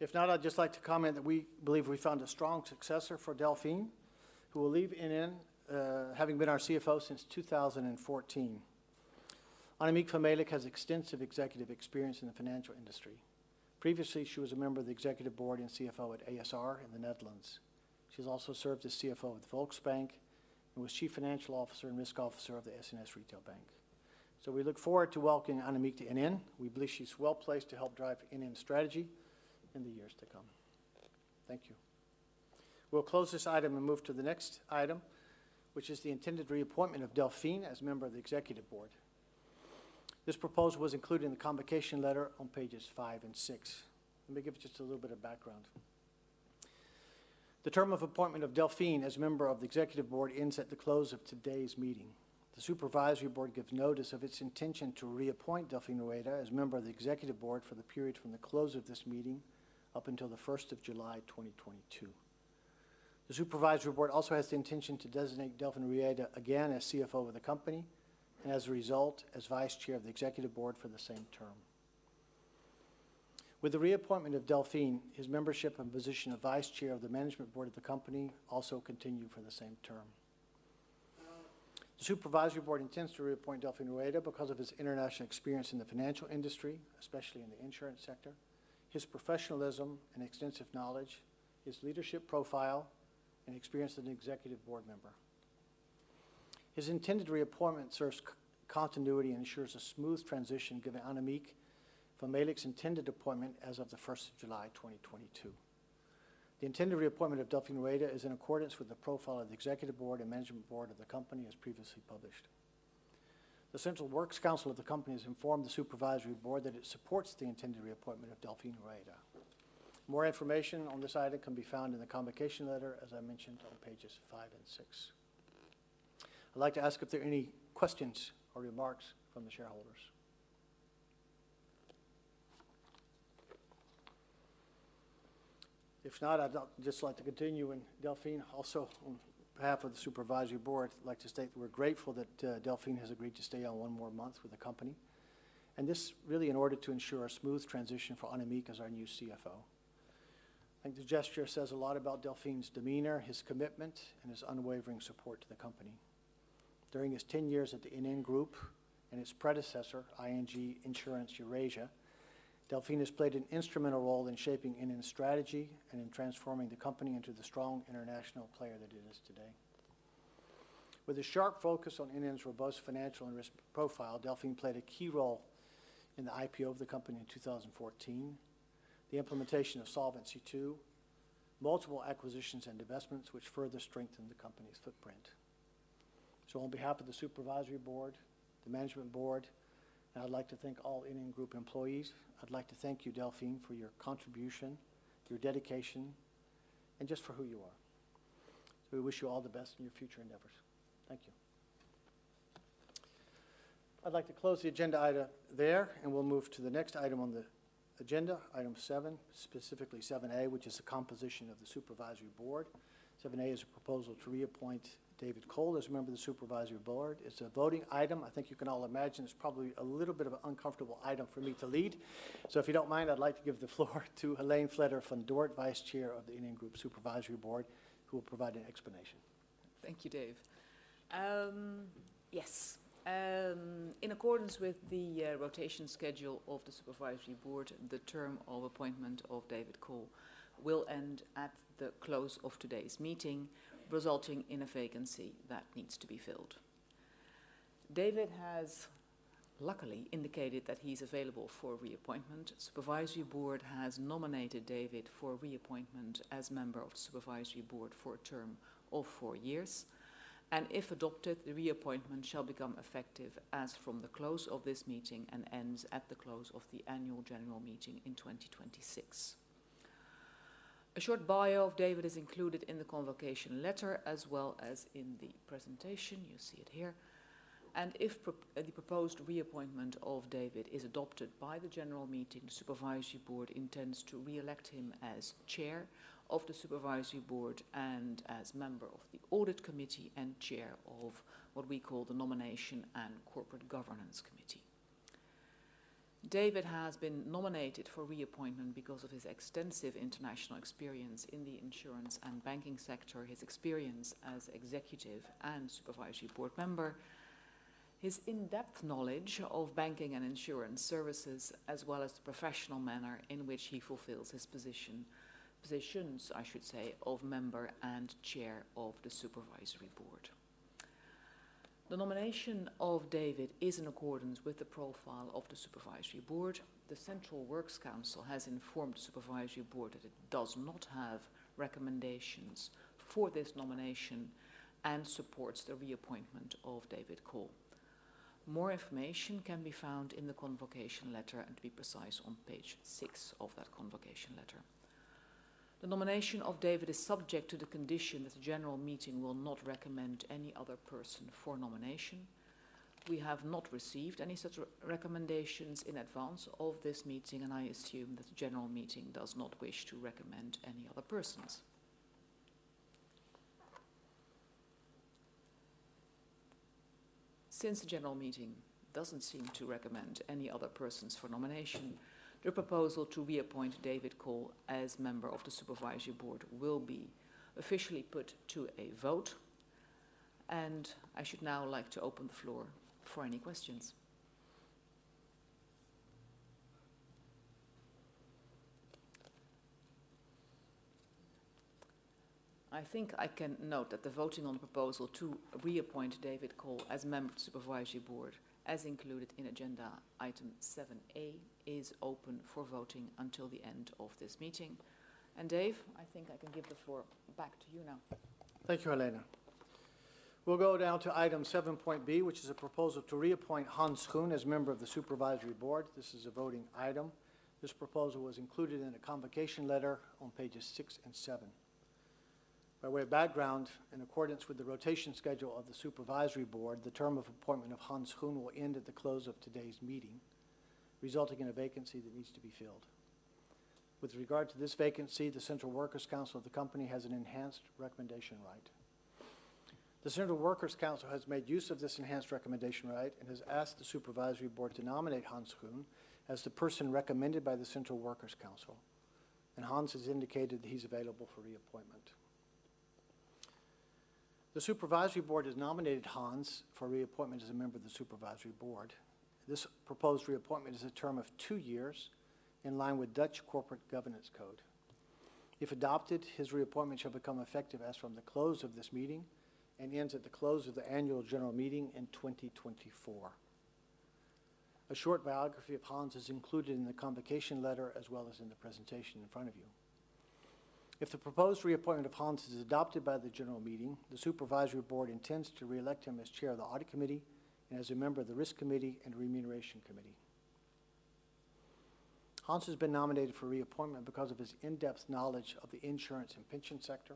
If not, I'd just like to comment that we believe we found a strong successor for Delfin, who will leave NN, having been our CFO since 2014. Annemiek van Melick has extensive executive experience in the financial industry. Previously, she was a member of the executive board and CFO at ASR in the Netherlands. She's also served as CFO with De Volksbank and was chief financial officer and risk officer of the SNS Retail Bank. We look forward to welcoming Annemiek to NN. We believe she's well-placed to help drive NN's strategy in the years to come. Thank you. We'll close this item and move to the next item, which is the intended reappointment of Delfin as member of the executive board. This proposal was included in the convocation letter on pages five and six. Let me give just a little bit of background. The term of appointment of Delfin as member of the executive board ends at the close of today's meeting. The supervisory board gives notice of its intention to reappoint Delfin Rueda as member of the executive board for the period from the close of this meeting up until July 1, 2022. The supervisory board also has the intention to designate Delfin Rueda again as CFO of the company, and as a result, as vice chair of the executive board for the same term. With the reappointment of Delfin, his membership and position of vice chair of the management board of the company also continue for the same term. The supervisory board intends to re-appoint Delfin Rueda because of his international experience in the financial industry, especially in the insurance sector, his professionalism and extensive knowledge, his leadership profile, and experience as an executive board member. His intended reappointment serves continuity and ensures a smooth transition given Annemiek van Melick's intended appointment as of July 1, 2022. The intended re-appointment of Delfin Rueda is in accordance with the profile of the executive board and management board of the company as previously published. The Central Works Council of the company has informed the supervisory board that it supports the intended reappointment of Delfin Rueda. More information on this item can be found in the convocation letter, as I mentioned, on pages five and six. I'd like to ask if there are any questions or remarks from the shareholders. If not, I'd just like to continue, and Delfin, also on behalf of the supervisory board, I'd like to state that we're grateful that Delfin has agreed to stay on one more month with the company, and this really in order to ensure a smooth transition for Annemiek as our new CFO. I think the gesture says a lot about Delfin's demeanor, his commitment, and his unwavering support to the company. During his 10 years at the NN Group and its predecessor, ING Insurance Eurasia, Delfin has played an instrumental role in shaping NN's strategy and in transforming the company into the strong international player that it is today. With a sharp focus on NN's robust financial and risk profile, Delfin played a key role in the IPO of the company in 2014, the implementation of Solvency II, multiple acquisitions and investments which further strengthened the company's footprint. On behalf of the Supervisory Board, the Management Board, and I'd like to thank all NN Group employees, I'd like to thank you, Delfin, for your contribution, your dedication, and just for who you are. We wish you all the best in your future endeavors. Thank you. I'd like to close the agenda item there, and we'll move to the next item on the agenda, item 7, specifically 7.A, which is the composition of the Supervisory Board. 7.A is a proposal to reappoint David Cole as a member of the Supervisory Board. It's a voting item. I think you can all imagine it's probably a little bit of an uncomfortable item for me to lead. If you don't mind, I'd like to give the floor to Hélène Vletter-van Dort, Vice Chair of the NN Group Supervisory Board, who will provide an explanation. Thank you, Dave. Yes, in accordance with the rotation schedule of the Supervisory Board, the term of appointment of David Cole will end at the close of today's meeting, resulting in a vacancy that needs to be filled. David has luckily indicated that he's available for reappointment. Supervisory Board has nominated David for reappointment as member of the Supervisory Board for a term of four years, and if adopted, the reappointment shall become effective as from the close of this meeting and ends at the close of the annual general meeting in 2026. A short bio of David is included in the convocation letter as well as in the presentation. You see it here. If the proposed re-appointment of David is adopted by the general meeting, the supervisory board intends to reelect him as chair of the supervisory board and as member of the audit committee and chair of what we call the Nomination and Corporate Governance Committee. David has been nominated for reappointment because of his extensive international experience in the insurance and banking sector, his experience as executive and supervisory board member, his in-depth knowledge of banking and insurance services, as well as the professional manner in which he fulfills his positions, I should say, of member and chair of the supervisory board. The nomination of David is in accordance with the profile of the supervisory board. The Central Works Council has informed the supervisory board that it does not have recommendations for this nomination and supports the reappointment of David Cole. More information can be found in the convocation letter, and to be precise, on page 6 of that convocation letter. The nomination of David Cole is subject to the condition that the general meeting will not recommend any other person for nomination. We have not received any such recommendations in advance of this meeting, and I assume that the general meeting does not wish to recommend any other persons. Since the general meeting doesn't seem to recommend any other persons for nomination, the proposal to reappoint David Cole as member of the Supervisory Board will be officially put to a vote. I should now like to open the floor for any questions. I think I can note that the voting on the proposal to reappoint David Cole as member of the Supervisory Board as included in agenda item 7.A is open for voting until the end of this meeting. Dave, I think I can give the floor back to you now. Thank you, Hélène. We'll go now to item 7.B, which is a proposal to reappoint Hans Schoen as member of the Supervisory Board. This is a voting item. This proposal was included in the convocation letter on pages six and seven. By way of background, in accordance with the rotation schedule of the Supervisory Board, the term of appointment of Hans Schoen will end at the close of today's meeting, resulting in a vacancy that needs to be filled. With regard to this vacancy, the Central Works Council of the company has an enhanced recommendation right. The Central Works Council has made use of this enhanced recommendation right and has asked the Supervisory Board to nominate Hans Schoen as the person recommended by the Central Works Council, and Hans has indicated that he's available for reappointment. The Supervisory Board has nominated Hans for reappointment as a member of the Supervisory Board. This proposed reappointment is a term of two years in line with Dutch Corporate Governance Code. If adopted, his reappointment shall become effective as from the close of this meeting and ends at the close of the annual general meeting in 2024. A short biography of Hans is included in the convocation letter as well as in the presentation in front of you. If the proposed reappointment of Hans Schoen is adopted by the general meeting, the Supervisory Board intends to reelect him as chair of the audit committee and as a member of the risk committee and remuneration committee. Hans Schoen has been nominated for reappointment because of his in-depth knowledge of the insurance and pension sector,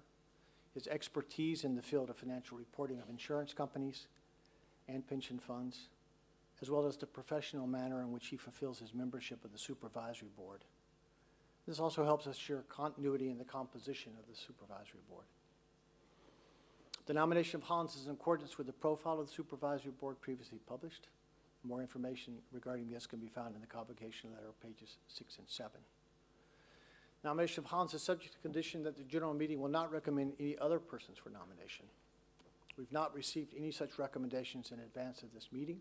his expertise in the field of financial reporting of insurance companies and pension funds, as well as the professional manner in which he fulfills his membership of the supervisory board. This also helps us share continuity in the composition of the supervisory board. The nomination of Hans is in accordance with the profile of the supervisory board previously published. More information regarding this can be found in the convocation letter on pages six and seven. Nomination of Hans Schoen is subject to condition that the general meeting will not recommend any other persons for nomination. We've not received any such recommendations in advance of this meeting,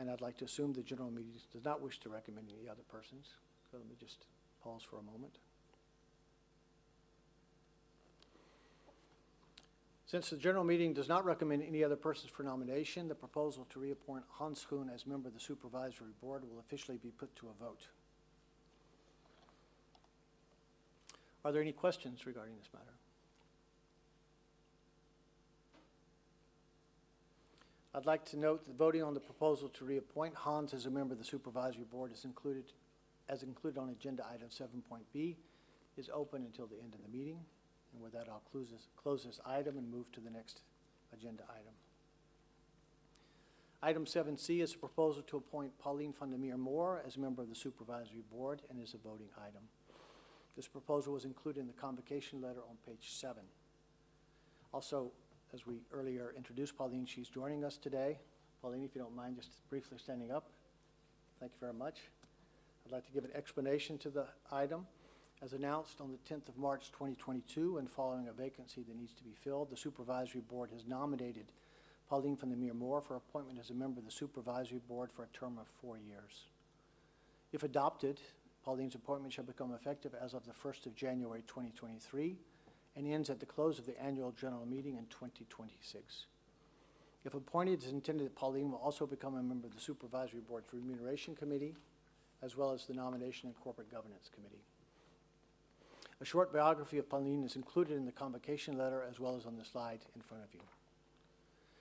and I'd like to assume the general meeting does not wish to recommend any other persons. Let me just pause for a moment. Since the general meeting does not recommend any other persons for nomination, the proposal to reappoint Hans Schoen as member of the Supervisory Board will officially be put to a vote. Are there any questions regarding this matter? I'd like to note that voting on the proposal to reappoint Hans as a member of the Supervisory Board, as included on agenda item 7.B, is open until the end of the meeting. With that, I'll close this item and move to the next agenda item. Item 7.C is a proposal to appoint Pauline van der Meer Mohr as a member of the Supervisory Board and is a voting item. This proposal was included in the convocation letter on page seven. Also, as we earlier introduced Pauline, she's joining us today. Pauline, if you don't mind just briefly standing up? Thank you very much. I'd like to give an explanation to the item. As announced on the 10th of March 2022 and following a vacancy that needs to be filled, the supervisory board has nominated Pauline van der Meer Mohr for appointment as a member of the supervisory board for a term of 4 years. If adopted, Pauline's appointment shall become effective as of the 1st of January 2023 and ends at the close of the annual general meeting in 2026. If appointed, it is intended that Pauline will also become a member of the supervisory board for remuneration committee, as well as the nomination and corporate governance committee. A short biography of Pauline is included in the convocation letter, as well as on the slide in front of you.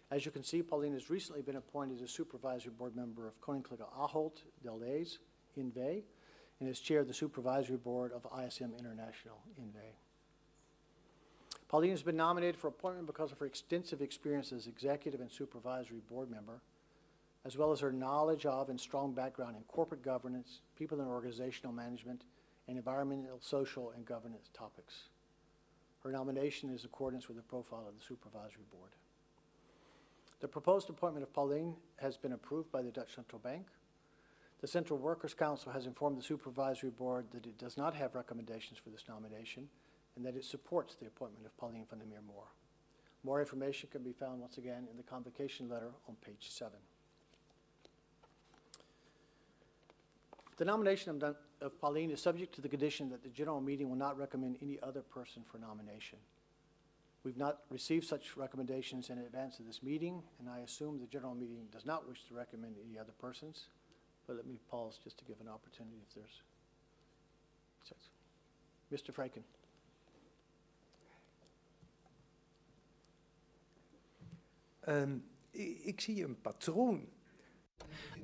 As you can see, Pauline has recently been appointed as a supervisory board member of Koninklijke Ahold Delhaize N.V. And is chair of the supervisory board of ASM International N.V. Pauline has been nominated for appointment because of her extensive experience as executive and supervisory board member, as well as her knowledge of and strong background in corporate governance, people and organizational management, and environmental, social, and governance topics. Her nomination is in accordance with the profile of the supervisory board. The proposed appointment of Pauline has been approved by the De Nederlandsche Bank. The Central Workers' Council has informed the supervisory board that it does not have recommendations for this nomination and that it supports the appointment of Pauline van der Meer Mohr. More information can be found once again in the convocation letter on page seven. The nomination of Pauline is subject to the condition that the general meeting will not recommend any other person for nomination. We've not received such recommendations in advance of this meeting, and I assume the general meeting does not wish to recommend any other persons. Let me pause just to give an opportunity if there's, Mr. Frenken. Um,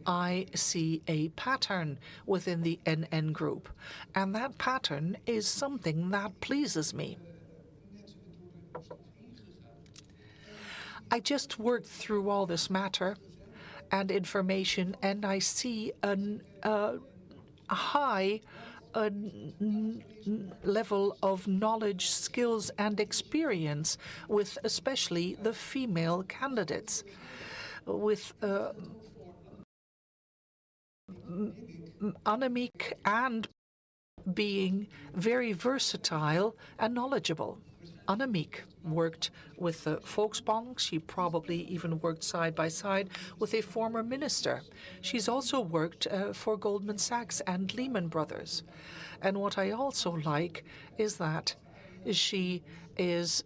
I see a pattern within the NN Group, and that pattern is something that pleases me. I just worked through all this matter and information, and I see a high level of knowledge, skills, and experience with especially the female candidates. With Annemiek and being very versatile and knowledgeable. Annemiek worked with Volksbank. She probably even worked side by side with a former minister. She's also worked for Goldman Sachs and Lehman Brothers. What I also like is that she is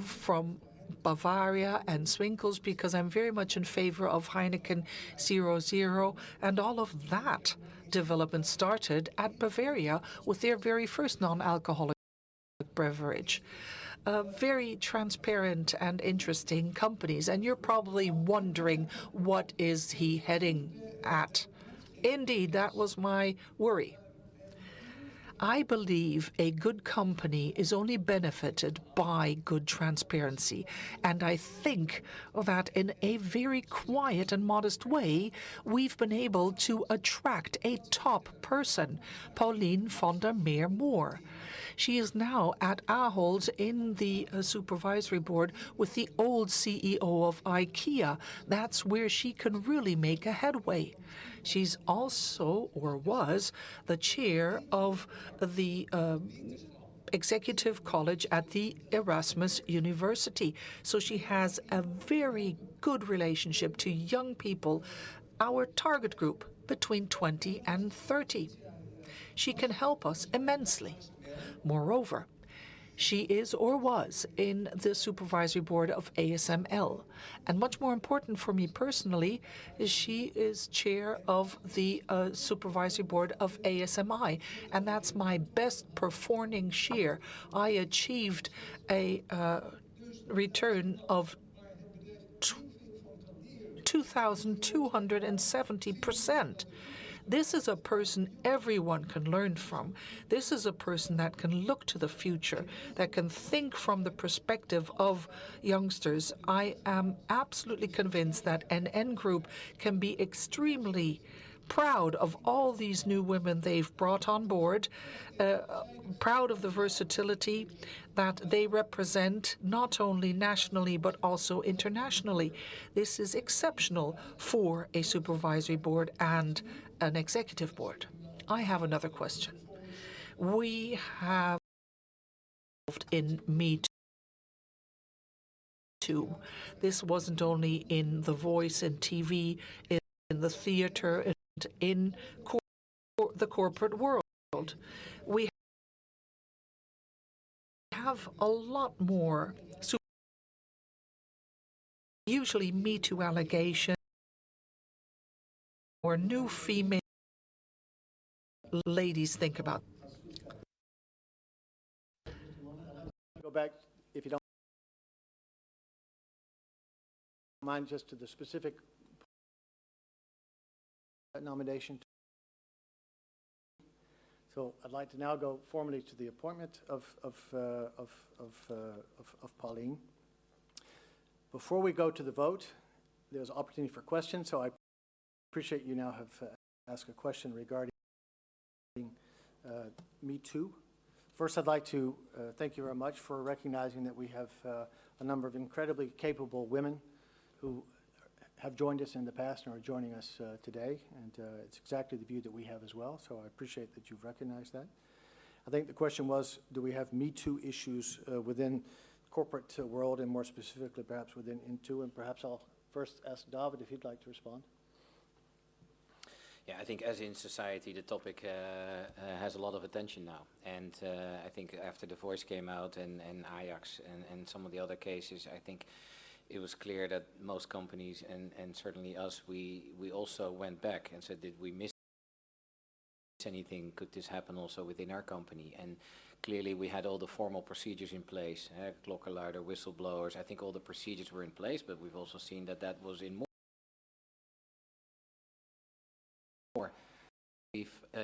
from Bavaria and Swinkels, because I'm very much in favor of Heineken 0.0, and all of that development started at Bavaria with their very first non-alcoholic beverage. Very transparent and interesting companies. You're probably wondering, what is he getting at? Indeed, that was my worry. I believe a good company is only benefited by good transparency, and I think that in a very quiet and modest way, we've been able to attract a top person, Pauline van der Meer Mohr. She is now at Ahold in the supervisory board with the old CEO of IKEA. That's where she can really make a headway. She's also, or was, the chair of the executive college at the Erasmus University, so she has a very good relationship to young people, our target group between 20 and 30. She can help us immensely. Moreover, she is or was in the supervisory board of ASML. Much more important for me personally is she is chair of the supervisory board of ASM International, and that's my best performing share. I achieved a return of 2,270%. This is a person everyone can learn from. This is a person that can look to the future, that can think from the perspective of youngsters. I am absolutely convinced that NN Group can be extremely proud of all these new women they've brought on board, proud of the versatility that they represent, not only nationally, but also internationally. This is exceptional for a supervisory board and an executive board. I have another question. We have MeToo. This wasn't only in The Voice and TV, in the theater and in the corporate world. We have a lot more. Usually MeToo allegations or new female ladies think about. Go back if you don't mind just to the specific that nomination. I'd like to now go formally to the appointment of Pauline. Before we go to the vote, there's opportunity for questions, so I appreciate you now have asked a question regarding MeToo. First, I'd like to thank you very much for recognizing that we have a number of incredibly capable women who have joined us in the past and are joining us today. It's exactly the view that we have as well. So I appreciate that you've recognized that. I think the question was, do we have MeToo issues within corporate world and more specifically perhaps within it too? Perhaps I'll first ask David if you'd like to respond. Yeah, I think as in society, the topic has a lot of attention now. I think after The Voice came out and Ajax and some of the other cases, I think it was clear that most companies and certainly us, we also went back and said, "Did we miss anything? Could this happen also within our company?" Clearly we had all the formal procedures in place. Klokkenluider, whistleblowers. I think all the procedures were in place, but we've also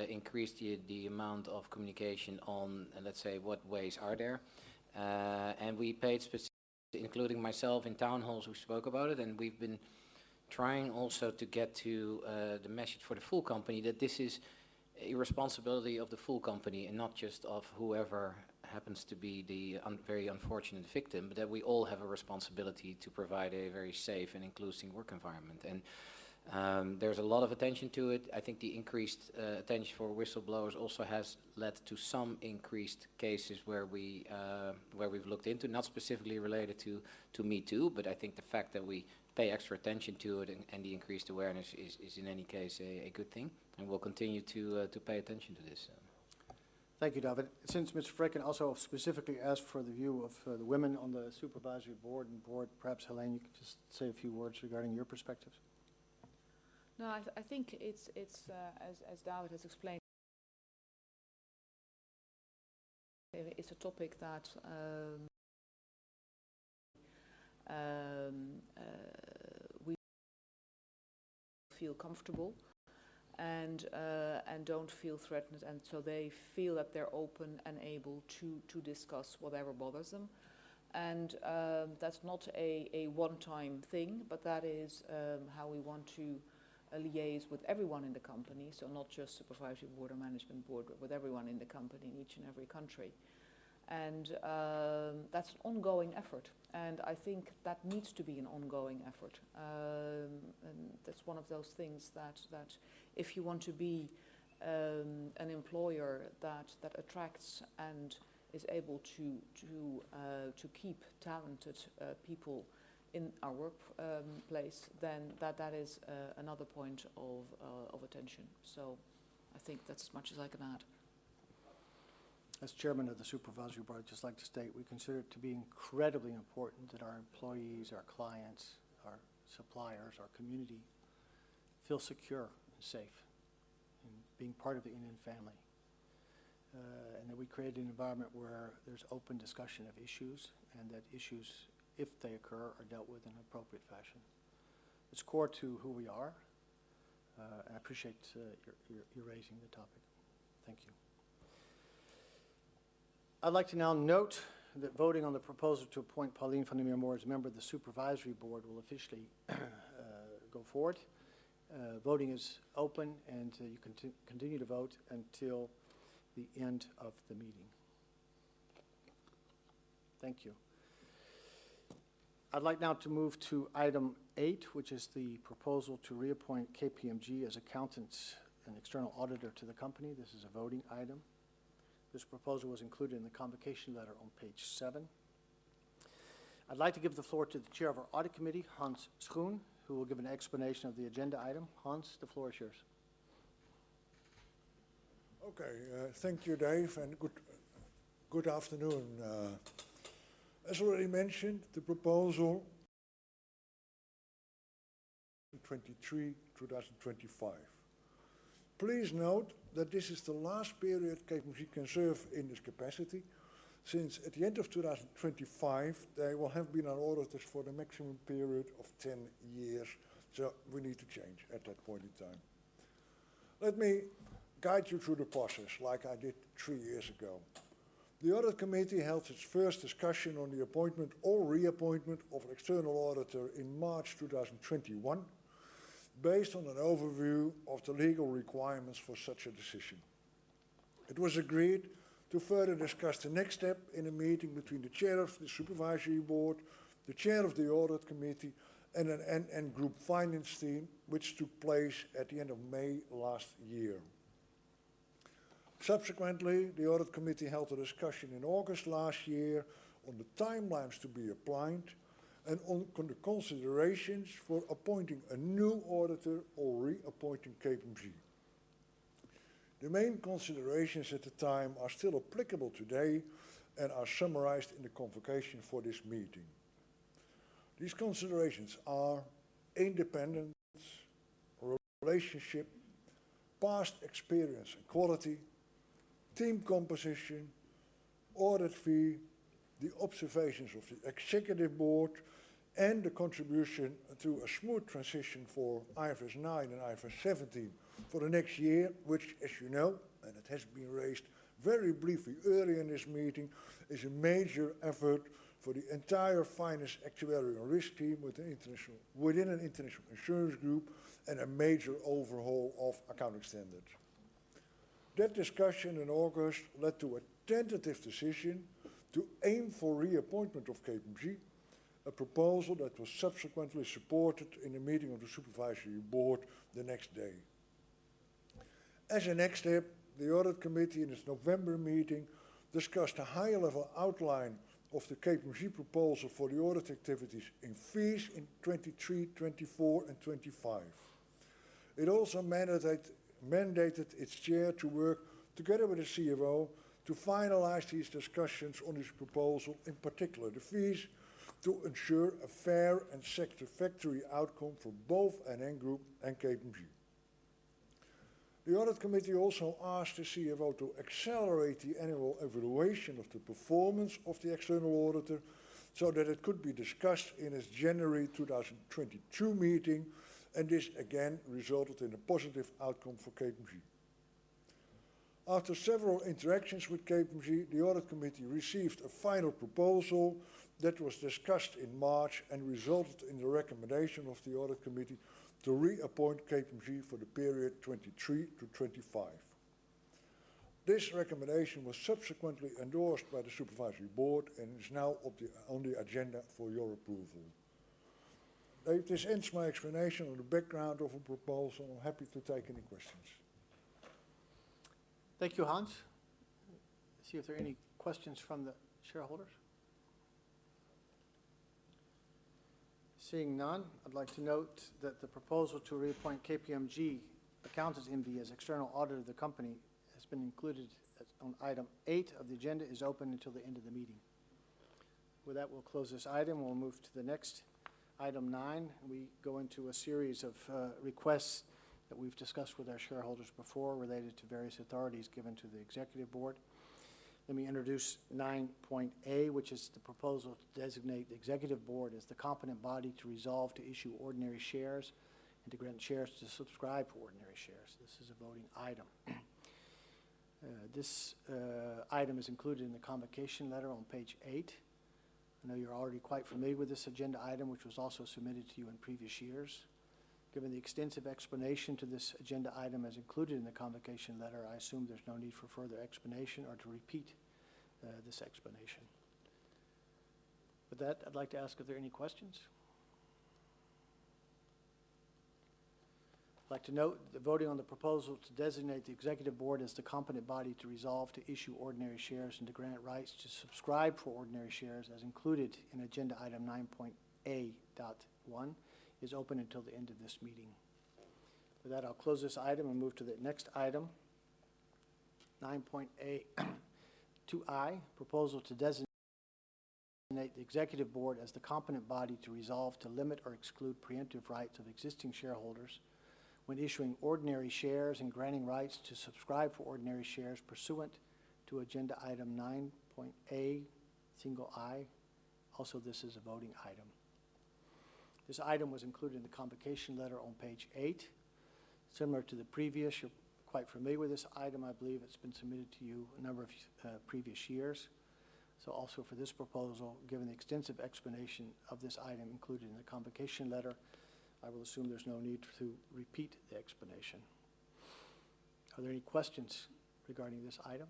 increased the amount of communication on, let's say, what ways are there. We paid specific attention, including myself in town halls. We spoke about it, and we've been trying also to get to the message for the full company that this is a responsibility of the full company and not just of whoever happens to be the very unfortunate victim, but that we all have a responsibility to provide a very safe and inclusive work environment. There's a lot of attention to it. I think the increased attention for whistleblowers also has led to some increased cases where we've looked into, not specifically related to MeToo, but I think the fact that we pay extra attention to it and the increased awareness is in any case a good thing, and we'll continue to pay attention to this. Thank you, David. Since Ms. Frijken also specifically asked for the view of the women on the supervisory board and board, perhaps Hélène, you could just say a few words regarding your perspectives. No, I think it's, as David has explained, it's a topic that we feel comfortable and don't feel threatened. They feel that they're open and able to discuss whatever bothers them. That's not a one-time thing, but that is how we want to liaise with everyone in the company, so not just supervisory board or management board, but with everyone in the company in each and every country. That's an ongoing effort, and I think that needs to be an ongoing effort. That's one of those things that if you want to be an employer that attracts and is able to keep talented people in our workplace, then that is another point of attention. I think that's as much as I can add. As chairman of the supervisory board, I'd just like to state we consider it to be incredibly important that our employees, our clients, our suppliers, our community feel secure and safe in being part of the NN family. That we create an environment where there's open discussion of issues, and that issues, if they occur, are dealt with in an appropriate fashion. It's core to who we are, and I appreciate your raising the topic. Thank you. I'd like to now note that voting on the proposal to appoint Pauline van der Meer Mohr as a member of the supervisory board will officially go forward. Voting is open, and you continue to vote until the end of the meeting. Thank you. I'd like now to move to item 8, which is the proposal to reappoint KPMG as accountants and external auditor to the company. This is a voting item. This proposal was included in the convocation letter on page 7. I'd like to give the floor to the chair of our audit committee, Hans Schoen, who will give an explanation of the agenda item. Hans, the floor is yours. Okay. Thank you, Dave, and good afternoon. As already mentioned, the proposal 23, 2025. Please note that this is the last period KPMG can serve in this capacity, since at the end of 2025, they will have been our auditors for the maximum period of 10 years, so we need to change at that point in time. Let me guide you through the process like I did three years ago. The audit committee held its first discussion on the appointment or reappointment of an external auditor in March 2021 based on an overview of the legal requirements for such a decision. It was agreed to further discuss the next step in a meeting between the chair of the supervisory board, the chair of the audit committee, and an NN Group finance team, which took place at the end of May last year. Subsequently, the audit committee held a discussion in August last year on the timelines to be applied and on the considerations for appointing a new auditor or re-appointing KPMG. The main considerations at the time are still applicable today and are summarized in the convocation for this meeting. These considerations are independence, relationship, past experience and quality, team composition, audit fee, the observations of the executive board, and the contribution to a smooth transition for IFRS 9 and IFRS 17 for the next year, which as you know, and it has been raised very briefly early in this meeting, is a major effort for the entire finance actuarial risk team within an international insurance group and a major overhaul of accounting standards. That discussion in August led to a tentative decision to aim for reappointment of KPMG, a proposal that was subsequently supported in a meeting of the supervisory board the next day. As a next step, the audit committee in its November meeting discussed a high-level outline of the KPMG proposal for the audit activities in fees in 2023, 2024, and 2025. It mandated its chair to work together with the CFO to finalize these discussions on this proposal, in particular the fees, to ensure a fair and satisfactory outcome for both NN Group and KPMG. The audit committee also asked the CFO to accelerate the annual evaluation of the performance of the external auditor so that it could be discussed in its January 2022 meeting, and this again resulted in a positive outcome for KPMG. After several interactions with KPMG, the Audit Committee received a final proposal that was discussed in March and resulted in the recommendation of the Audit Committee to reappoint KPMG for the period 2023-2025. This recommendation was subsequently endorsed by the Supervisory Board and is now on the agenda for your approval. This ends my explanation of the background of our proposal. I'm happy to take any questions. Thank you, Hans. Let's see if there are any questions from the shareholders. Seeing none, I'd like to note that the proposal to reappoint KPMG Accountants N.V. as external auditor of the company has been included on item 8 of the agenda is open until the end of the meeting. With that, we'll close this item, and we'll move to the next, item 9. We go into a series of requests that we've discussed with our shareholders before related to various authorities given to the executive board. Let me introduce 9.A, which is the proposal to designate the executive board as the competent body to resolve to issue ordinary shares and to grant shares to subscribe for ordinary shares. This is a voting item. This item is included in the convocation letter on page eight. I know you're already quite familiar with this agenda item, which was also submitted to you in previous years. Given the extensive explanation to this agenda item as included in the convocation letter, I assume there's no need for further explanation or to repeat this explanation. With that, I'd like to ask, are there any questions? I'd like to note that the voting on the proposal to designate the executive board as the competent body to resolve to issue ordinary shares and to grant rights to subscribe for ordinary shares, as included in agenda item 9.A (i), is open until the end of this meeting. With that, I'll close this item and move to the next item, 9.A (ii), proposal to designate the executive board as the competent body to resolve to limit or exclude preemptive rights of existing shareholders when issuing ordinary shares and granting rights to subscribe for ordinary shares pursuant to agenda item 9.A (i). Also, this is a voting item. This item was included in the convocation letter on page eight. Similar to the previous, you're quite familiar with this item, I believe. It's been submitted to you a number of previous years. Also for this proposal, given the extensive explanation of this item included in the convocation letter, I will assume there's no need to repeat the explanation. Are there any questions regarding this item?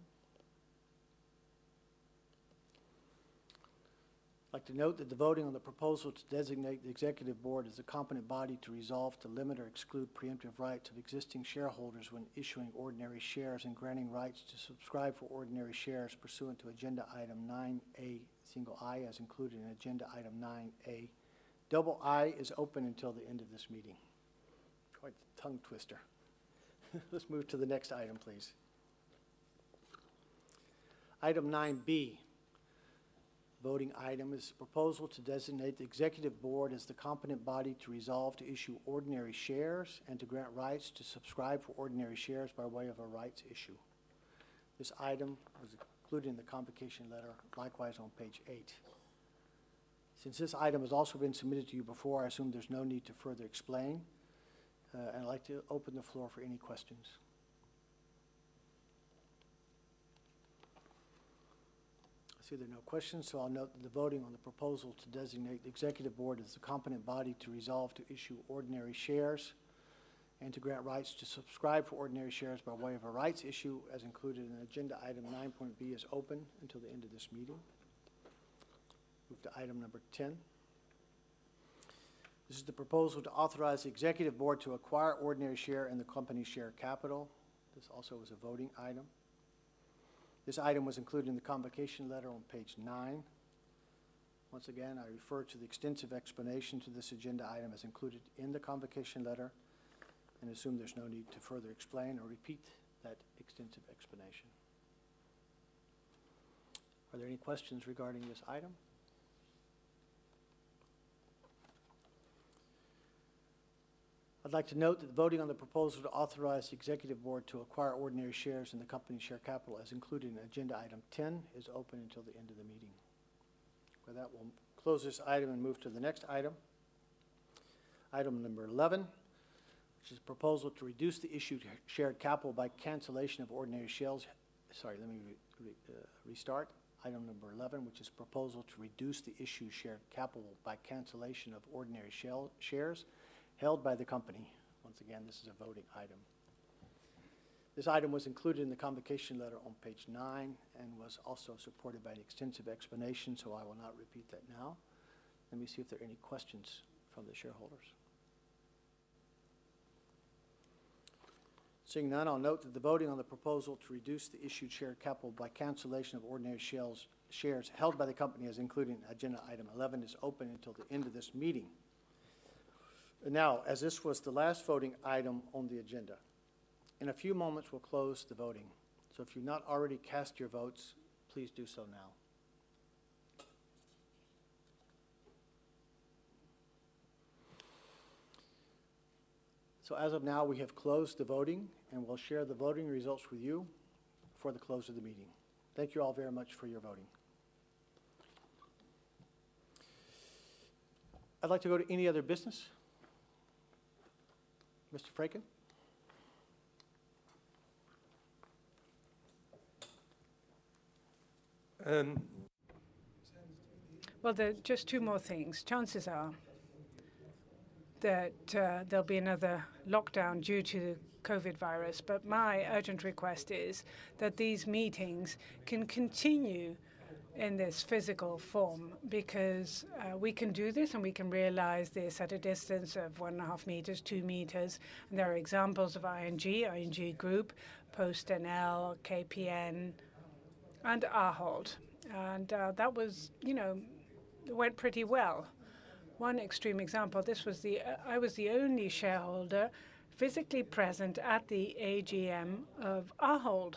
I'd like to note that the voting on the proposal to designate the executive board as the competent body to resolve to limit or exclude preemptive rights of existing shareholders when issuing ordinary shares and granting rights to subscribe for ordinary shares pursuant to agenda item 9.A (i), as included in agenda item 9.A (ii), is open until the end of this meeting. Quite the tongue twister. Let's move to the next item, please. Item 9.B, voting item, is the proposal to designate the executive board as the competent body to resolve to issue ordinary shares and to grant rights to subscribe for ordinary shares by way of a rights issue. This item was included in the convocation letter, likewise on page eight. Since this item has also been submitted to you before, I assume there's no need to further explain. I'd like to open the floor for any questions. I see there are no questions, so I'll note that the voting on the proposal to designate the executive board as the competent body to resolve to issue ordinary shares and to grant rights to subscribe for ordinary shares by way of a rights issue, as included in agenda item 9.B, is open until the end of this meeting. Move to item number 10. This is the proposal to authorize the executive board to acquire ordinary shares in the company share capital. This also is a voting item. This item was included in the convocation letter on page nine. Once again, I refer to the extensive explanation to this agenda item as included in the convocation letter and assume there's no need to further explain or repeat that extensive explanation. Are there any questions regarding this item? I'd like to note that the voting on the proposal to authorize the executive board to acquire ordinary shares in the company share capital, as included in agenda item 10, is open until the end of the meeting. With that, we'll close this item and move to the next item number 11, which is a proposal to reduce the issued share capital by cancellation of ordinary shares. Sorry, let me restart. Item number 11, which is a proposal to reduce the issued share capital by cancellation of ordinary shares held by the company. Once again, this is a voting item. This item was included in the convocation letter on page nine and was also supported by an extensive explanation, so I will not repeat that now. Let me see if there are any questions from the shareholders. Seeing none, I'll note that the voting on the proposal to reduce the issued share capital by cancellation of ordinary shares held by the company, as included in agenda item 11, is open until the end of this meeting. Now, as this was the last voting item on the agenda, in a few moments, we'll close the voting. If you've not already cast your votes, please do so now. As of now, we have closed the voting, and we'll share the voting results with you before the close of the meeting. Thank you all very much for your voting. I'd like to go to any other business. Mr. Vreeken. Um... Well, there are just two more things. Chances are that there'll be another lockdown due to the COVID-19 virus. My urgent request is that these meetings can continue in this physical form because we can do this, and we can realize this at a distance of 1.5 m, 2 m. There are examples of ING Group, PostNL, KPN, and Ahold. That was, you know. It went pretty well. One extreme example, I was the only shareholder physically present at the AGM of Ahold.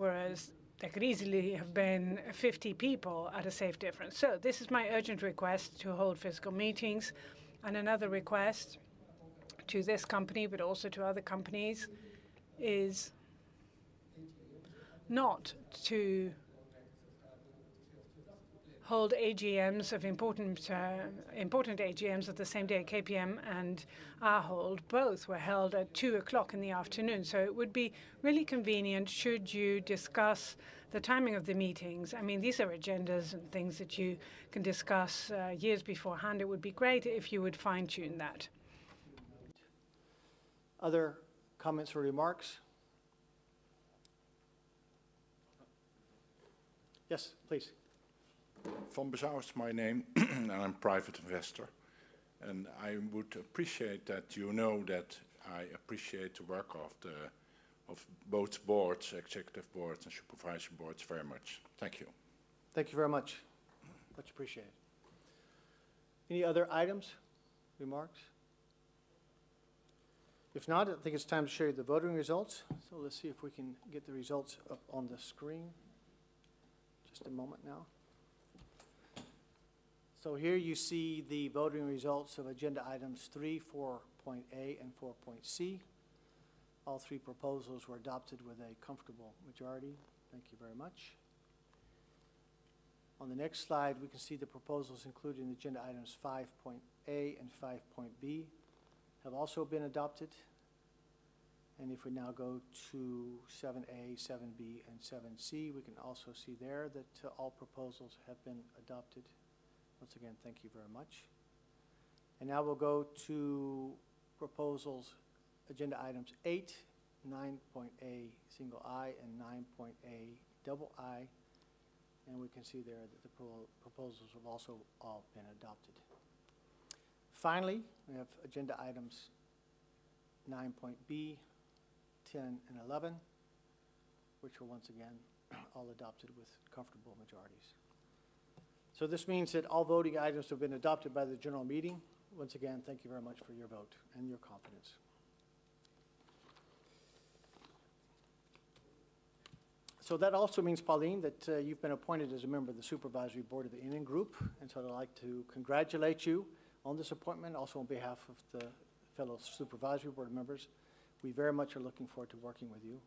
Whereas there could easily have been 50 people at a safe distance. This is my urgent request to hold physical meetings. Another request to this company, but also to other companies, is not to hold AGMs of important AGMs at the same day. KPMG and Ahold both were held at 2:00 P.M. It would be really convenient should you discuss the timing of the meetings. I mean, these are agendas and things that you can discuss, years beforehand. It would be great if you would fine-tune that. Other comments or remarks? Yes, please. Van Besouw is my name, and I'm a private investor. I would appreciate that you know that I appreciate the work of both boards, executive boards and supervisory boards, very much. Thank you. Thank you very much. Much appreciated. Any other items, remarks? If not, I think it's time to show you the voting results. Let's see if we can get the results up on the screen. Just a moment now. Here you see the voting results of agenda items 3, 4.A, and 4.C. All three proposals were adopted with a comfortable majority. Thank you very much. On the next slide, we can see the proposals included in agenda items 5.A and 5B have also been adopted. If we now go to 7.A, 7.B, and 7.C, we can also see there that all proposals have been adopted. Once again, thank you very much. Now we'll go to proposals, agenda items 8, 9.A (i), and 9.A (ii). We can see there that the proposals have also all been adopted. Finally, we have agenda items 9.B, 10, and 11, which were once again all adopted with comfortable majorities. This means that all voting items have been adopted by the general meeting. Once again, thank you very much for your vote and your confidence. That also means, Pauline, that you've been appointed as a member of the supervisory board of the NN Group. I'd like to congratulate you on this appointment. Also, on behalf of the fellow supervisory board members, we very much are looking forward to working with you.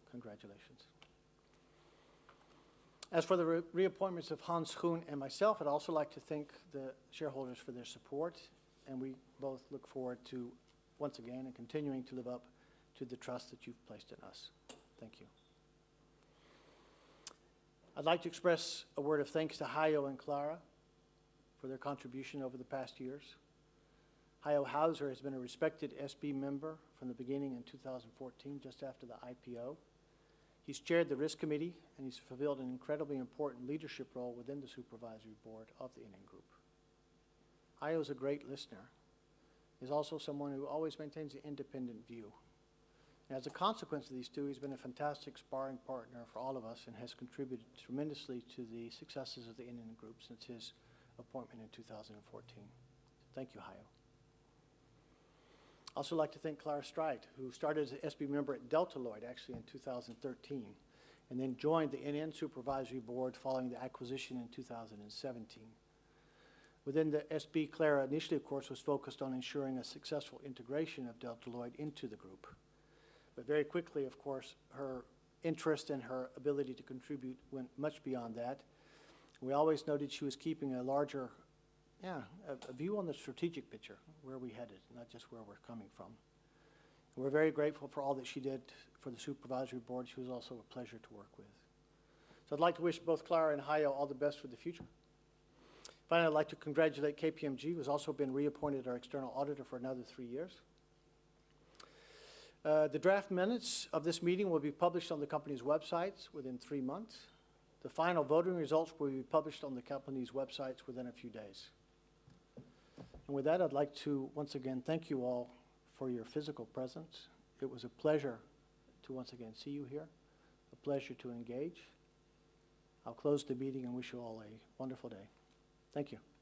Congratulations. As for the reappointments of Hans Schoen and myself, I'd also like to thank the shareholders for their support, and we both look forward to once again and continuing to live up to the trust that you've placed in us. Thank you. I'd like to express a word of thanks to Hajo and Clara for their contribution over the past years. Hajo has been a respected SB member from the beginning in 2014, just after the IPO. He's chaired the risk committee, and he's fulfilled an incredibly important leadership role within the Supervisory Board of the NN Group. Hajo's a great listener. He's also someone who always maintains an independent view. As a consequence of these two, he's been a fantastic sparring partner for all of us and has contributed tremendously to the successes of the NN Group since his appointment in 2014. Thank you, Hajo. I'd also like to thank Clara Streit, who started as an SB member at Deloitte, actually in 2013, and then joined the NN Supervisory Board following the acquisition in 2017. Within the SB, Clara Streit initially, of course, was focused on ensuring a successful integration of Delta Lloyd into the group. Very quickly, of course, her interest and her ability to contribute went much beyond that. We always noted she was keeping a larger view on the strategic picture, where we're headed, not just where we're coming from. We're very grateful for all that she did for the supervisory board. She was also a pleasure to work with. I'd like to wish both Clara and Hajo all the best for the future. Finally, I'd like to congratulate KPMG, who's also been reappointed our external auditor for another three years. The draft minutes of this meeting will be published on the company's websites within three months. The final voting results will be published on the company's websites within a few days. With that, I'd like to once again thank you all for your physical presence. It was a pleasure to once again see you here, a pleasure to engage. I'll close the meeting and wish you all a wonderful day. Thank you.